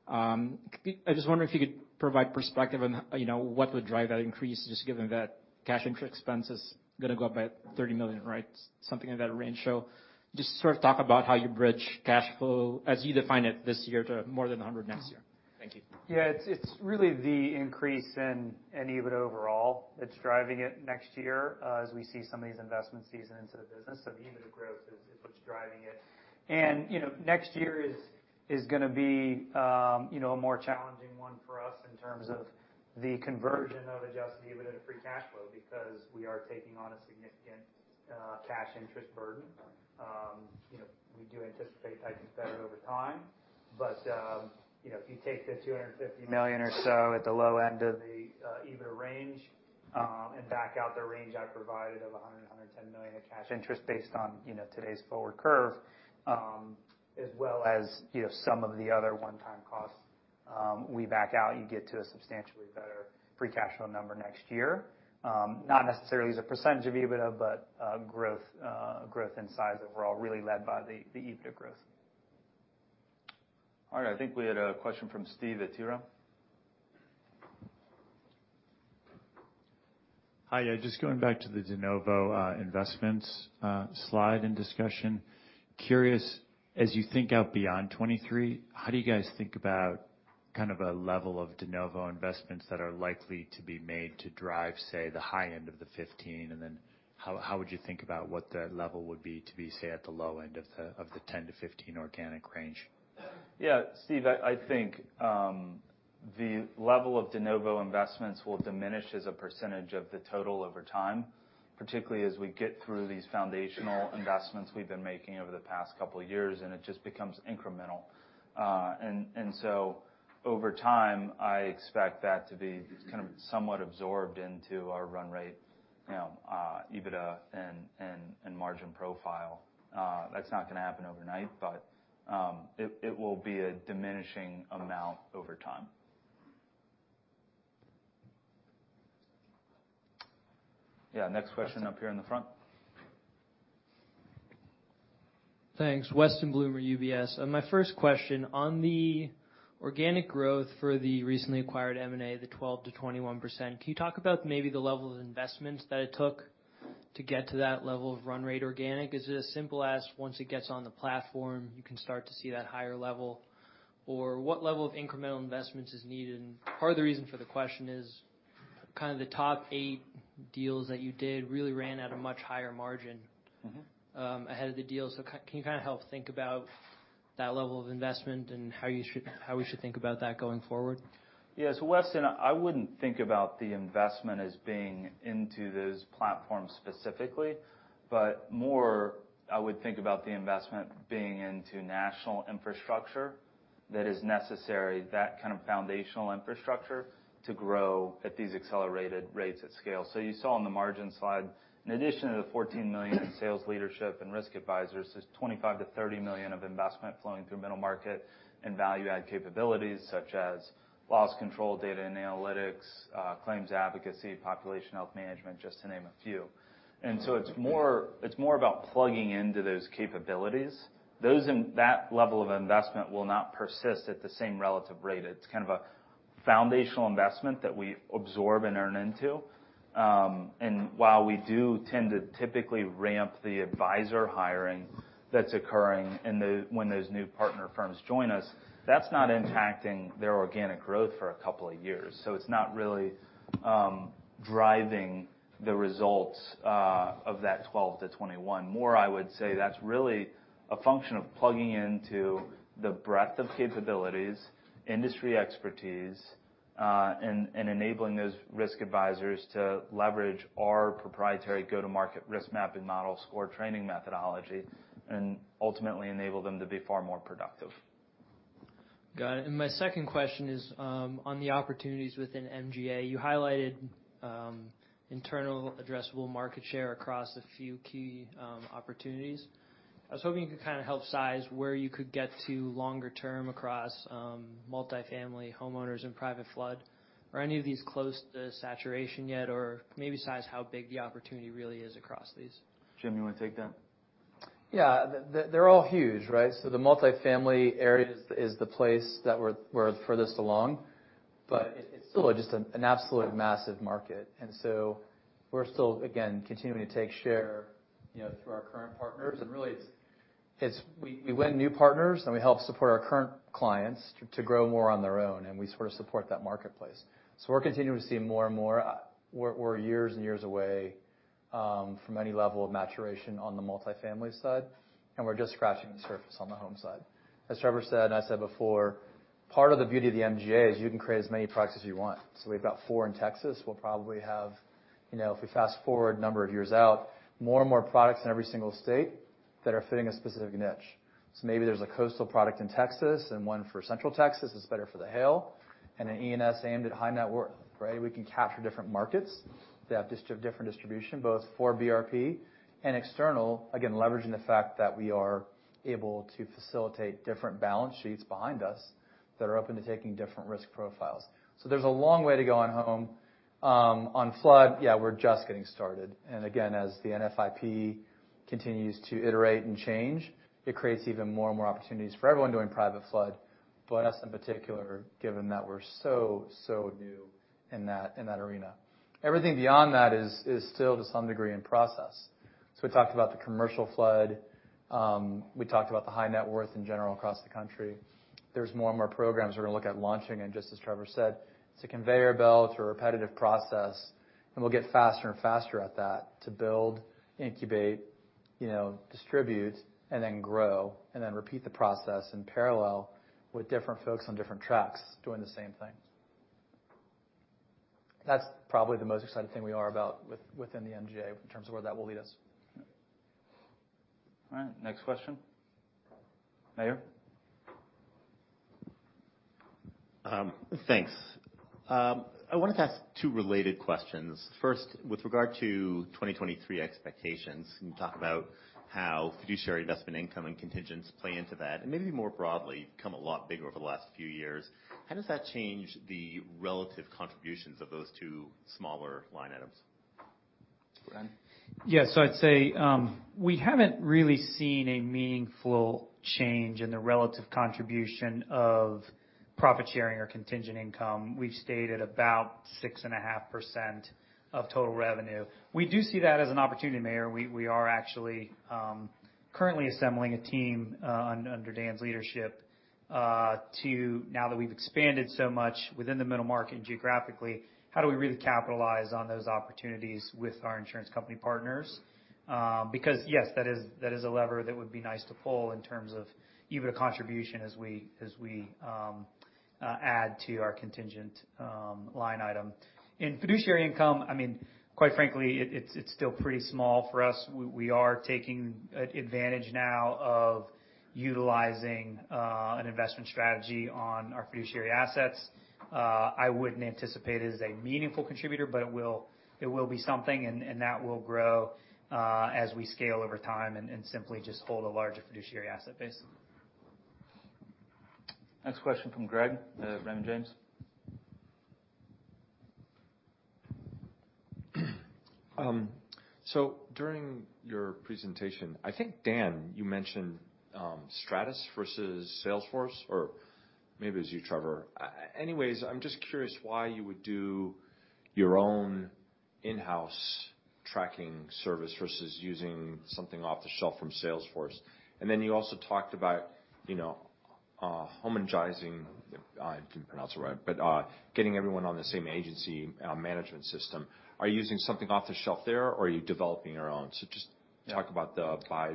I just wonder if you could provide perspective on, you know, what would drive that increase just given that cash interest expense is gonna go up by $30 million, right? Something in that range. Just sort of talk about how you bridge cash flow as you define it this year to more than $100 million next year. Thank you. Yeah. It's really the increase in EBIT overall that's driving it next year, as we see some of these investments season into the business. The EBIT growth is what's driving it. You know, next year is gonna be a more challenging one for us in terms of the conversion of Adjusted EBITDA to free cash flow because we are taking on a significant cash interest burden. You know, we do anticipate tightens better over time. You know, if you take the $250 million or so at the low end of the EBIT range Back out the range I provided of $100-$110 million of cash interest based on, you know, today's forward curve, as well as, you know, some of the other one-time costs, we back out, you get to a substantially better free cash flow number next year. Not necessarily as a percentage of EBITDA, but growth in size overall really led by the EBITDA growth. All right, I think we had a question from Steve at Truist. Hi. Yeah, just going back to the de novo investments slide and discussion. Curious, as you think out beyond 2023, how do you guys think about kind of a level of de novo investments that are likely to be made to drive, say, the high end of the 15%? And then how would you think about what that level would be to be, say, at the low end of the 10%-15% organic range? Yeah, Steve, I think the level of de novo investments will diminish as a percentage of the total over time, particularly as we get through these foundational investments we've been making over the past couple of years, and it just becomes incremental. So over time, I expect that to be kind of somewhat absorbed into our run rate, you know, EBITDA and margin profile. That's not gonna happen overnight, but it will be a diminishing amount over time. Yeah, next question up here in the front. Thanks. Weston Bloomer, UBS. My first question, on the organic growth for the recently acquired M&A, the 12%-21%, can you talk about maybe the level of investments that it took to get to that level of run rate organic? Is it as simple as once it gets on the platform, you can start to see that higher level? Or what level of incremental investments is needed? Part of the reason for the question is, kind of the top eight deals that you did really ran at a much higher margin. Mm-hmm Ahead of the deal. Can you kinda help think about that level of investment and how we should think about that going forward? Yeah. Weston, I wouldn't think about the investment as being into those platforms specifically, but more I would think about the investment being into national infrastructure that is necessary, that kind of foundational infrastructure to grow at these accelerated rates at scale. You saw on the margin slide, in addition to the $14 million in sales leadership and risk advisors, there's $25 million-$30 million of investment flowing through Middle Market and value add capabilities such as loss control, data and analytics, claims advocacy, population health management, just to name a few. It's more, it's more about plugging into those capabilities. That level of investment will not persist at the same relative rate. It's kind of a foundational investment that we absorb and earn into. While we do tend to typically ramp the advisor hiring that's occurring when those new partner firms join us, that's not impacting their organic growth for a couple of years. It's not really driving the results of that 12%-21%. More, I would say that's really a function of plugging into the breadth of capabilities, industry expertise, and enabling those risk advisors to leverage our proprietary go-to-market risk mapping model SCORE training methodology and ultimately enable them to be far more productive. Got it. My second question is, on the opportunities within MGA. You highlighted, internal addressable market share across a few key, opportunities. I was hoping you could kinda help size where you could get to longer term across, multifamily homeowners and private flood. Are any of these close to saturation yet? Or maybe size how big the opportunity really is across these. Jim, you wanna take that? Yeah. They're all huge, right? The multifamily area is the place that we're furthest along, but it's still just an absolute massive market. We're still, again, continuing to take share, you know, through our current partners. Really it's we win new partners, and we help support our current clients to grow more on their own, and we sort of support that marketplace. We're continuing to see more and more. We're years and years away from any level of maturation on the multifamily side, and we're just scratching the surface on the home side. As Trevor said, and I said before, part of the beauty of the MGA is you can create as many products as you want. We've got four in Texas. We'll probably have, you know, if we fast-forward a number of years out, more and more products in every single state that are fitting a specific niche. Maybe there's a coastal product in Texas and one for Central Texas that's better for the hail and an E&S aimed at high net worth, right? We can capture different markets that have different distribution, both for BRP and external, again, leveraging the fact that we are able to facilitate different balance sheets behind us that are open to taking different risk profiles. There's a long way to go on home. On flood, yeah, we're just getting started. Again, as the NFIP continues to iterate and change, it creates even more and more opportunities for everyone doing private flood, but us in particular, given that we're so new in that, in that arena. Everything beyond that is still to some degree in process. We talked about the commercial flood. We talked about the high net worth in general across the country. There's more and more programs we're gonna look at launching, and just as Trevor said, it's a conveyor belt. It's a repetitive process, and we'll get faster and faster at that to build, incubate, you know, distribute and then grow and then repeat the process in parallel with different folks on different tracks doing the same thing. That's probably the most exciting thing we are about within the MGA in terms of where that will lead us. All right. Next question. Meyer? Thanks. I wanted to ask two related questions. First, with regard to 2023 expectations, can you talk about how fiduciary investment income and contingents play into that? Maybe more broadly, become a lot bigger over the last few years. How does that change the relative contributions of those two smaller line items? Brad? Yes. I'd say we haven't really seen a meaningful change in the relative contribution of profit sharing or contingent income. We've stayed at about 6.5% of total revenue. We do see that as an opportunity, Meyer. We are actually currently assembling a team under Dan's leadership. Now that we've expanded so much within the Middle Market geographically, how do we really capitalize on those opportunities with our insurance company partners? Because yes, that is a lever that would be nice to pull in terms of even a contribution as we add to our contingent line item. In fiduciary income, I mean, quite frankly, it's still pretty small for us. We are taking advantage now of utilizing an investment strategy on our fiduciary assets. I wouldn't anticipate it as a meaningful contributor, but it will be something, and that will grow as we scale over time and simply just hold a larger fiduciary asset base. Next question from Greg, Raymond James. During your presentation, I think, Dan, you mentioned Stratus versus Salesforce or maybe it was you, Trevor. Anyways, I'm just curious why you would do your own in-house tracking service versus using something off the shelf from Salesforce. You also talked about, you know, homogenizing, if I pronounced it right, but getting everyone on the same agency management system. Are you using something off the shelf there or are you developing your own? Just talk about the buy v-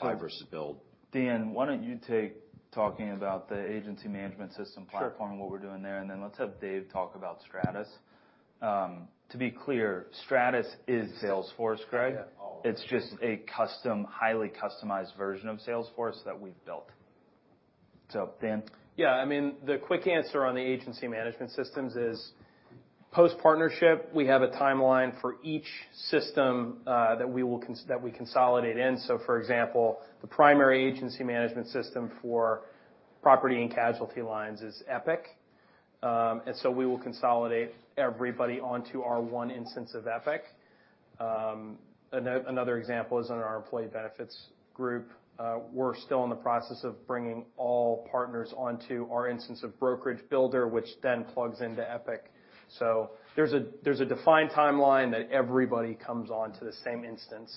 I- Buy versus build. Dan, why don't you take talking about the agency management system platform. Sure. what we're doing there, and then let's have Dave talk about Stratus. To be clear, Stratus is Salesforce, Greg. Yeah. Oh. It's just a highly customized version of Salesforce that we've built. Dan. Yeah. I mean, the quick answer on the agency management systems is post-partnership, we have a timeline for each system that we will consolidate in. For example, the primary agency management system for property and casualty lines is Epic. We will consolidate everybody onto our one instance of Epic. Another example is on our employee benefits group, we're still in the process of bringing all partners onto our instance of BrokerageBuilder, which then plugs into Epic. There's a defined timeline that everybody comes on to the same instance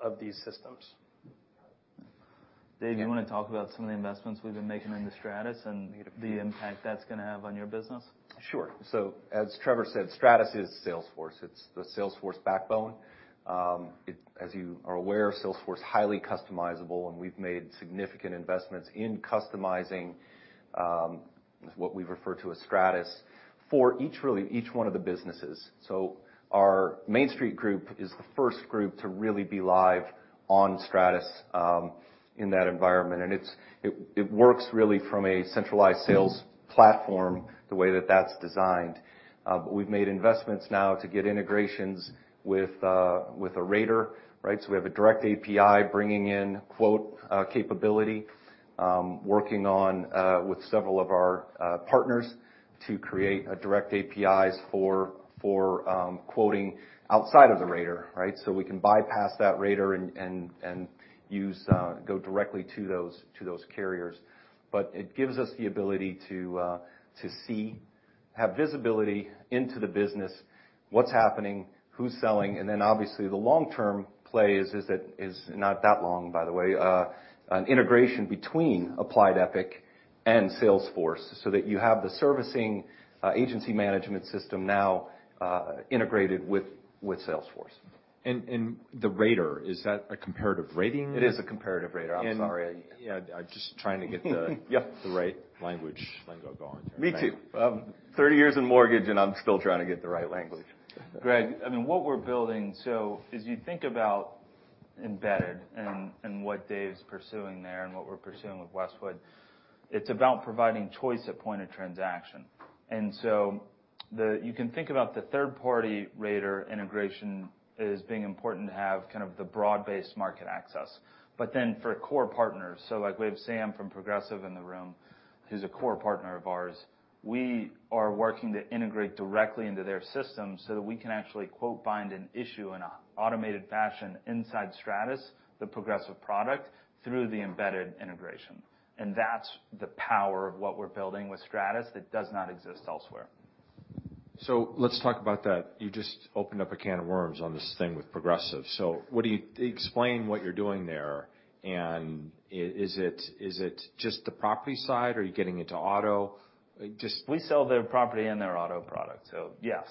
of these systems. Dave, do you wanna talk about some of the investments we've been making into Stratus and the impact that's gonna have on your business? Sure. As Trevor said, Stratus is Salesforce. It's the Salesforce backbone. As you are aware, Salesforce, highly customizable, and we've made significant investments in customizing what we refer to as Stratus for each one of the businesses. Our MainStreet group is the first group to really be live on Stratus in that environment. It works really from a centralized sales platform, the way that that's designed. But we've made investments now to get integrations with a rater, right? We have a direct API bringing in quote capability, working on with several of our partners to create a direct APIs for quoting outside of the rater, right? We can bypass that rater and use go directly to those carriers. It gives us the ability to see, have visibility into the business, what's happening, who's selling. Then obviously the long-term play is that is not that long, by the way, an integration between Applied Epic and Salesforce so that you have the servicing agency management system now integrated with Salesforce. The rater, is that a comparative rating? It is a comparative rater. I'm sorry. Yeah, I'm just trying to get the. Yep. The right language lingo going here. Me too. 30 years in mortgage, and I'm still trying to get the right language. Greg, I mean, what we're building as you think about Embedded and what Dave's pursuing there and what we're pursuing with Westwood, it's about providing choice at point of transaction. You can think about the third-party rater integration as being important to have kind of the broad-based market access. For core partners, so like we have Sam from Progressive in the room, who's a core partner of ours, we are working to integrate directly into their system so that we can actually quote, bind, and issue in an automated fashion inside Stratus, the Progressive product, through the Embedded integration. That's the power of what we're building with Stratus that does not exist elsewhere. Let's talk about that. You just opened up a can of worms on this thing with Progressive. Explain what you're doing there, and is it just the property side, or are you getting into auto? We sell their property and their auto product, so yes.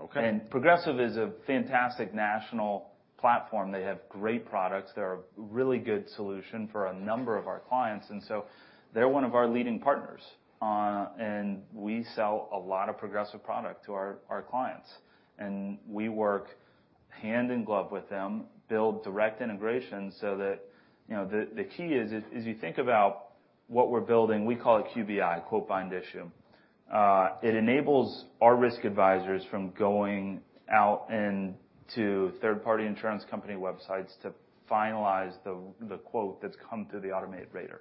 Okay. Progressive is a fantastic national platform. They have great products. They're a really good solution for a number of our clients, and so they're one of our leading partners. We sell a lot of Progressive product to our clients. We work hand in glove with them, build direct integration so that, you know, the key is as you think about what we're building, we call it QBI, Quote Bind Issue. It enables our risk advisors from going out into third-party insurance company websites to finalize the quote that's come through the automated rater.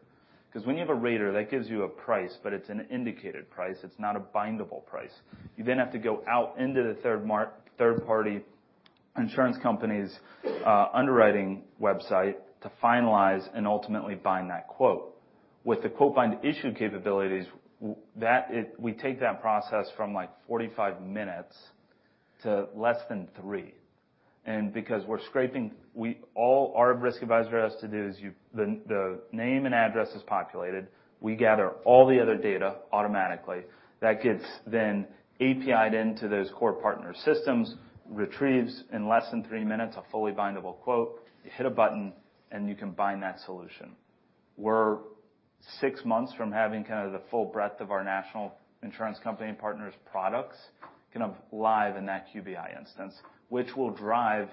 'Cause when you have a rater, that gives you a price, but it's an indicated price. It's not a bindable price. You then have to go out into the third-party insurance company's underwriting website to finalize and ultimately bind that quote. With the quote bind issue capabilities, we take that process from like 45 minutes to less than three. Because we're scraping, all our risk advisor has to do is the name and address is populated. We gather all the other data automatically. That gets then API'd into those core partner systems, retrieves in less than three minutes a fully bindable quote. You hit a button, and you can bind that solution. We're six months from having kind of the full breadth of our national insurance company partners' products kind of live in that QBI instance, which will drive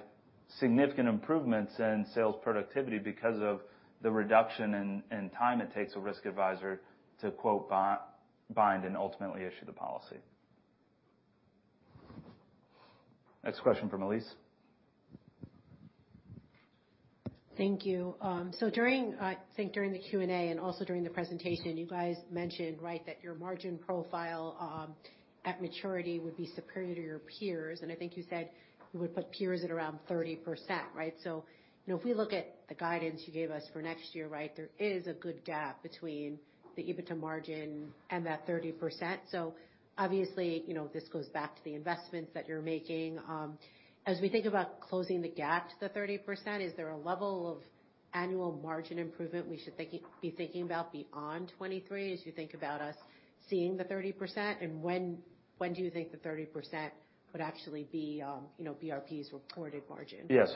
significant improvements in sales productivity because of the reduction in time it takes a risk advisor to quote bind and ultimately issue the policy. Next question from Elyse. Thank you. During, I think during the Q&A and also during the presentation, you guys mentioned, right, that your margin profile at maturity would be superior to your peers. I think you said you would put peers at around 30%, right? You know, if we look at the guidance you gave us for next year, right? There is a good gap between the EBITDA margin and that 30%. Obviously, you know, this goes back to the investments that you're making. As we think about closing the gap to the 30%, is there a level of annual margin improvement we should be thinking about beyond 2023, as you think about us seeing the 30%? When do you think the 30% would actually be, you know, BRP's reported margin? Yeah.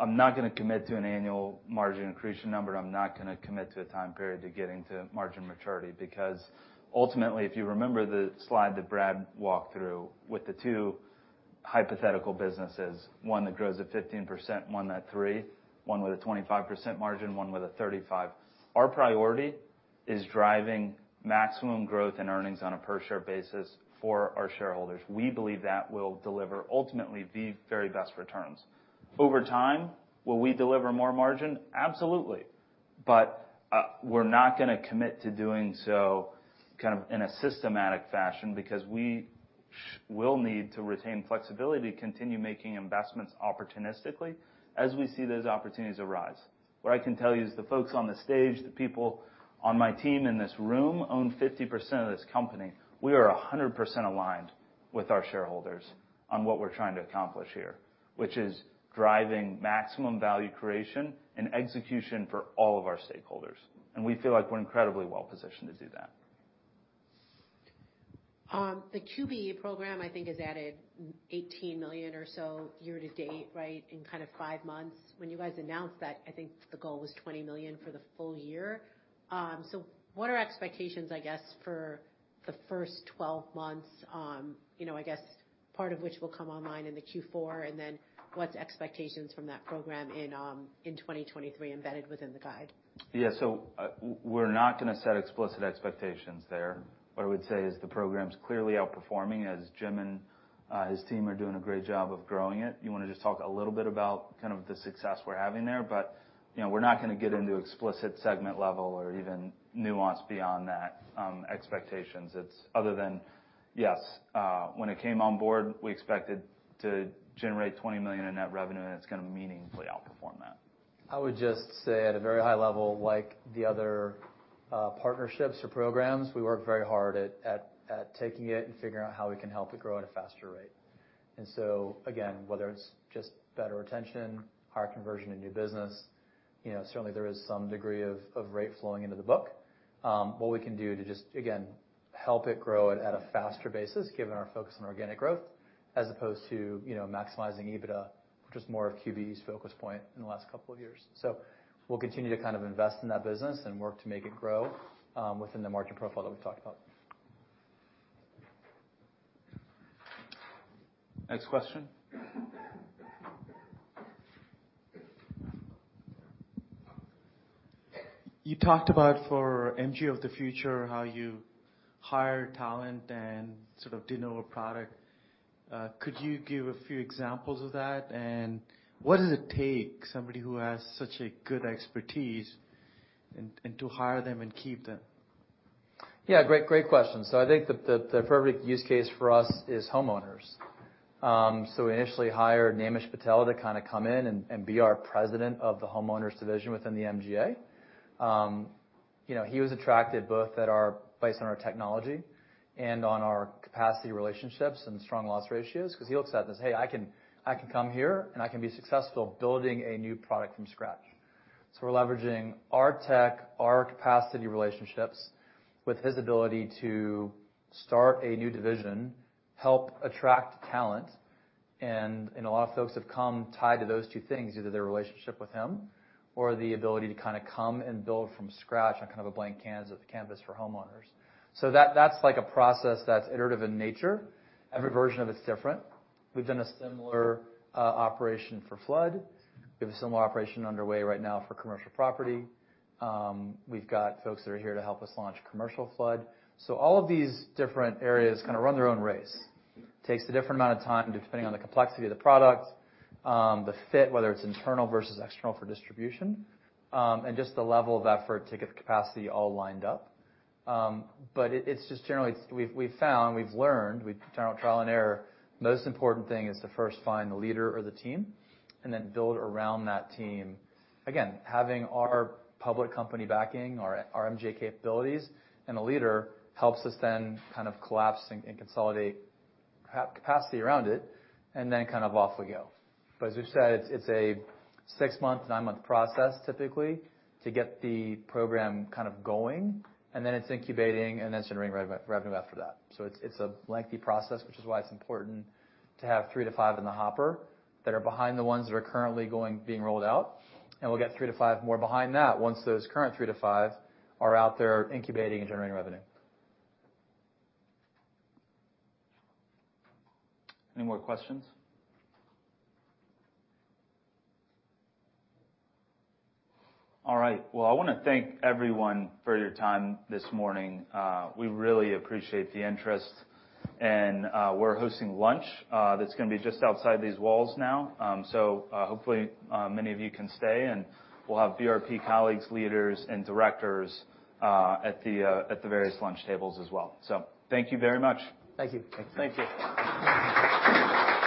I'm not gonna commit to an annual margin accretion number. I'm not gonna commit to a time period to getting to margin maturity. Because ultimately, if you remember the slide that Brad walked through with the two hypothetical businesses, one that grows at 15%, one at 3%, one with a 25% margin, one with a 35%. Our priority is driving maximum growth and earnings on a per share basis for our shareholders. We believe that will deliver ultimately the very best returns. Over time, will we deliver more margin? Absolutely. We're not gonna commit to doing so kind of in a systematic fashion because we'll need to retain flexibility to continue making investments opportunistically as we see those opportunities arise. What I can tell you is the folks on the stage, the people on my team in this room own 50% of this company. We are 100% aligned with our shareholders on what we're trying to accomplish here, which is driving maximum value creation and execution for all of our stakeholders. We feel like we're incredibly well positioned to do that. The QBE program, I think, has added $18 million or so year to date, right, in kind of five months. When you guys announced that, I think the goal was $20 million for the full year. What are expectations, I guess, for the first 12 months, you know, I guess part of which will come online in the Q4, and then what's the expectations from that program in 2023 embedded within the guide? Yeah. We're not gonna set explicit expectations there. What I would say is the program's clearly outperforming as Jim and his team are doing a great job of growing it. You wanna just talk a little bit about kind of the success we're having there, but, you know, we're not gonna get into explicit segment level or even nuance beyond that, expectations. It's other than, yes, when it came on board, we expected to generate $20 million in net revenue, and it's gonna meaningfully outperform that. I would just say at a very high level, like the other partnerships or programs, we work very hard at taking it and figuring out how we can help it grow at a faster rate. Again, whether it's just better retention, higher conversion in new business, you know, certainly there is some degree of rate flowing into the book. What we can do to just, again, help it grow at a faster basis given our focus on organic growth as opposed to, you know, maximizing EBITDA, which is more of QBE's focus point in the last couple of years. We'll continue to kind of invest in that business and work to make it grow within the margin profile that we talked about. Next question? You talked about for MGA of the future, how you hire talent and sort of de novo product. Could you give a few examples of that? What does it take somebody who has such a good expertise and to hire them and keep them? Yeah, great question. I think the perfect use case for us is homeowners. We initially hired Naimish Patel to kind of come in and be our president of the homeowners division within the MGA. You know, he was attracted both to our base on our technology and on our capacity relationships and strong loss ratios 'cause he looks at this, "Hey, I can come here, and I can be successful building a new product from scratch." We're leveraging our tech, our capacity relationships with his ability to start a new division, help attract talent. A lot of folks have come tied to those two things, either their relationship with him or the ability to kind of come and build from scratch on kind of a blank canvas for homeowners. That, that's like a process that's iterative in nature. Every version of it's different. We've done a similar operation for flood. We have a similar operation underway right now for commercial property. We've got folks that are here to help us launch commercial flood. All of these different areas kinda run their own race. Takes a different amount of time depending on the complexity of the product, the fit, whether it's internal versus external for distribution, and just the level of effort to get the capacity all lined up. It's just generally, we've found, we've learned, we've done trial and error, most important thing is to first find the leader of the team and then build around that team. Again, having our public company backing our MGA capabilities and a leader helps us then kind of collapse and consolidate capacity around it, and then kind of off we go. As we've said, it's a six-month, nine-month process typically to get the program kind of going, and then it's incubating and then generating revenue after that. It's a lengthy process, which is why it's important to have three-five in the hopper that are behind the ones that are currently going, being rolled out. We'll get three-five more behind that once those current three-five are out there incubating and generating revenue. Any more questions? All right. Well, I wanna thank everyone for your time this morning. We really appreciate the interest, and we're hosting lunch that's gonna be just outside these walls now. Hopefully, many of you can stay, and we'll have BRP colleagues, leaders, and directors at the various lunch tables as well. Thank you very much. Thank you. Thank you.